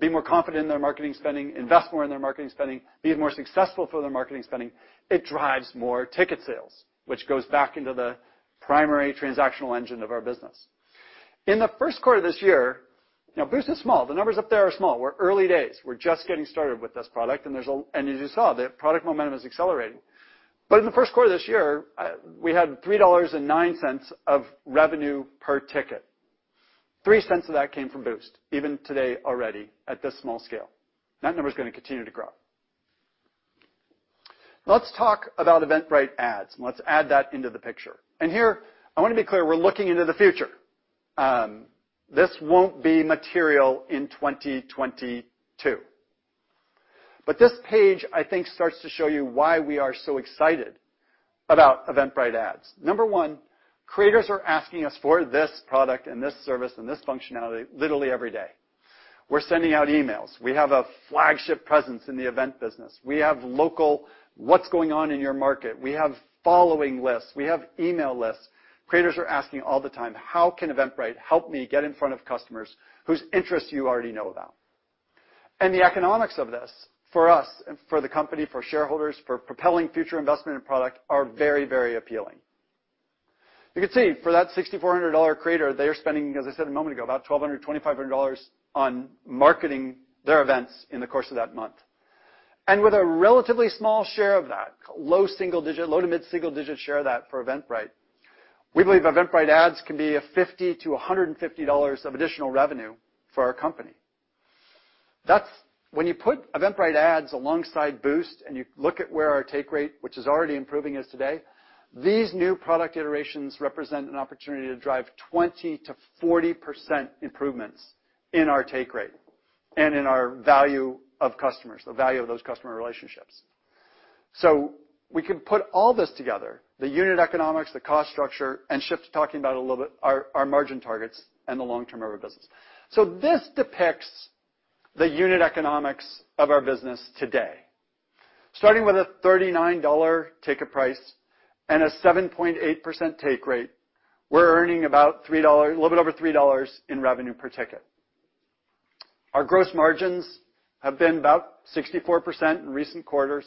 H: be more confident in their marketing spending, invest more in their marketing spending, be more successful for their marketing spending, it drives more ticket sales, which goes back into the primary transactional engine of our business. In the first quarter of this year, now Boost is small. The numbers up there are small. We're early days. We're just getting started with this product, and as you saw, the product momentum is accelerating. In the first quarter of this year, we had $3.09 of revenue per ticket. $0.03 of that came from Boost, even today already at this small scale. That number is gonna continue to grow. Let's talk about Eventbrite Ads, and let's add that into the picture. Here, I want to be clear, we're looking into the future. This won't be material in 2022. This page I think starts to show you why we are so excited about Eventbrite Ads. Number one, creators are asking us for this product and this service and this functionality literally every day. We're sending out emails. We have a flagship presence in the event business. We have local what's going on in your market. We have following lists. We have email lists. Creators are asking all the time, "How can Eventbrite help me get in front of customers whose interests you already know about?" The economics of this for us and for the company, for shareholders, for propelling future investment in product are very, very appealing. You can see for that $6,400 creator, they are spending, as I said a moment ago, about $1,200-$2,500 on marketing their events in the course of that month. With a relatively small share of that, low single-digit, low- to mid-single-digit share of that for Eventbrite, we believe Eventbrite Ads can be a $50-$150 of additional revenue for our company. That's when you put Eventbrite Ads alongside Boost, and you look at where our take rate, which is already improving as today, these new product iterations represent an opportunity to drive 20%-40% improvements in our take rate and in our value of customers, the value of those customer relationships. We can put all this together, the unit economics, the cost structure, and shift to talking about a little bit our margin targets and the long-term of our business. This depicts the unit economics of our business today. Starting with a $39 ticket price and a 7.8% take rate, we're earning about a little bit over $3 in revenue per ticket. Our gross margins have been about 64% in recent quarters,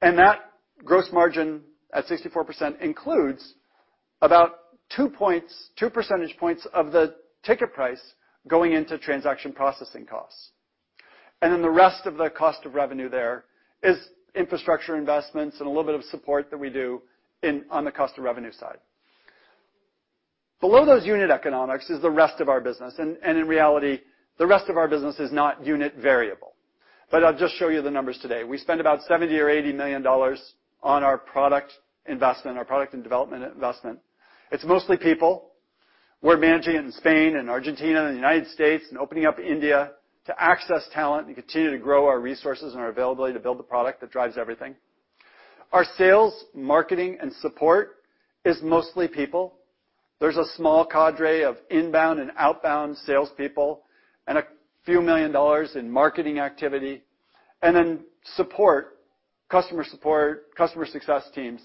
H: and that gross margin at 64% includes about two points, two percentage points of the ticket price going into transaction processing costs. Then the rest of the cost of revenue there is infrastructure investments and a little bit of support that we do on the cost of revenue side. Below those unit economics is the rest of our business, and in reality, the rest of our business is not unit variable. I'll just show you the numbers today. We spend about $70 million-$80 million on our product investment, our product and development investment. It's mostly people. We're managing it in Spain and Argentina and the United States and opening up India to access talent and continue to grow our resources and our availability to build the product that drives everything. Our sales, marketing, and support is mostly people. There's a small cadre of inbound and outbound salespeople and a few million dollars in marketing activity, and then support, customer support, customer success teams.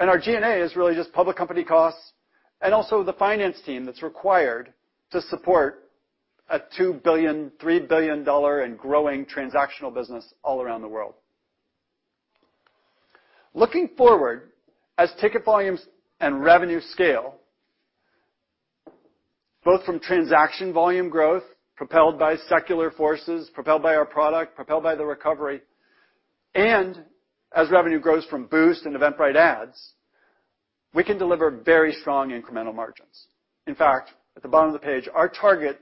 H: Our G&A is really just public company costs and also the finance team that's required to support a $2 billion-$3 billion and growing transactional business all around the world. Looking forward, as ticket volumes and revenue scale, both from transaction volume growth propelled by secular forces, propelled by our product, propelled by the recovery, and as revenue grows from Boost and Eventbrite Ads, we can deliver very strong incremental margins. In fact, at the bottom of the page, our target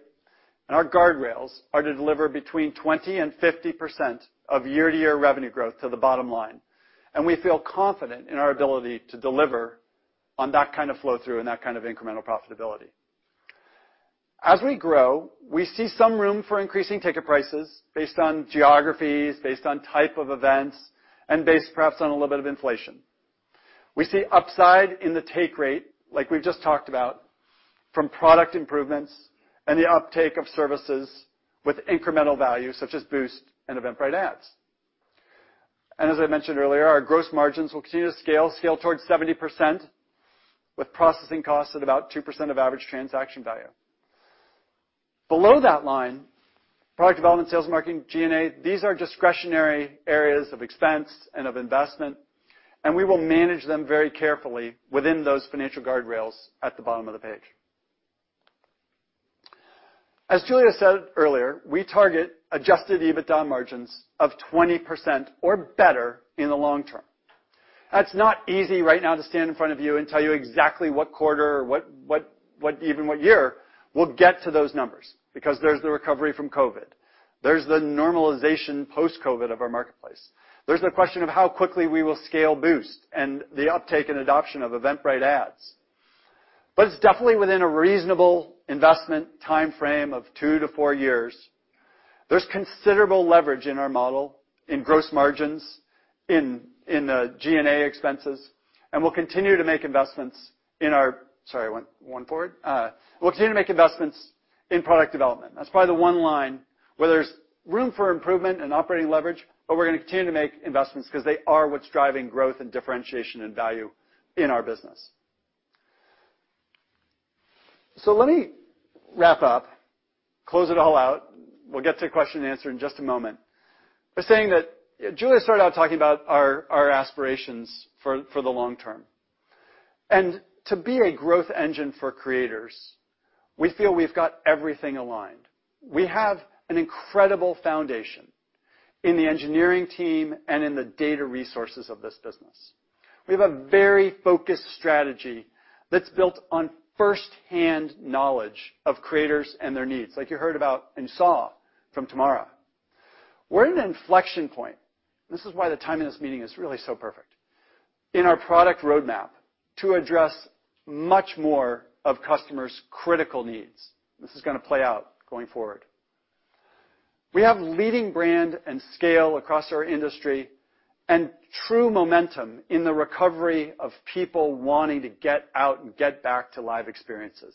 H: and our guardrails are to deliver between 20% and 50% of year-to-year revenue growth to the bottom line, and we feel confident in our ability to deliver on that kind of flow-through and that kind of incremental profitability. As we grow, we see some room for increasing ticket prices based on geographies, based on type of events, and based perhaps on a little bit of inflation. We see upside in the take rate, like we've just talked about, from product improvements and the uptake of services with incremental value, such as Boost and Eventbrite Ads. As I mentioned earlier, our gross margins will continue to scale towards 70% with processing costs at about 2% of average transaction value. Below that line, product development, sales, marketing, G&A, these are discretionary areas of expense and of investment, and we will manage them very carefully within those financial guardrails at the bottom of the page. As Julia said earlier, we target adjusted EBITDA margins of 20% or better in the long term. That's not easy right now to stand in front of you and tell you exactly what quarter or what year we'll get to those numbers because there's the recovery from COVID. There's the normalization post-COVID of our marketplace. There's the question of how quickly we will scale Boost and the uptake and adoption of Eventbrite Ads. It's definitely within a reasonable investment timeframe of two or four years. There's considerable leverage in our model, in gross margins, in G&A expenses, and we'll continue to make investments in product development. That's probably the one line where there's room for improvement and operating leverage, but we're gonna continue to make investments 'cause they are what's driving growth and differentiation and value in our business. Let me wrap up, close it all out. We'll get to question and answer in just a moment. By saying that Julia started out talking about our aspirations for the long term. To be a growth engine for creators, we feel we've got everything aligned. We have an incredible foundation in the engineering team and in the data resources of this business. We have a very focused strategy that's built on first-hand knowledge of creators and their needs, like you heard about and saw from Tamara. We're at an inflection point. This is why the timing of this meeting is really so perfect in our product roadmap to address much more of customers' critical needs. This is gonna play out going forward. We have leading brand and scale across our industry and true momentum in the recovery of people wanting to get out and get back to live experiences.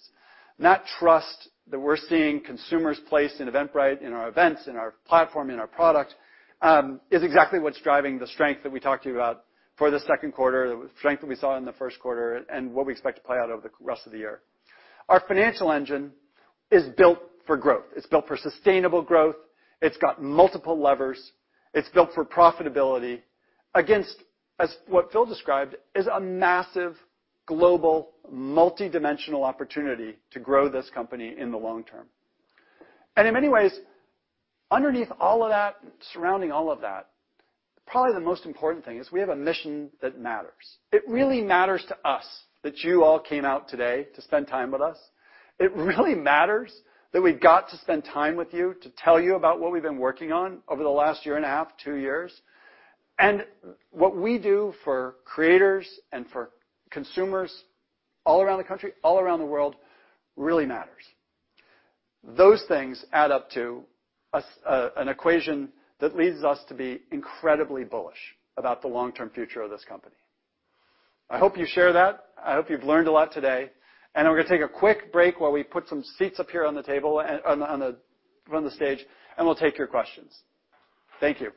H: That trust that we're seeing consumers place in Eventbrite, in our events, in our platform, in our product, is exactly what's driving the strength that we talked to you about for the second quarter, the strength that we saw in the first quarter, and what we expect to play out over the rest of the year. Our financial engine is built for growth. It's built for sustainable growth. It's got multiple levers. It's built for profitability against, as what Phil described, is a massive global multidimensional opportunity to grow this company in the long term. In many ways, underneath all of that, surrounding all of that, probably the most important thing is we have a mission that matters. It really matters to us that you all came out today to spend time with us. It really matters that we got to spend time with you to tell you about what we've been working on over the last year and a half, two years. What we do for creators and for consumers all around the country, all around the world really matters. Those things add up to us, an equation that leads us to be incredibly bullish about the long-term future of this company. I hope you share that. I hope you've learned a lot today, and I'm gonna take a quick break while we put some seats up here on the table and on the stage, and we'll take your questions. Thank you.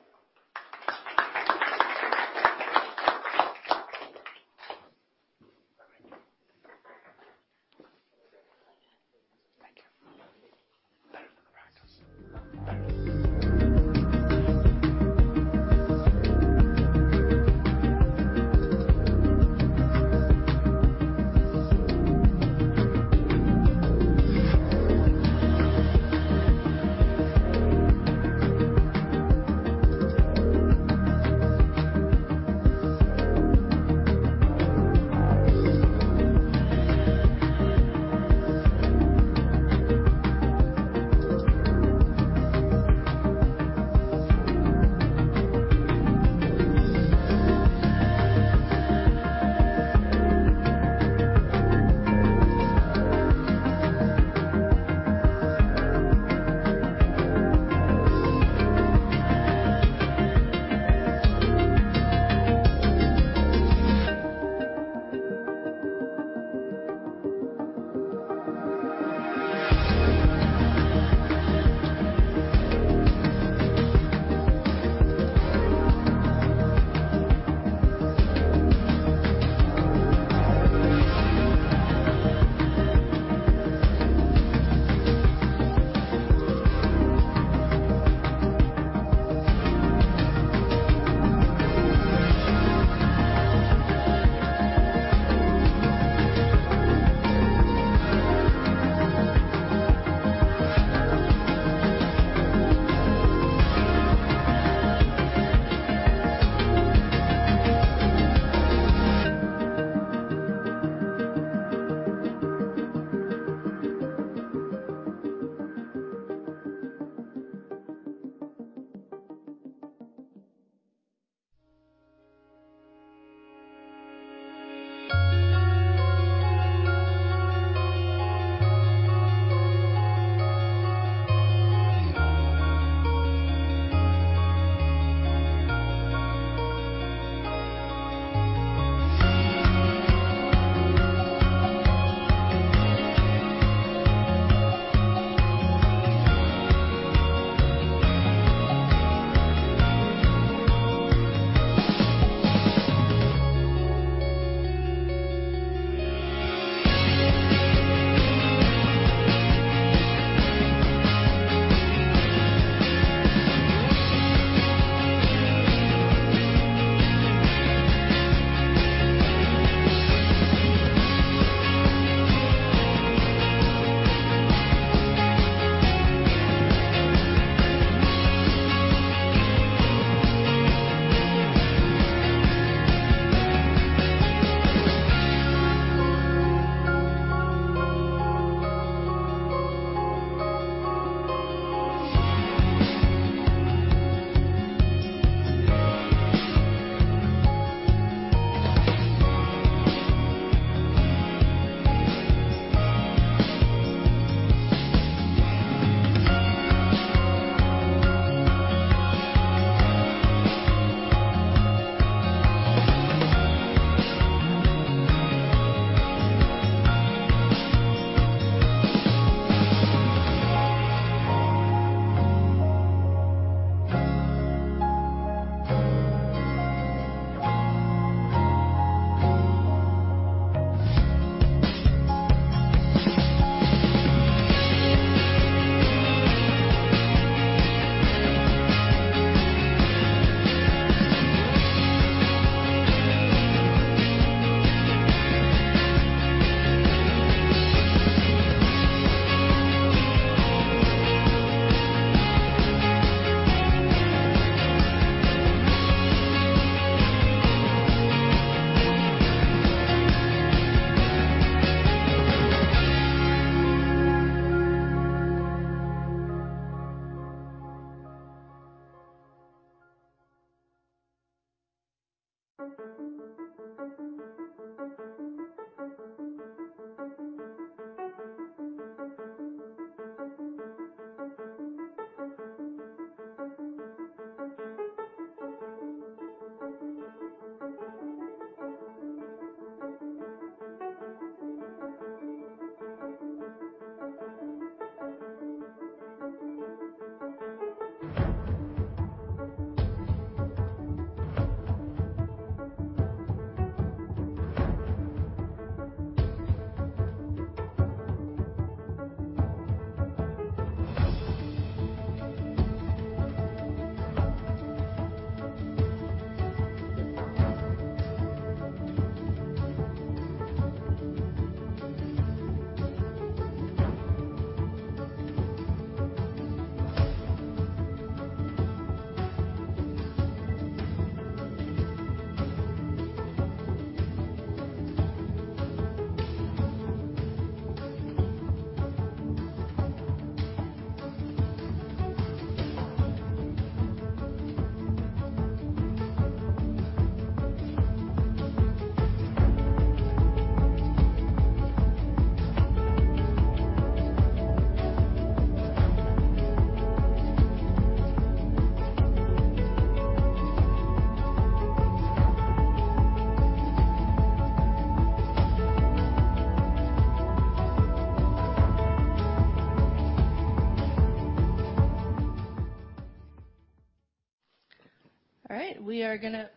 H: Better than the practice.
A: All right. We are gonna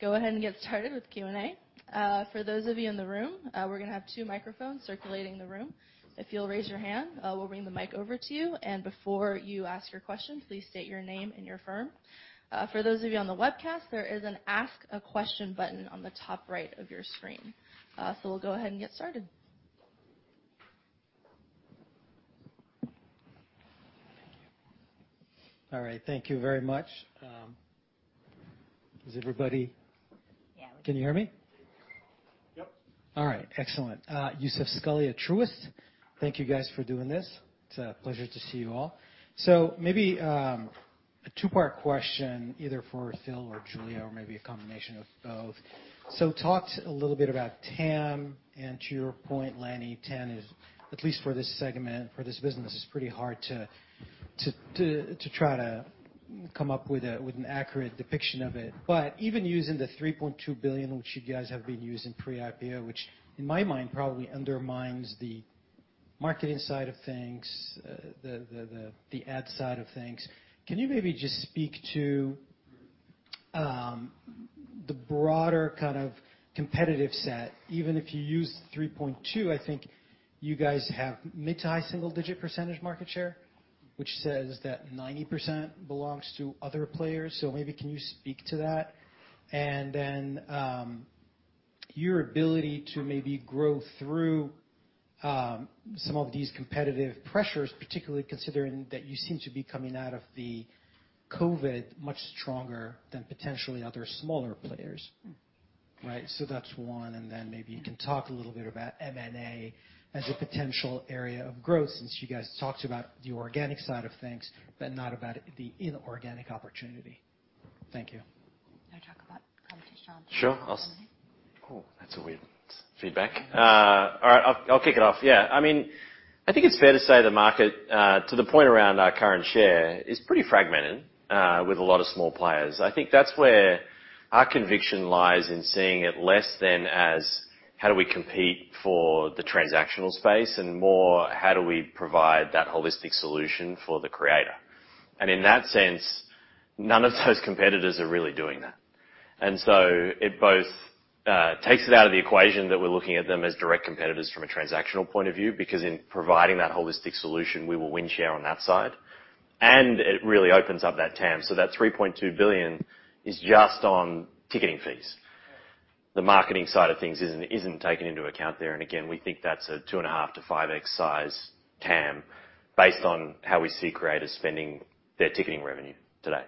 A: go ahead and get started with Q&A. For those of you in the room, we're gonna have two microphones circulating the room. If you'll raise your hand, we'll bring the mic over to you. Before you ask your question, please state your name and your firm. For those of you on the webcast, there is an Ask a Question button on the top right of your screen. We'll go ahead and get started.
I: Thank you. All right. Thank you very much. Is everybody-
B: Yeah.
I: Can you hear me?
C: Yep.
I: All right. Excellent. Youssef Squali at Truist. Thank you guys for doing this. It's a pleasure to see you all. Maybe a two-part question either for Phil or Julia or maybe a combination of both. Talked a little bit about TAM and to your point, Lanny, 10 is, at least for this segment, for this business, it's pretty hard to try to come up with an accurate depiction of it. But even using the $3.2 billion which you guys have been using pre-IPO, which in my mind probably undermines the marketing side of things, the ad side of things. Can you maybe just speak to the broader kind of competitive set? Even if you use 3.2, I think you guys have mid- to high-single-digit percentage market share, which says that 90% belongs to other players. Maybe can you speak to that? Your ability to maybe grow through some of these competitive pressures, particularly considering that you seem to be coming out of the COVID much stronger than potentially other smaller players. Right. That's one. Maybe you can talk a little bit about M&A as a potential area of growth since you guys talked about the organic side of things but not about the inorganic opportunity. Thank you.
B: Wanna talk about competition?
C: Sure. Oh, that's weird feedback. All right, I'll kick it off. Yeah. I mean, I think it's fair to say the market to the point around our current share is pretty fragmented with a lot of small players. I think that's where our conviction lies in seeing it less than as how do we compete for the transactional space and more how do we provide that holistic solution for the creator. In that sense, none of those competitors are really doing that. It both takes it out of the equation that we're looking at them as direct competitors from a transactional point of view, because in providing that holistic solution we will win share on that side. It really opens up that TAM. That $3.2 billion is just on ticketing fees.
I: Yeah.
C: The marketing side of things isn't taken into account there. Again, we think that's a 2.5x-5x size TAM based on how we see creators spending their ticketing revenue today.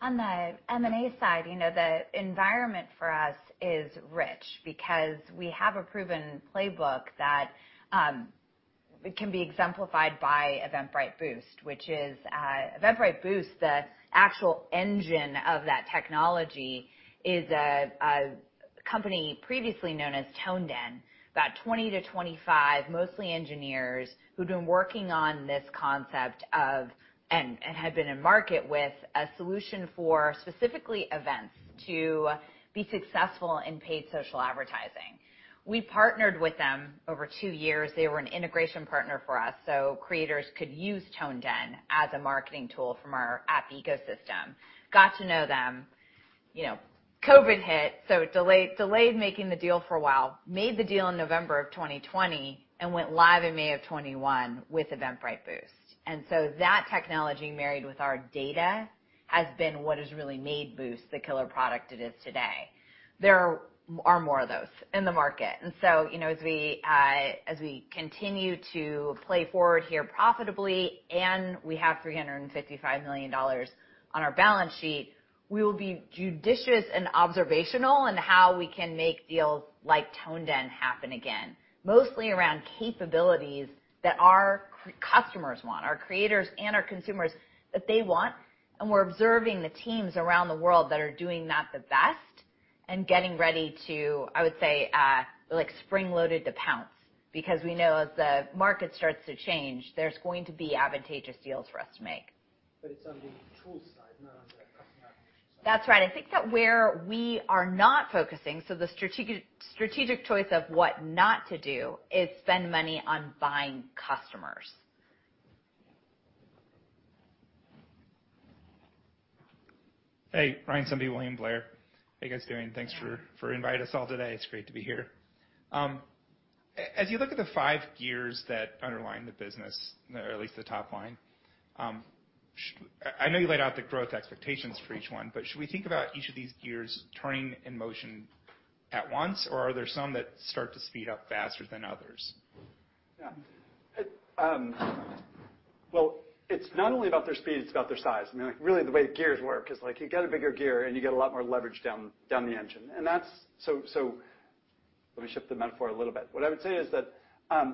B: On the M&A side, you know, the environment for us is rich because we have a proven playbook that, It can be exemplified by Eventbrite Boost, which is Eventbrite Boost. The actual engine of that technology is a company previously known as ToneDen. About 20-25, mostly engineers, who'd been working on this concept and had been in market with a solution for specifically events to be successful in paid social advertising. We partnered with them over 2 years. They were an integration partner for us, so creators could use ToneDen as a marketing tool from our app ecosystem. Got to know them, you know. COVID hit, so it delayed making the deal for a while, made the deal in November of 2020 and went live in May of 2021 with Eventbrite Boost. That technology married with our data has been what has really made Boost the killer product it is today. There are more of those in the market. You know, as we continue to play forward here profitably, and we have $355 million on our balance sheet, we will be judicious and observational in how we can make deals like ToneDen happen again, mostly around capabilities that our customers want, our creators and our consumers, that they want. We're observing the teams around the world that are doing that the best and getting ready to, I would say, like spring-loaded to pounce. Because we know as the market starts to change, there's going to be advantageous deals for us to make.
I: It's on the tools side, not on the customer side.
B: That's right. I think that where we are not focusing, so the strategic choice of what not to do is spend money on buying customers.
J: Hey, Ryan Sundby, William Blair. How you guys doing? Thanks for inviting us all today. It's great to be here. As you look at the five gears that underline the business, or at least the top line, I know you laid out the growth expectations for each one, but should we think about each of these gears turning in motion at once or are there some that start to speed up faster than others?
H: Yeah. Well, it's not only about their speed, it's about their size. I mean, like really the way gears work is like you get a bigger gear and you get a lot more leverage down the engine. Let me shift the metaphor a little bit. What I would say is that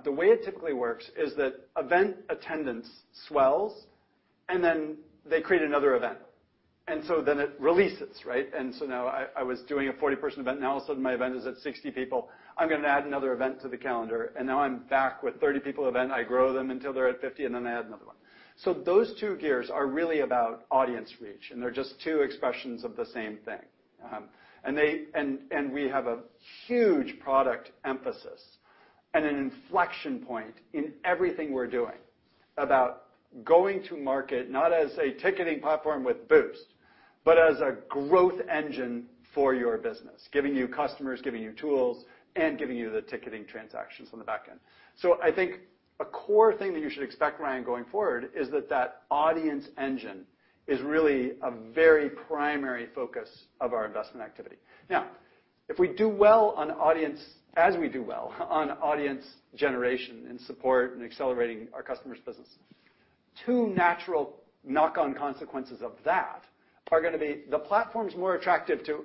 H: the way it typically works is that event attendance swells, and then they create another event, and so then it releases, right? Now I was doing a 40-person event, now all of a sudden my event is at 60 people. I'm gonna add another event to the calendar, and now I'm back with 30 people event. I grow them until they're at 50, and then I add another one. Those two gears are really about audience reach, and they're just two expressions of the same thing. We have a huge product emphasis and an inflection point in everything we're doing about going to market not as a ticketing platform with Boost, but as a growth engine for your business, giving you customers, giving you tools, and giving you the ticketing transactions on the back end. I think a core thing that you should expect, Ryan, going forward is that that audience engine is really a very primary focus of our investment activity. Now, if we do well on audience, as we do well on audience generation and support and accelerating our customers' business, two natural knock-on consequences of that are gonna be the platform's more attractive to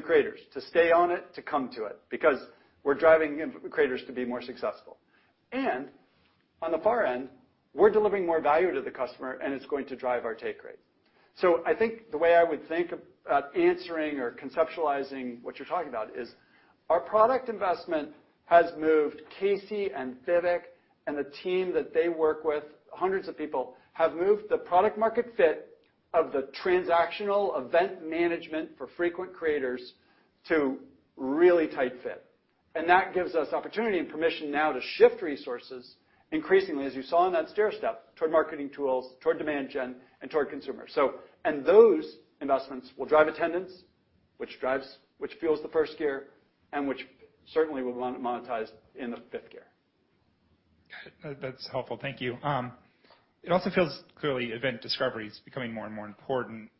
H: creators to stay on it, to come to it, because we're driving in creators to be more successful. On the far end, we're delivering more value to the customer, and it's going to drive our take rate. I think the way I would think about answering or conceptualizing what you're talking about is our product investment has moved Casey and Vivek and the team that they work with, hundreds of people, have moved the product market fit of the transactional event management for frequent creators to really tight fit. That gives us opportunity and permission now to shift resources increasingly, as you saw in that stair step, toward marketing tools, toward demand gen, and toward consumers. Those investments will drive attendance, which fuels the first gear, and which certainly will monetize in the fifth gear.
K: Got it. That's helpful. Thank you. It also feels clearly event discovery is becoming more and more important.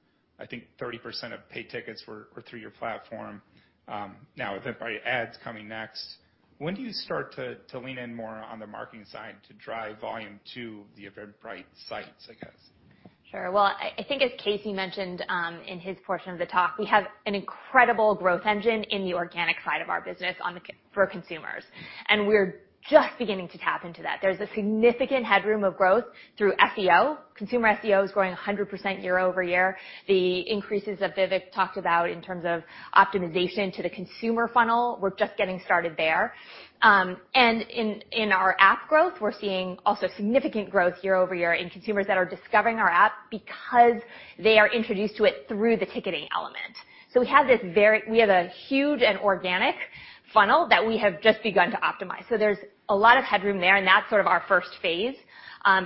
K: I think 30% of paid tickets were through your platform. Now Eventbrite Ads coming next. When do you start to lean in more on the marketing side to drive volume to the Eventbrite sites, I guess?
B: Sure. Well, I think as Casey mentioned in his portion of the talk, we have an incredible growth engine in the organic side of our business for consumers, and we're just beginning to tap into that. There's a significant headroom of growth through SEO. Consumer SEO is growing 100% year-over-year. The increases that Vivek talked about in terms of optimization to the consumer funnel, we're just getting started there. In our app growth, we're seeing also significant growth year-over-year in consumers that are discovering our app because they are introduced to it through the ticketing element. We have a huge and organic funnel that we have just begun to optimize. There's a lot of headroom there, and that's sort of our first phase,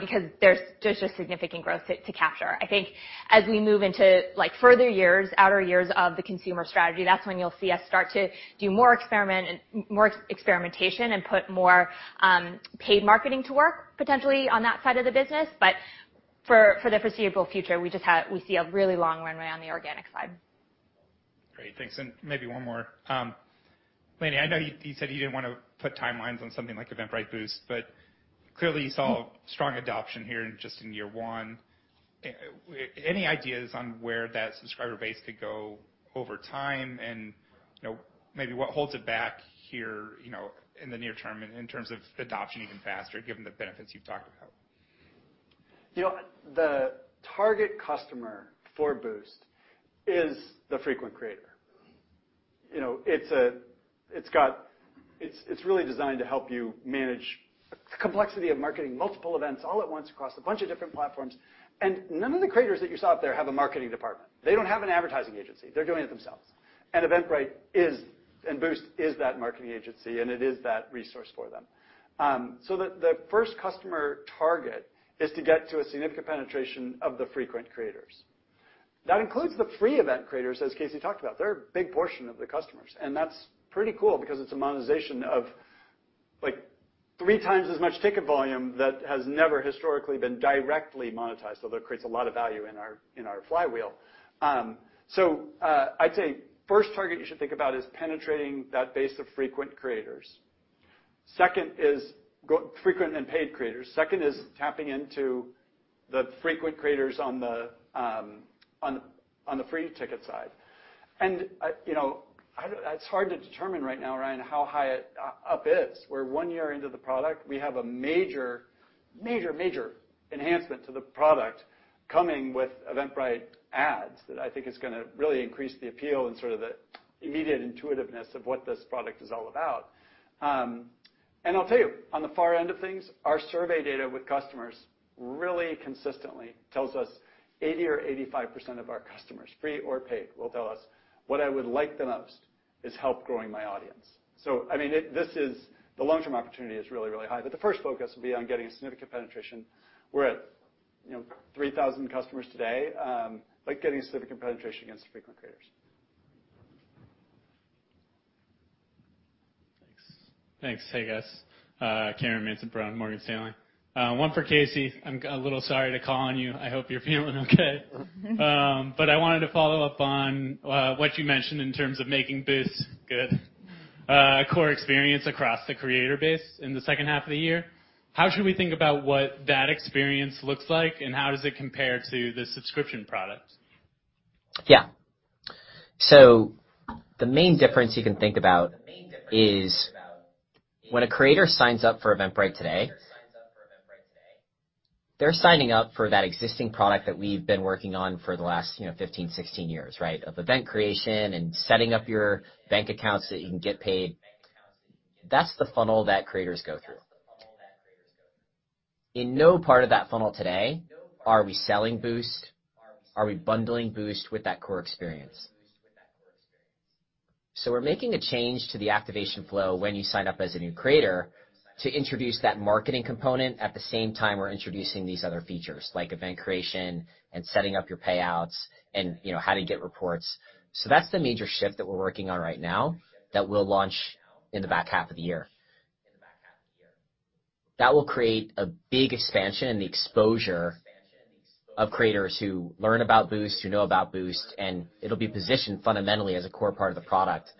B: because there's just significant growth to capture. I think as we move into like further years, outer years of the consumer strategy, that's when you'll see us start to do more experimentation and put more paid marketing to work potentially on that side of the business. But for the foreseeable future, we see a really long runway on the organic side.
K: Great. Thanks. Maybe one more. Lanny, I know you said you didn't want to put timelines on something like Eventbrite Boost, but clearly you saw strong adoption here just in year one. Any ideas on where that subscriber base could go over time and, you know, maybe what holds it back here, you know, in the near term in terms of adoption even faster, given the benefits you've talked about?
H: You know, the target customer for Boost is the frequent creator. You know, it's really designed to help you manage the complexity of marketing multiple events all at once across a bunch of different platforms. None of the creators that you saw up there have a marketing department. They don't have an advertising agency. They're doing it themselves. Eventbrite is, and Boost is that marketing agency, and it is that resource for them. The first customer target is to get to a significant penetration of the frequent creators. That includes the free event creators, as Casey talked about. They're a big portion of the customers, and that's pretty cool because it's a monetization of, like, three times as much ticket volume that has never historically been directly monetized, so that creates a lot of value in our flywheel. I'd say first target you should think about is penetrating that base of frequent creators. Second is frequent and paid creators. Second is tapping into the frequent creators on the free ticket side. You know, I don't. It's hard to determine right now, Ryan, how high it up is. We're one year into the product. We have a major enhancement to the product coming with Eventbrite Ads that I think is gonna really increase the appeal and sort of the immediate intuitiveness of what this product is all about. I'll tell you, on the far end of things, our survey data with customers really consistently tells us 80% or 85% of our customers, free or paid, will tell us, "What I would like the most is help growing my audience." I mean, this is the long-term opportunity is really, really high, but the first focus will be on getting a significant penetration. We're at, you know, 3,000 customers today, but getting significant penetration against frequent creators.
K: Thanks.
L: Thanks. Hey, guys. Cameron Mansson-Perrone, Morgan Stanley. One for Casey. I'm a little sorry to call on you. I hope you're feeling okay. I wanted to follow up on what you mentioned in terms of making Boost good core experience across the creator base in the second half of the year. How should we think about what that experience looks like, and how does it compare to the subscription product?
F: Yeah. The main difference you can think about is when a creator signs up for Eventbrite today, they're signing up for that existing product that we've been working on for the last, you know, 15, 16 years, right? Of event creation and setting up your bank accounts so that you can get paid. That's the funnel that creators go through. In no part of that funnel today are we selling Boost, are we bundling Boost with that core experience. We're making a change to the activation flow when you sign up as a new creator to introduce that marketing component. At the same time, we're introducing these other features like event creation and setting up your payouts and, you know, how to get reports. That's the major shift that we're working on right now that we'll launch in the back half of the year. That will create a big expansion in the exposure of creators who learn about Boost, who know about Boost, and it'll be positioned fundamentally as a core part of the product,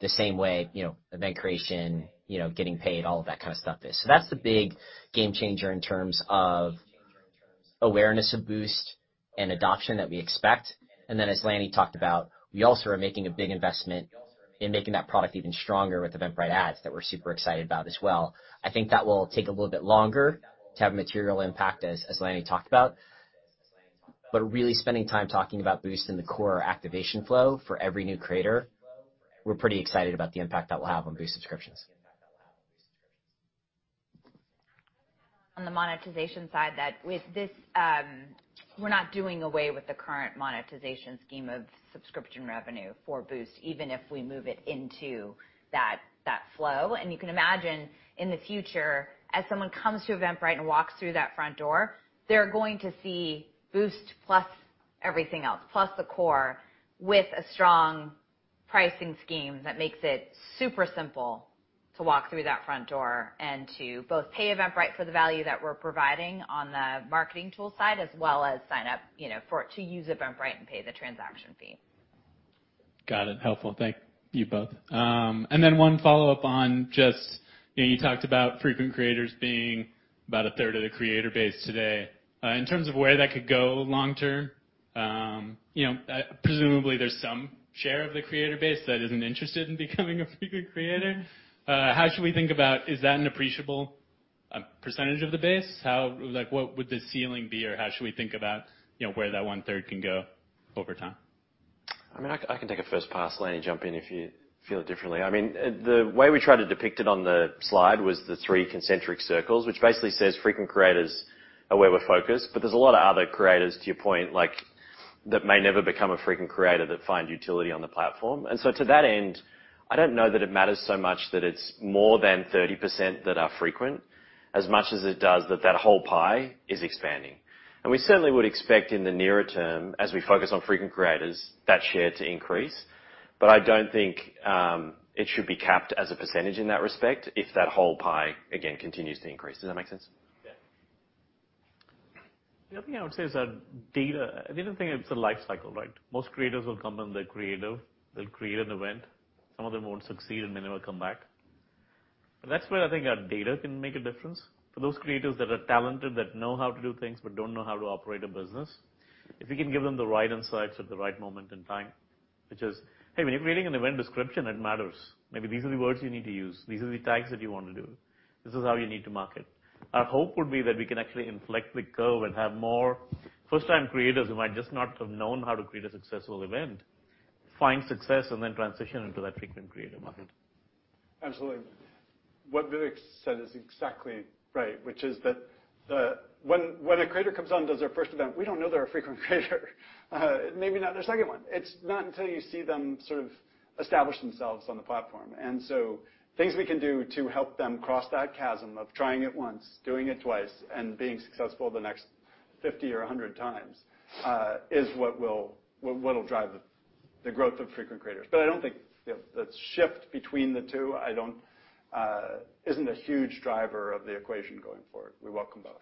F: the same way, you know, event creation, you know, getting paid, all of that kind of stuff is. That's the big game changer in terms of awareness of Boost and adoption that we expect. As Lanny talked about, we also are making a big investment in making that product even stronger with Eventbrite Ads that we're super excited about as well. I think that will take a little bit longer to have a material impact, as Lanny talked about. Really spending time talking about Boost in the core activation flow for every new creator, we're pretty excited about the impact that will have on Boost subscriptions.
B: On the monetization side that with this, we're not doing away with the current monetization scheme of subscription revenue for Boost, even if we move it into that flow. You can imagine in the future, as someone comes to Eventbrite and walks through that front door, they're going to see Boost plus everything else, plus the core with a strong pricing scheme that makes it super simple to walk through that front door and to both pay Eventbrite for the value that we're providing on the marketing tool side, as well as sign up, you know, for it to use Eventbrite and pay the transaction fee.
L: Got it. Helpful. Thank you both. One follow-up on just, you know, you talked about frequent creators being about 1/3 of the creator base today. In terms of where that could go long term, you know, presumably there's some share of the creator base that isn't interested in becoming a frequent creator. How should we think about is that an appreciable percentage of the base? Like, what would the ceiling be, or how should we think about, you know, where that one-third can go over time?
C: I mean, I can take a first pass, Lanny, jump in if you feel it differently. I mean, the way we try to depict it on the slide was the three concentric circles, which basically says frequent creators are where we're focused, but there's a lot of other creators, to your point, like, that may never become a frequent creator that find utility on the platform. To that end, I don't know that it matters so much that it's more than 30% that are frequent as much as it does that that whole pie is expanding. We certainly would expect in the nearer term, as we focus on frequent creators, that share to increase. I don't think it should be capped as a percentage in that respect if that whole pie again continues to increase. Does that make sense?
L: Yeah.
H: The other thing I would say is that data, another thing, it's a life cycle, right? Most creators will come and they're creative. They'll create an event. Some of them won't succeed, and then they'll come back.
G: That's where I think our data can make a difference. For those creators that are talented, that know how to do things, but don't know how to operate a business, if we can give them the right insights at the right moment in time, which is, "Hey, when you're creating an event description, it matters. Maybe these are the words you need to use. These are the tags that you wanna do. This is how you need to market." Our hope would be that we can actually inflect the curve and have more first-time creators who might just not have known how to create a successful event, find success and then transition into that frequent creator market.
H: Absolutely. What Vivek said is exactly right, which is that when a creator comes on, does their first event, we don't know they're a frequent creator. Maybe not their second one. It's not until you see them sort of establish themselves on the platform. Things we can do to help them cross that chasm of trying it once, doing it twice, and being successful the next 50 or 100 times is what will drive the growth of frequent creators. I don't think, you know, the shift between the two isn't a huge driver of the equation going forward. We welcome both.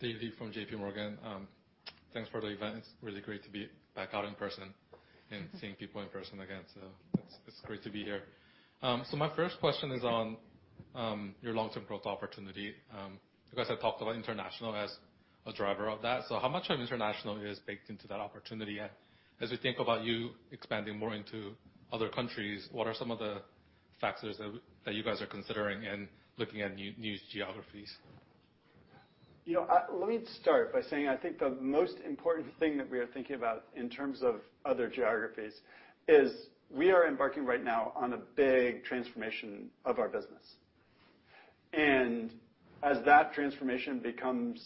M: David from JPMorgan. Thanks for the event. It's really great to be back out in person and seeing people in person again, it's great to be here. My first question is on your long-term growth opportunity. You guys have talked about international as a driver of that. How much of international is baked into that opportunity? As we think about you expanding more into other countries, what are some of the factors that you guys are considering in looking at new geographies?
H: You know, let me start by saying I think the most important thing that we are thinking about in terms of other geographies is we are embarking right now on a big transformation of our business. As that transformation becomes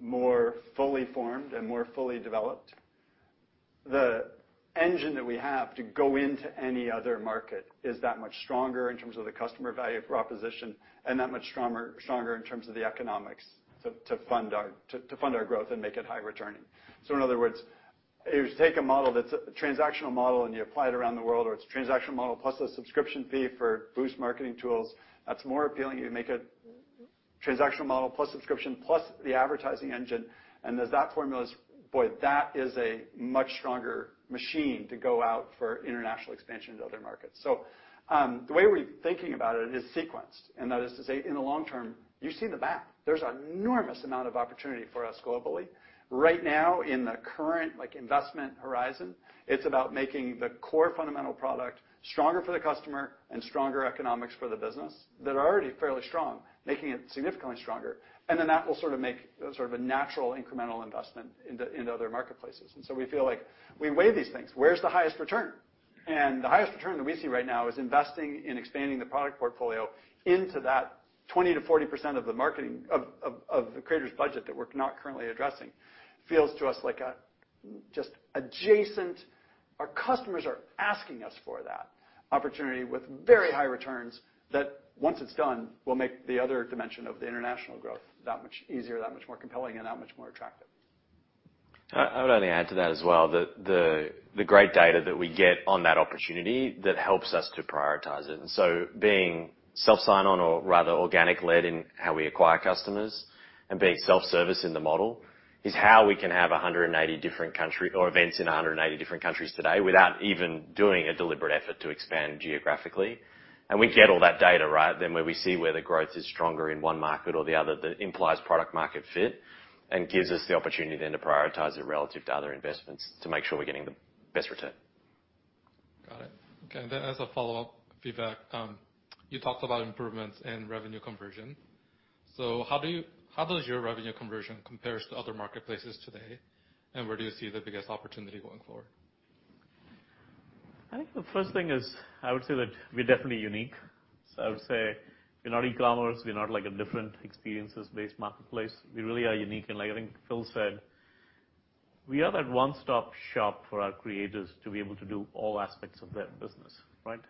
H: more fully formed and more fully developed, the engine that we have to go into any other market is that much stronger in terms of the customer value proposition and that much stronger in terms of the economics to fund our growth and make it high returning. In other words, if you take a model that's a transactional model, and you apply it around the world, or it's a transactional model plus a subscription fee for boost marketing tools, that's more appealing. You make a transactional model plus subscription, plus the advertising engine, and as that formula's. Boy, that is a much stronger machine to go out for international expansion into other markets. The way we're thinking about it is sequenced, and that is to say, in the long term, you've seen the math. There's enormous amount of opportunity for us globally. Right now, in the current, like, investment horizon, it's about making the core fundamental product stronger for the customer and stronger economics for the business that are already fairly strong, making it significantly stronger. Then that will sort of make a natural incremental investment into other marketplaces. We feel like we weigh these things. Where's the highest return? The highest return that we see right now is investing in expanding the product portfolio into that 20%-40% of the marketing of the creator's budget that we're not currently addressing. Feels to us like it's just adjacent. Our customers are asking us for that opportunity with very high returns that once it's done, will make the other dimension of the international growth that much easier, that much more compelling and that much more attractive.
C: I would only add to that as well, the great data that we get on that opportunity that helps us to prioritize it. Being self sign-up or rather organically led in how we acquire customers and being self-service in the model is how we can have events in 180 different countries today without even doing a deliberate effort to expand geographically. We get all that data, right? When we see where the growth is stronger in one market or the other, that implies product market fit and gives us the opportunity then to prioritize it relative to other investments to make sure we're getting the best return.
M: Got it. Okay. As a follow-up feedback, you talked about improvements in revenue conversion. How does your revenue conversion compares to other marketplaces today, and where do you see the biggest opportunity going forward?
G: I think the first thing is, I would say that we're definitely unique. I would say we're not e-commerce, we're not like a different experiences-based marketplace. We really are unique, and like I think Phil said, we are that one-stop shop for our creators to be able to do all aspects of their business, right?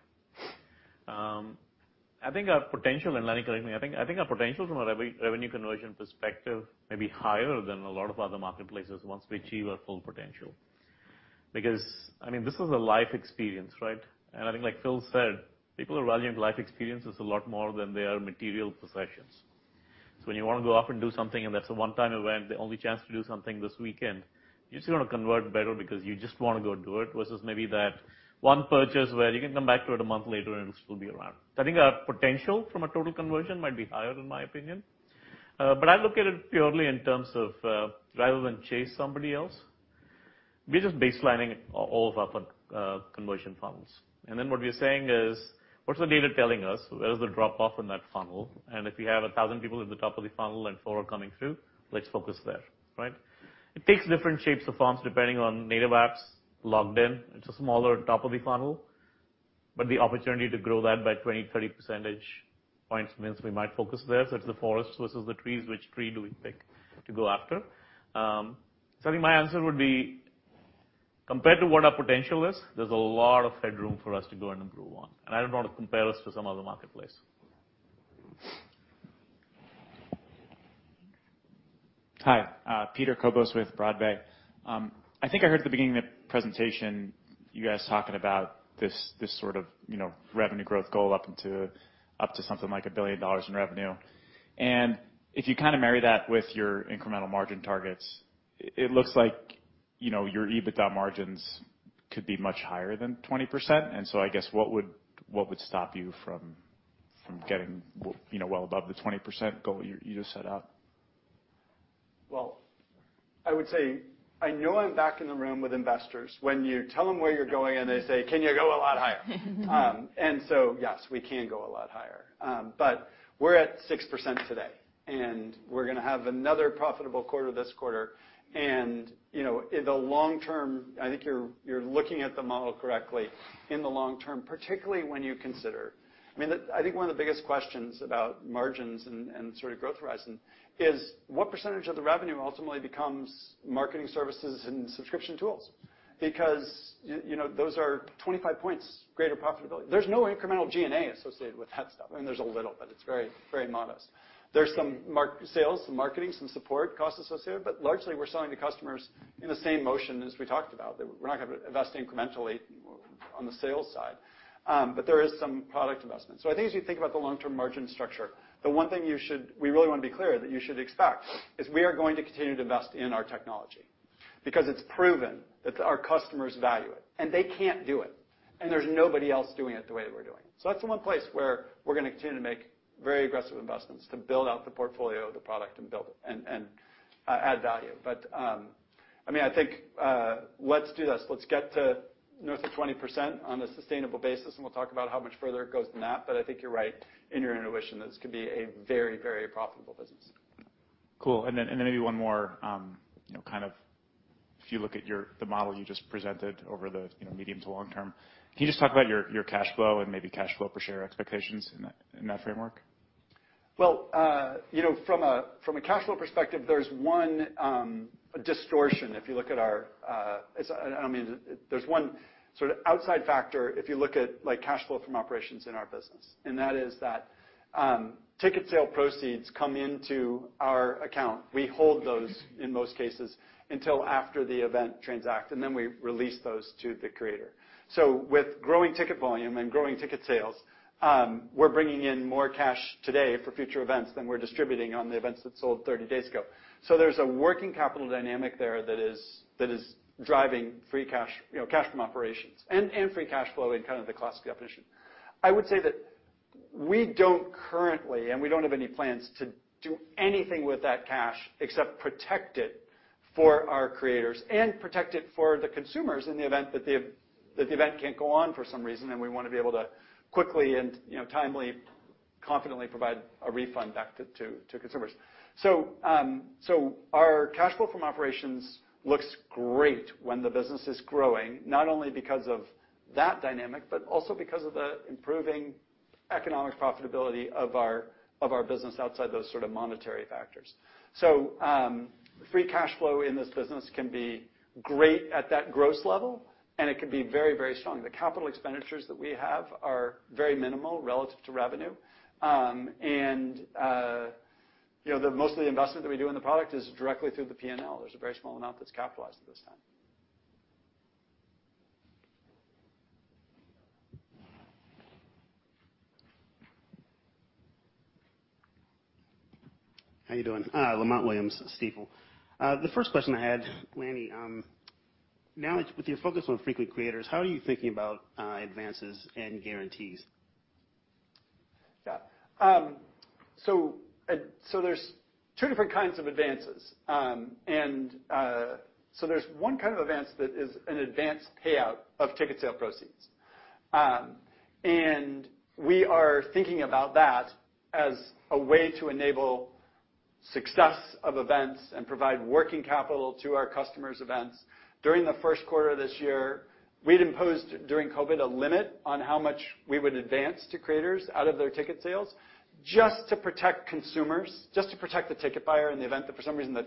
G: I think our potential, and Lanny correct me, I think our potential from a revenue conversion perspective may be higher than a lot of other marketplaces once we achieve our full potential. Because, I mean, this is a life experience, right? I think like Phil said, people are valuing life experiences a lot more than their material possessions. When you wanna go off and do something, and that's a one-time event, the only chance to do something this weekend, it's gonna convert better because you just wanna go do it versus maybe that one purchase where you can come back to it a month later and it'll still be around. I think our potential from a total conversion might be higher in my opinion. But I look at it purely in terms of, rather than chase somebody else, we're just baselining all of our conversion funnels. What we're saying is, "What's the data telling us? Where is the drop-off in that funnel? And if we have 1,000 people at the top of the funnel and are coming through, let's focus there," right? It takes different shapes or forms depending on native apps logged in. It's a smaller top of the funnel, but the opportunity to grow that by 20-30 percentage points means we might focus there. It's the forest versus the trees, which tree do we pick to go after? I think my answer would be, compared to what our potential is, there's a lot of headroom for us to go in and grow on, and I don't want to compare us to some other marketplace.
N: Hi, Peter Cobos with Broad Bay Capital. I think I heard at the beginning of the presentation, you guys talking about this sort of, you know, revenue growth goal up to something like $1 billion in revenue. If you kinda marry that with your incremental margin targets, it looks like, you know, your EBITDA margins could be much higher than 20%. I guess what would stop you from? Getting well, you know, above the 20% goal you just set up.
H: Well, I would say I know I'm back in the room with investors when you tell them where you're going and they say, "Can you go a lot higher?" Yes, we can go a lot higher. We're at 6% today, and we're gonna have another profitable quarter this quarter. You know, in the long term, I think you're looking at the model correctly in the long term, particularly when you consider. I mean, I think one of the biggest questions about margins and sort of growth horizon is what percentage of the revenue ultimately becomes marketing services and subscription tools? Because you know, those are 25 points greater profitability. There's no incremental G&A associated with that stuff. I mean, there's a little, but it's very, very modest. There's some sales, some marketing, some support cost associated, but largely we're selling to customers in the same motion as we talked about. We're not gonna invest incrementally on the sales side. There is some product investment. I think as you think about the long-term margin structure, the one thing we really wanna be clear that you should expect is we are going to continue to invest in our technology because it's proven that our customers value it, and they can't do it, and there's nobody else doing it the way that we're doing it. That's the one place where we're gonna continue to make very aggressive investments to build out the portfolio of the product and build it and add value. I mean, I think, let's do this. Let's get to north of 20% on a sustainable basis, and we'll talk about how much further it goes than that. I think you're right in your intuition. This could be a very, very profitable business.
N: Cool. Maybe one more, you know, kind of if you look at the model you just presented over the, you know, medium to long term, can you just talk about your cash flow and maybe cash flow per share expectations in that framework?
H: Well, you know, from a cash flow perspective, there's one distortion if you look at our. I mean, there's one sort of outside factor if you look at, like, cash flow from operations in our business, and that is that ticket sale proceeds come into our account. We hold those in most cases until after the event transact, and then we release those to the creator. With growing ticket volume and growing ticket sales, we're bringing in more cash today for future events than we're distributing on the events that sold 30 days ago. There's a working capital dynamic there that is driving free cash, you know, cash from operations and free cash flow in kind of the classic definition. I would say that we don't currently, and we don't have any plans to do anything with that cash except protect it for our creators and protect it for the consumers in the event that the event can't go on for some reason, and we wanna be able to quickly and, you know, timely, confidently provide a refund back to consumers. Our cash flow from operations looks great when the business is growing, not only because of that dynamic but also because of the improving economic profitability of our business outside those sort of monetary factors. Free cash flow in this business can be great at that gross level, and it can be very, very strong. The capital expenditures that we have are very minimal relative to revenue. you know, the mostly investment that we do in the product is directly through the P&L. There's a very small amount that's capitalized at this time.
O: How you doing? Lamont Williams, Stifel. The first question I had, Lanny, now with your focus on frequent creators, how are you thinking about advances and guarantees?
H: Yeah, there are two different kinds of advances. There's one kind of advance that is an advance payout of ticket sale proceeds. We are thinking about that as a way to enable success of events and provide working capital to our customers' events. During the first quarter of this year, we'd imposed during COVID a limit on how much we would advance to creators out of their ticket sales just to protect consumers, just to protect the ticket buyer in the event that for some reason the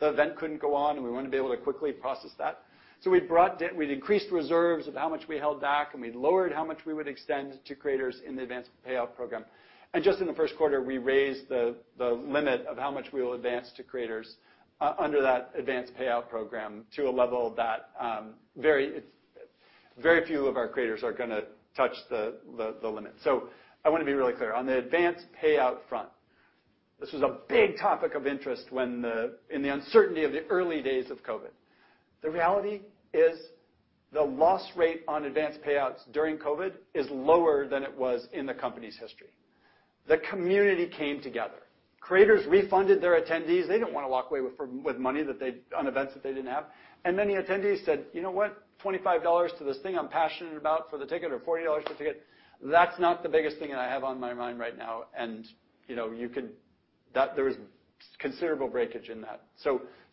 H: event couldn't go on, and we wanna be able to quickly process that. We increased reserves of how much we held back, and we lowered how much we would extend to creators in the advance payout program. Just in the first quarter, we raised the limit of how much we will advance to creators under that advance payout program to a level that very, very few of our creators are gonna touch the limit. I wanna be really clear. On the advance payout front, this was a big topic of interest in the uncertainty of the early days of COVID. The reality is the loss rate on advance payouts during COVID is lower than it was in the company's history. The community came together. Creators refunded their attendees. They didn't wanna walk away with money on events that they didn't have. Many attendees said, "You know what? $25 to this thing I'm passionate about for the ticket or $40 for the ticket, that's not the biggest thing that I have on my mind right now." You know, that there was considerable breakage in that.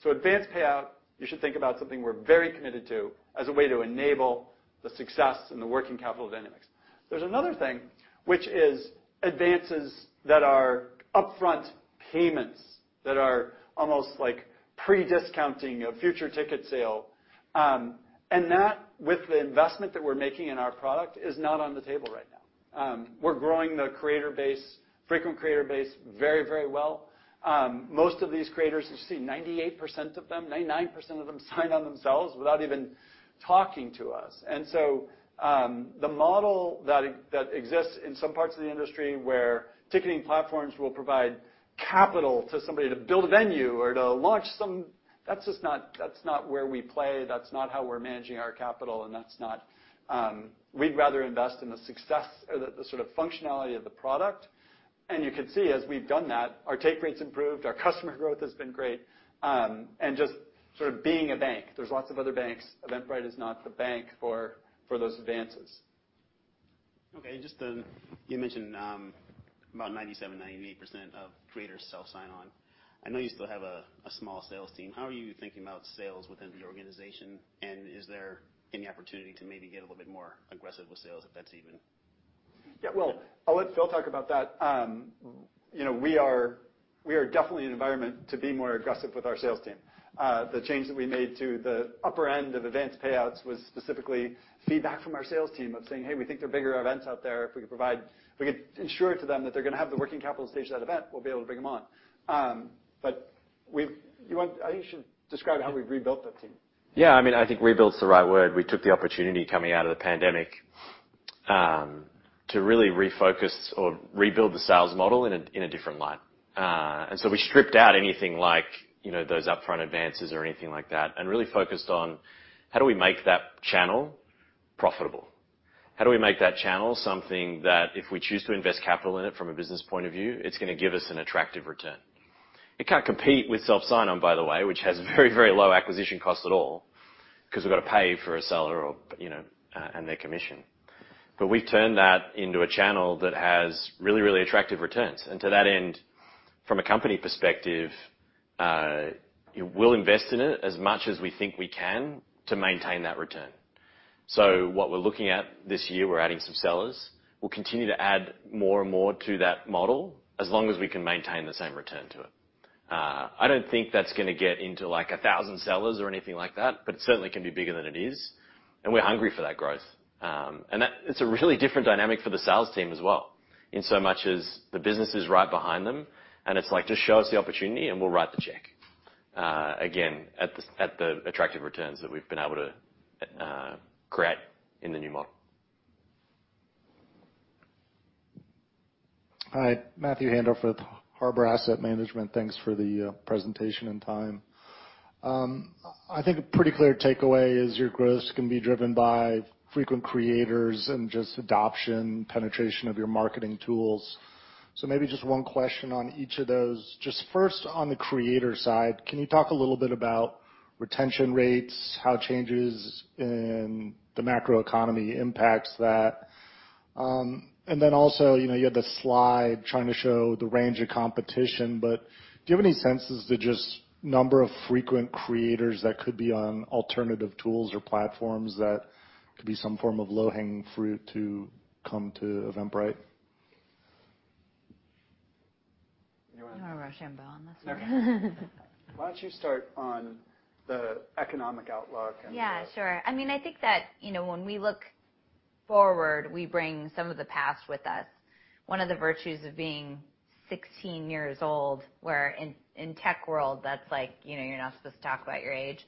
H: Advance payout, you should think about something we're very committed to as a way to enable the success and the working capital dynamics. There's another thing, which is advances that are upfront payments that are almost like pre-discounting a future ticket sale. And that, with the investment that we're making in our product, is not on the table right now. We're growing the creator base, frequent creator base very, very well. Most of these creators, you see 98% of them, 99% of them sign on themselves without even talking to us. The model that exists in some parts of the industry where ticketing platforms will provide capital to somebody to build a venue or to launch. That's just not where we play, that's not how we're managing our capital, and that's not. We'd rather invest in the success or the sort of functionality of the product. You can see as we've done that, our take rates improved, our customer growth has been great, and just sort of being a bank. There's lots of other banks. Eventbrite is not the bank for those advances.
O: Okay. Just, you mentioned about 97%-98% of creators self sign on. I know you still have a small sales team. How are you thinking about sales within the organization? Is there any opportunity to maybe get a little bit more aggressive with sales if that's even-
H: Yeah. Well, I'll let Phil talk about that. We are definitely in an environment to be more aggressive with our sales team. The change that we made to the upper end of events payouts was specifically feedback from our sales team of saying, "Hey, we think there are bigger events out there. If we could ensure to them that they're gonna have the working capital to stage that event, we'll be able to bring them on." But we've. I think you should describe how we've rebuilt that team.
C: Yeah, I mean, I think rebuilt's the right word. We took the opportunity coming out of the pandemic to really refocus or rebuild the sales model in a different light. We stripped out anything like, you know, those upfront advances or anything like that, and really focused on how do we make that channel profitable? How do we make that channel something that if we choose to invest capital in it from a business point of view, it's gonna give us an attractive return. It can't compete with self sign-up, by the way, which has very, very low acquisition cost at all, 'cause we've got to pay for a seller or, you know, and their commission. We've turned that into a channel that has really, really attractive returns. To that end, from a company perspective, we'll invest in it as much as we think we can to maintain that return. What we're looking at this year, we're adding some sellers. We'll continue to add more and more to that model as long as we can maintain the same return to it. I don't think that's gonna get into like 1,000 sellers or anything like that, but it certainly can be bigger than it is, and we're hungry for that growth. It's a really different dynamic for the sales team as well, in so much as the business is right behind them, and it's like, "Just show us the opportunity, and we'll write the check," again, at the attractive returns that we've been able to create in the new model.
P: Hi. Matthew Handorf with Harbor Asset Management. Thanks for the presentation and time. I think a pretty clear takeaway is your growth can be driven by frequent creators and just adoption, penetration of your marketing tools. Maybe just one question on each of those. Just first, on the creator side, can you talk a little bit about retention rates, how changes in the macroeconomy impacts that? And then also, you know, you had the slide trying to show the range of competition, but do you have any sense as to just number of frequent creators that could be on alternative tools or platforms that could be some form of low-hanging fruit to come to Eventbrite?
H: You wanna-
B: I'm gonna roshambo on this one.
H: Okay. Why don't you start on the economic outlook and the
B: Yeah, sure. I mean, I think that, you know, when we look forward, we bring some of the past with us. One of the virtues of being 16 years old, where in tech world, that's like, you know, you're not supposed to talk about your age.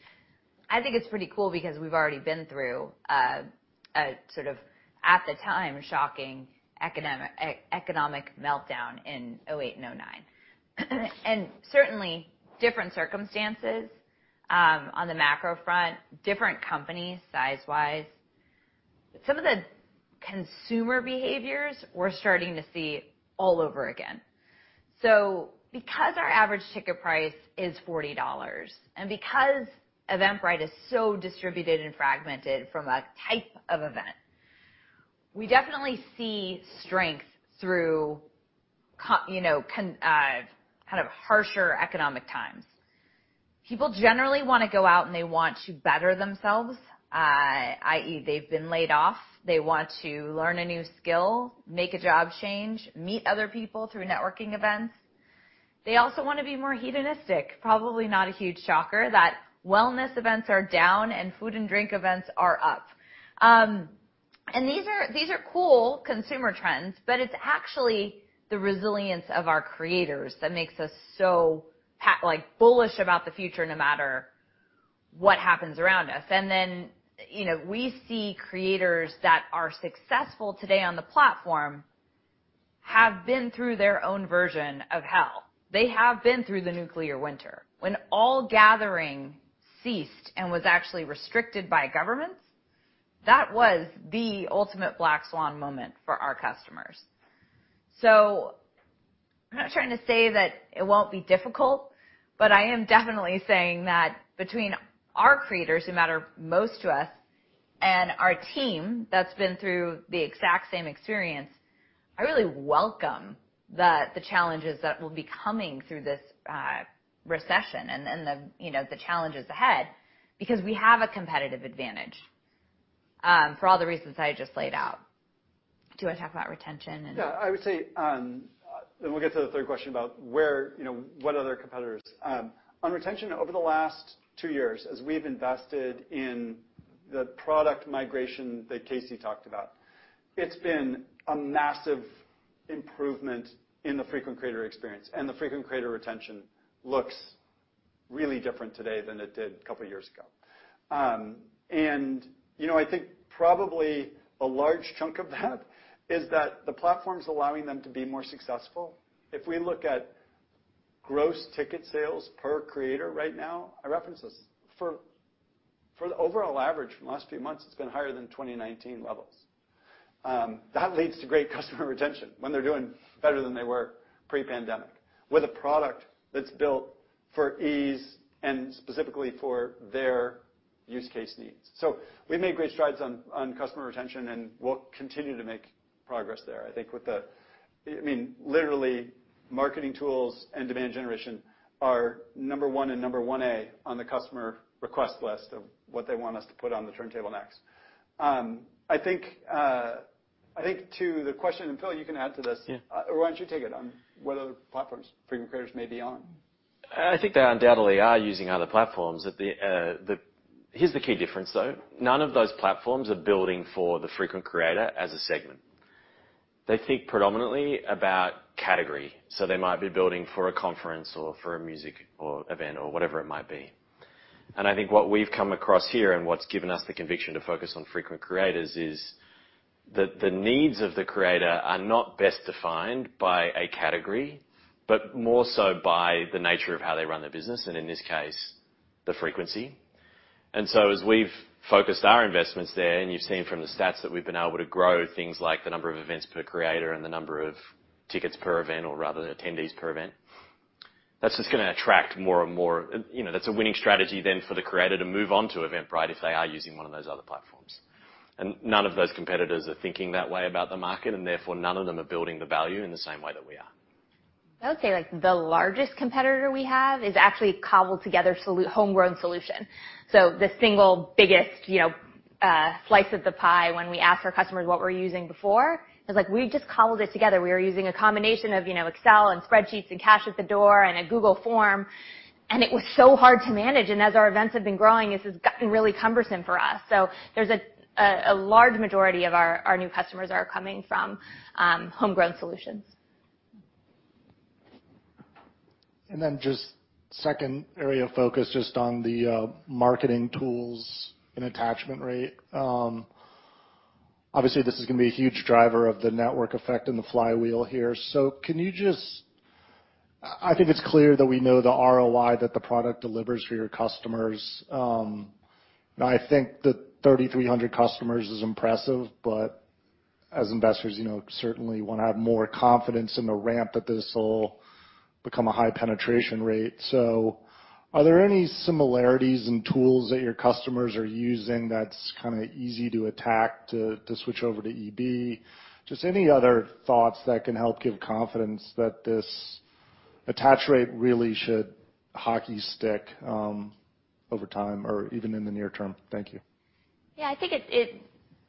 B: I think it's pretty cool because we've already been through a sort of, at the time, shocking economic meltdown in 2008 and 2009. Certainly different circumstances on the macro front, different companies size-wise. Some of the consumer behaviors we're starting to see all over again. Because our average ticket price is $40 and because Eventbrite is so distributed and fragmented from a type of event, we definitely see strength through, you know, kind of harsher economic times. People generally wanna go out, and they want to better themselves, i.e., they've been laid off. They want to learn a new skill, make a job change, meet other people through networking events. They also wanna be more hedonistic. Probably not a huge shocker that wellness events are down and food and drink events are up. These are cool consumer trends, but it's actually the resilience of our creators that makes us so like, bullish about the future no matter what happens around us. You know, we see creators that are successful today on the platform have been through their own version of hell. They have been through the nuclear winter when all gathering ceased and was actually restricted by governments. That was the ultimate black swan moment for our customers. I'm not trying to say that it won't be difficult, but I am definitely saying that between our creators who matter most to us and our team that's been through the exact same experience, I really welcome the challenges that will be coming through this recession and, you know, the challenges ahead because we have a competitive advantage for all the reasons I just laid out. Do you wanna talk about retention and-
H: Yeah. I would say, then we'll get to the third question about where, you know, what other competitors. On retention over the last two years, as we've invested in the product migration that Casey talked about, it's been a massive improvement in the frequent creator experience, and the frequent creator retention looks really different today than it did a couple of years ago. You know, I think probably a large chunk of that is that the platform's allowing them to be more successful. If we look at gross ticket sales per creator right now, I reference this, for the overall average from the last few months, it's been higher than 2019 levels. That leads to great customer retention when they're doing better than they were pre-pandemic, with a product that's built for ease and specifically for their use case needs. We've made great strides on customer retention, and we'll continue to make progress there. I think I mean, literally marketing tools and demand generation are number one and number one-A on the customer request list of what they want us to put on the turntable next. I think to the question, and Phil, you can add to this.
C: Yeah.
H: Why don't you take it on what other platforms frequent creators may be on?
C: I think they undoubtedly are using other platforms. Here's the key difference, though. None of those platforms are building for the frequent creator as a segment. They think predominantly about category, so they might be building for a conference or for a music or event or whatever it might be. I think what we've come across here and what's given us the conviction to focus on frequent creators is that the needs of the creator are not best defined by a category, but more so by the nature of how they run their business, and in this case, the frequency. As we've focused our investments there, and you've seen from the stats that we've been able to grow things like the number of events per creator and the number of tickets per event or rather attendees per event, that's just gonna attract more and more. You know, that's a winning strategy then for the creator to move on to Eventbrite if they are using one of those other platforms. None of those competitors are thinking that way about the market, and therefore none of them are building the value in the same way that we are.
D: I would say, like, the largest competitor we have is actually cobbled together homegrown solution. The single biggest, you know, slice of the pie when we ask our customers what we're using before, it's like, "We've just cobbled it together. We are using a combination of, you know, Excel and spreadsheets and cash at the door and a Google Form, and it was so hard to manage. As our events have been growing, this has gotten really cumbersome for us." There's a large majority of our new customers are coming from homegrown solutions.
P: Just second area of focus just on the marketing tools and attachment rate. Obviously, this is gonna be a huge driver of the network effect and the flywheel here. Can you just I think it's clear that we know the ROI that the product delivers for your customers. I think the 3,300 customers is impressive, but as investors, you know, certainly wanna have more confidence in the ramp that this will become a high penetration rate. Are there any similarities and tools that your customers are using that's kinda easy to attach to switch over to ED? Just any other thoughts that can help give confidence that this attach rate really should hockey stick over time or even in the near term? Thank you.
D: Yeah. I think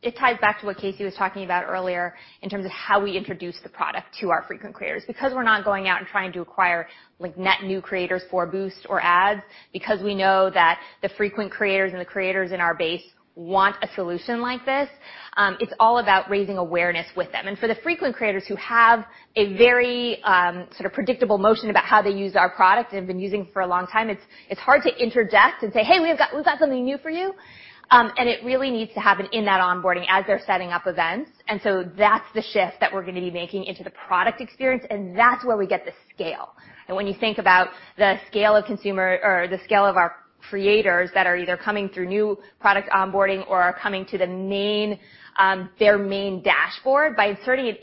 D: it ties back to what Casey was talking about earlier in terms of how we introduce the product to our frequent creators. Because we're not going out and trying to acquire, like, net new creators for Boost or Ads, because we know that the frequent creators and the creators in our base want a solution like this, it's all about raising awareness with them. For the frequent creators who have a very, sort of predictable motion about how they use our product and have been using for a long time, it's hard to interject and say, "Hey, we've got something new for you." It really needs to happen in that onboarding as they're setting up events. That's the shift that we're gonna be making into the product experience, and that's where we get the scale. When you think about the scale of consumer or the scale of our creators that are either coming through new product onboarding or are coming to their main dashboard by inserting it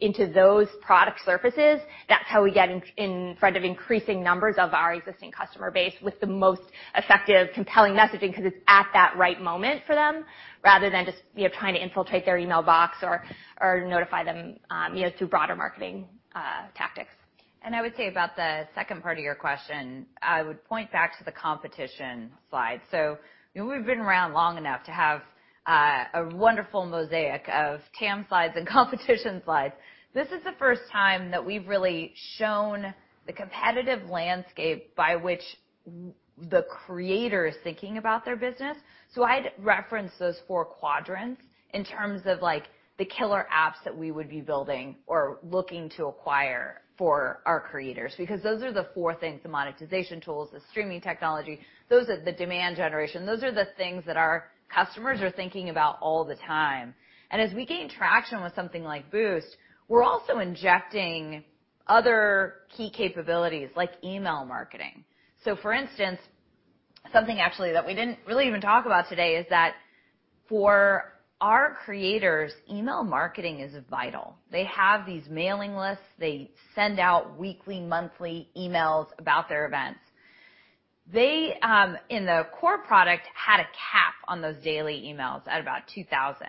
D: into those product surfaces, that's how we get in front of increasing numbers of our existing customer base with the most effective, compelling messaging because it's at that right moment for them, rather than just, you know, trying to infiltrate their email box or notify them, you know, through broader marketing tactics.
B: I would say about the second part of your question, I would point back to the competition slide. You know, we've been around long enough to have a wonderful mosaic of TAM slides and competition slides. This is the first time that we've really shown the competitive landscape by which the creator is thinking about their business. I'd reference those four quadrants in terms of, like, the killer apps that we would be building or looking to acquire for our creators, because those are the four things, the monetization tools, the streaming technology. Those are the demand generation. Those are the things that our customers are thinking about all the time. As we gain traction with something like Boost, we're also injecting other key capabilities like email marketing. For instance, something actually that we didn't really even talk about today is that for our creators, email marketing is vital. They have these mailing lists. They send out weekly, monthly emails about their events. They in the core product had a cap on those daily emails at about 2,000.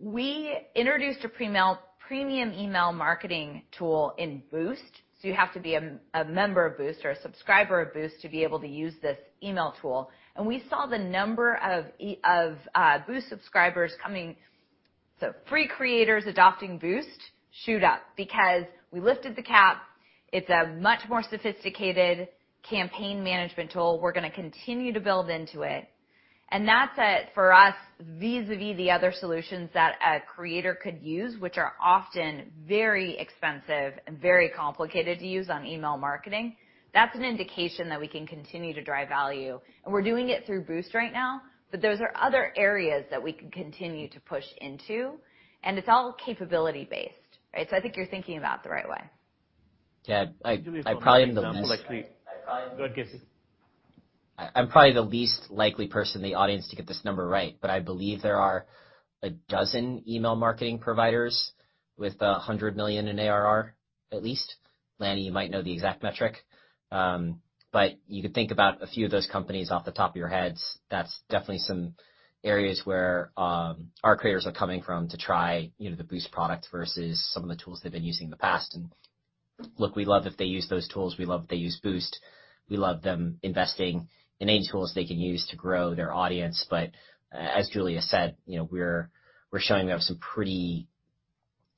B: We introduced a premium email marketing tool in Boost, so you have to be a member of Boost or a subscriber of Boost to be able to use this email tool. We saw the number of Boost subscribers coming from free creators adopting Boost shoot up because we lifted the cap. It's a much more sophisticated campaign management tool. We're gonna continue to build into it. That's it for us vis-à-vis the other solutions that a creator could use, which are often very expensive and very complicated to use on email marketing. That's an indication that we can continue to drive value, and we're doing it through Boost right now, but those are other areas that we can continue to push into, and it's all capability-based, right? I think you're thinking about it the right way.
F: Yeah. I probably am the least-
G: Julia, if you want an example, actually.
F: I probably am the-
G: Go ahead, Casey.
F: I'm probably the least likely person in the audience to get this number right, but I believe there are a dozen email marketing providers with $100 million in ARR, at least. Lanny, you might know the exact metric. You could think about a few of those companies off the top of your heads. That's definitely some areas where our creators are coming from to try, you know, the Boost product versus some of the tools they've been using in the past. Look, we love if they use those tools, we love if they use Boost. We love them investing in any tools they can use to grow their audience. as Julia said, you know, we're showing we have some pretty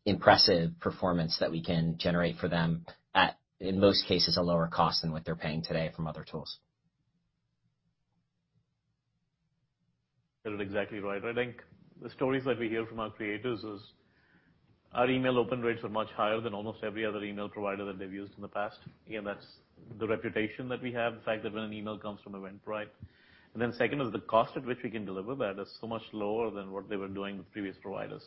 F: impressive performance that we can generate for them at, in most cases, a lower cost than what they're paying today from other tools.
G: You got it exactly right. I think the stories that we hear from our creators is our email open rates are much higher than almost every other email provider that they've used in the past. Again, that's the reputation that we have. The fact that when an email comes from Eventbrite, then second is the cost at which we can deliver that is so much lower than what they were doing with previous providers.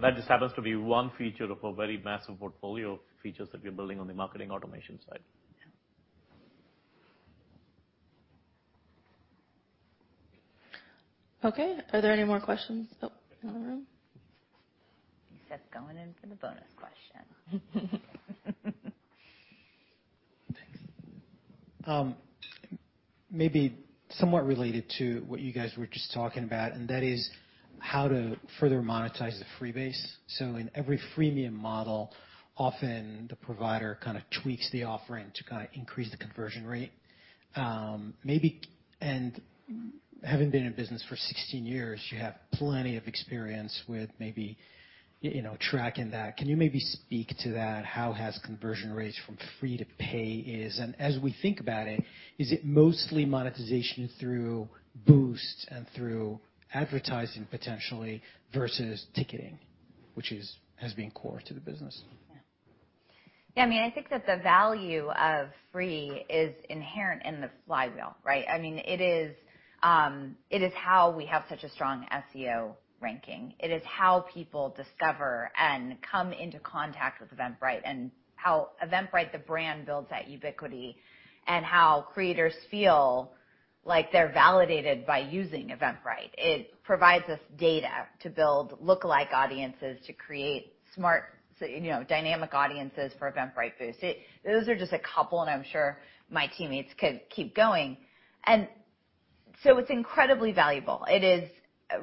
G: That just happens to be one feature of a very massive portfolio of features that we're building on the marketing automation side.
B: Okay. Are there any more questions? Oh, in the room. He's just going in for the bonus question.
I: Thanks. Maybe somewhat related to what you guys were just talking about, and that is how to further monetize the free base. In every freemium model, often the provider kind of tweaks the offering to kind of increase the conversion rate. Having been in business for 16 years, you have plenty of experience with maybe, you know, tracking that. Can you maybe speak to that? How has conversion rates from free to pay is? As we think about it, is it mostly monetization through Boost and through advertising potentially versus ticketing, which has been core to the business?
B: Yeah. I mean, I think that the value of free is inherent in the flywheel, right? I mean, it is how we have such a strong SEO ranking. It is how people discover and come into contact with Eventbrite, and how Eventbrite, the brand, builds that ubiquity, and how creators feel like they're validated by using Eventbrite. It provides us data to build lookalike audiences, to create smart so, you know, dynamic audiences for Eventbrite Boost. Those are just a couple, and I'm sure my teammates could keep going. It's incredibly valuable. It is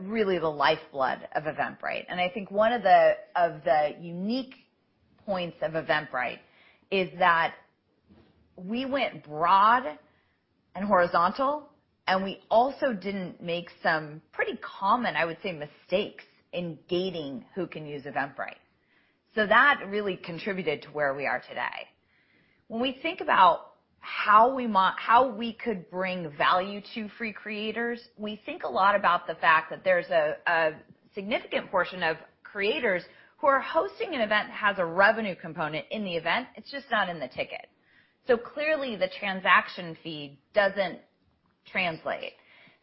B: really the lifeblood of Eventbrite. I think one of the unique points of Eventbrite is that we went broad and horizontal, and we also didn't make some pretty common, I would say, mistakes in gating who can use Eventbrite. That really contributed to where we are today. When we think about how we could bring value to free creators, we think a lot about the fact that there's a significant portion of creators who are hosting an event that has a revenue component in the event, it's just not in the ticket. Clearly, the transaction fee doesn't translate.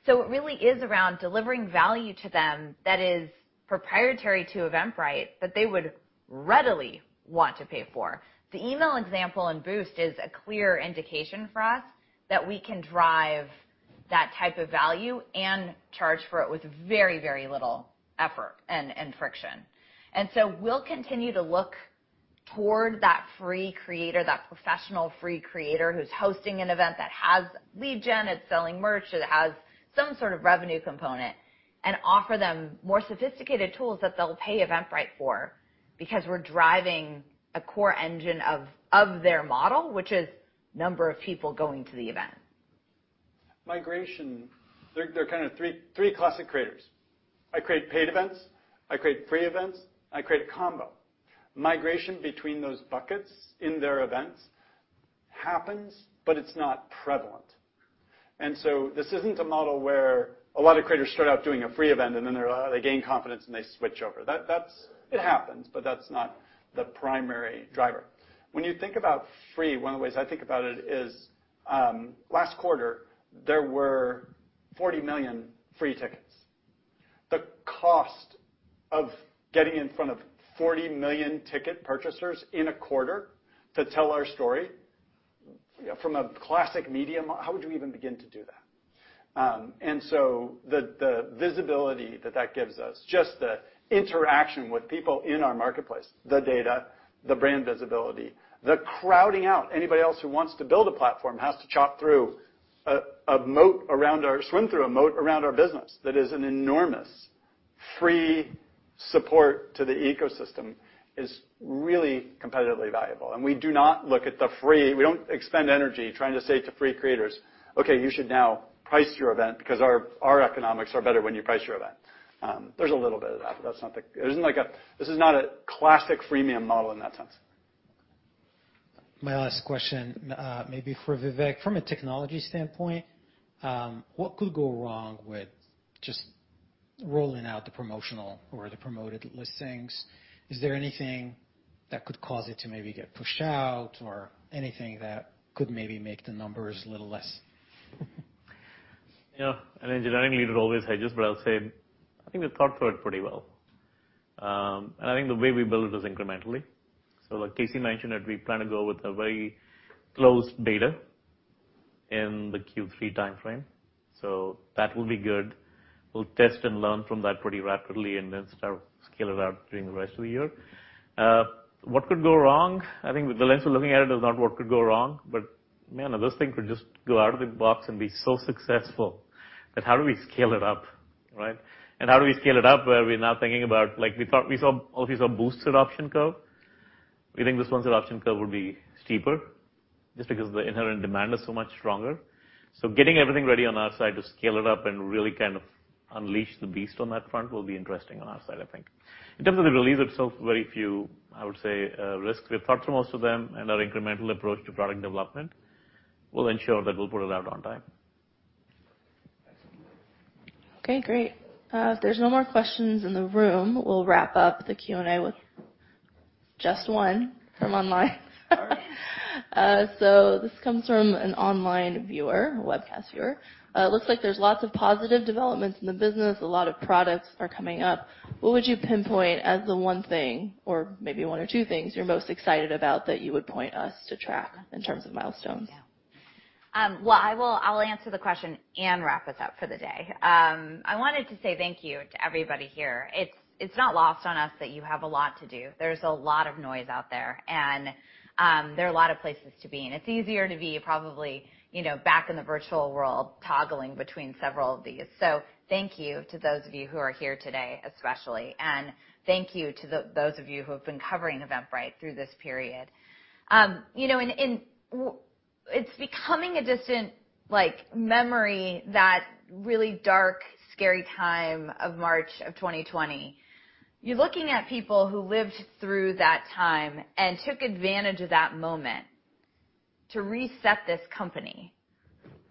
B: It really is around delivering value to them that is proprietary to Eventbrite, that they would readily want to pay for. The email example in Boost is a clear indication for us that we can drive that type of value and charge for it with very, very little effort and friction. We'll continue to look toward that free creator, that professional free creator who's hosting an event that has lead gen, it's selling merch, it has some sort of revenue component, and offer them more sophisticated tools that they'll pay Eventbrite for because we're driving a core engine of their model, which is number of people going to the event.
H: Migration. There are kind of three classic creators. I create paid events, I create free events, I create a combo. Migration between those buckets in their events happens, but it's not prevalent. This isn't a model where a lot of creators start out doing a free event and then they gain confidence, and they switch over. That happens, but that's not the primary driver. When you think about free, one of the ways I think about it is, last quarter, there were 40 million free tickets. The cost of getting in front of 40 million ticket purchasers in a quarter to tell our story from a classic medium, how would you even begin to do that? The visibility that gives us, just the interaction with people in our marketplace, the data, the brand visibility, the crowding out. Anybody else who wants to build a platform has to swim through a moat around our business that is an enormous free support to the ecosystem, is really competitively valuable. We do not look at the free. We don't expend energy trying to say to free creators, "Okay, you should now price your event because our economics are better when you price your event." There's a little bit of that, but that's not the. This is not a classic freemium model in that sense.
I: My last question, maybe for Vivek. From a technology standpoint, what could go wrong with just rolling out the promotional or the promoted listings? Is there anything that could cause it to maybe get pushed out or anything that could maybe make the numbers a little less?
G: You know, an engineering leader always hedges, but I'll say I think we've thought through it pretty well. I think the way we build is incrementally. Like Casey mentioned that we plan to go with a very closed beta in the Q3 timeframe. That will be good. We'll test and learn from that pretty rapidly and then start to scale it out during the rest of the year. What could go wrong? I think the lens we're looking at it is not what could go wrong, but man, this thing could just go out of the box and be so successful that how do we scale it up, right? How do we scale it up where we're now thinking about, like, we thought we saw all of you saw Boost's adoption curve. We think this one's adoption curve will be steeper just because the inherent demand is so much stronger. Getting everything ready on our side to scale it up and really kind of unleash the beast on that front will be interesting on our side, I think. In terms of the release itself, very few, I would say, risks. We've thought through most of them and our incremental approach to product development will ensure that we'll put it out on time.
I: Thanks.
A: Okay, great. If there's no more questions in the room, we'll wrap up the Q&A with just one from online.
B: All right.
A: This comes from an online viewer, a webcast viewer. It looks like there's lots of positive developments in the business. A lot of products are coming up. What would you pinpoint as the one thing or maybe one or two things you're most excited about that you would point us to track in terms of milestones?
B: Yeah. Well, I'll answer the question and wrap this up for the day. I wanted to say thank you to everybody here. It's not lost on us that you have a lot to do. There's a lot of noise out there, and there are a lot of places to be, and it's easier to be probably, you know, back in the virtual world toggling between several of these. Thank you to those of you who are here today, especially. Thank you to those of you who have been covering Eventbrite through this period. You know, it's becoming a distant, like, memory, that really dark, scary time of March of 2020. You're looking at people who lived through that time and took advantage of that moment to reset this company.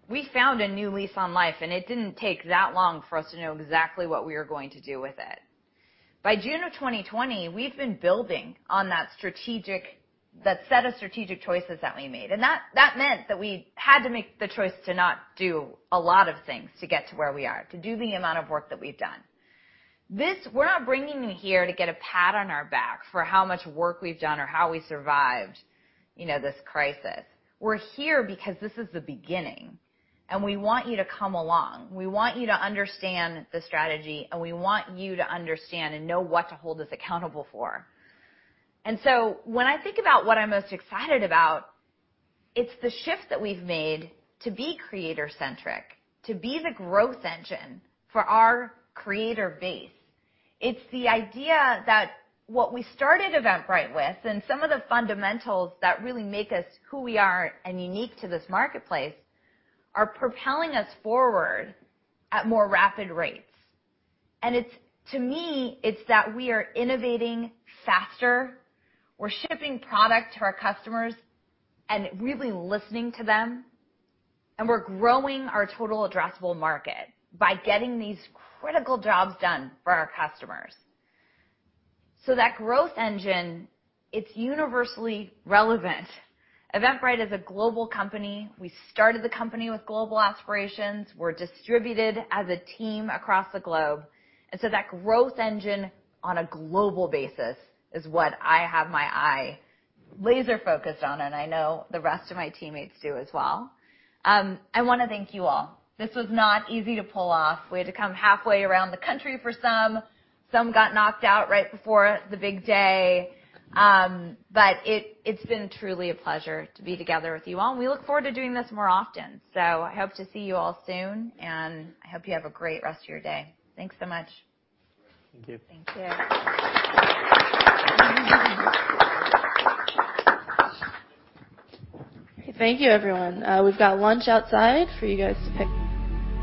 B: We found a new lease on life, and it didn't take that long for us to know exactly what we were going to do with it. By June of 2020, we've been building on that set of strategic choices that we made, and that meant that we had to make the choice to not do a lot of things to get to where we are, to do the amount of work that we've done. We're not bringing you here to get a pat on our back for how much work we've done or how we survived, you know, this crisis. We're here because this is the beginning, and we want you to come along. We want you to understand the strategy, and we want you to understand and know what to hold us accountable for. When I think about what I'm most excited about, it's the shift that we've made to be creator centric, to be the growth engine for our creator base. It's the idea that what we started Eventbrite with and some of the fundamentals that really make us who we are and unique to this marketplace are propelling us forward at more rapid rates. It's, to me, that we are innovating faster. We're shipping product to our customers and really listening to them. We're growing our total addressable market by getting these critical jobs done for our customers. That growth engine, it's universally relevant. Eventbrite is a global company. We started the company with global aspirations. We're distributed as a team across the globe. That growth engine on a global basis is what I have my eye laser focused on, and I know the rest of my teammates do as well. I wanna thank you all. This was not easy to pull off. We had to come halfway around the country for some. Some got knocked out right before the big day. But it's been truly a pleasure to be together with you all, and we look forward to doing this more often. I hope to see you all soon, and I hope you have a great rest of your day. Thanks so much.
G: Thank you.
B: Thank you.
A: Thank you, everyone. We've got lunch outside for you guys to pick-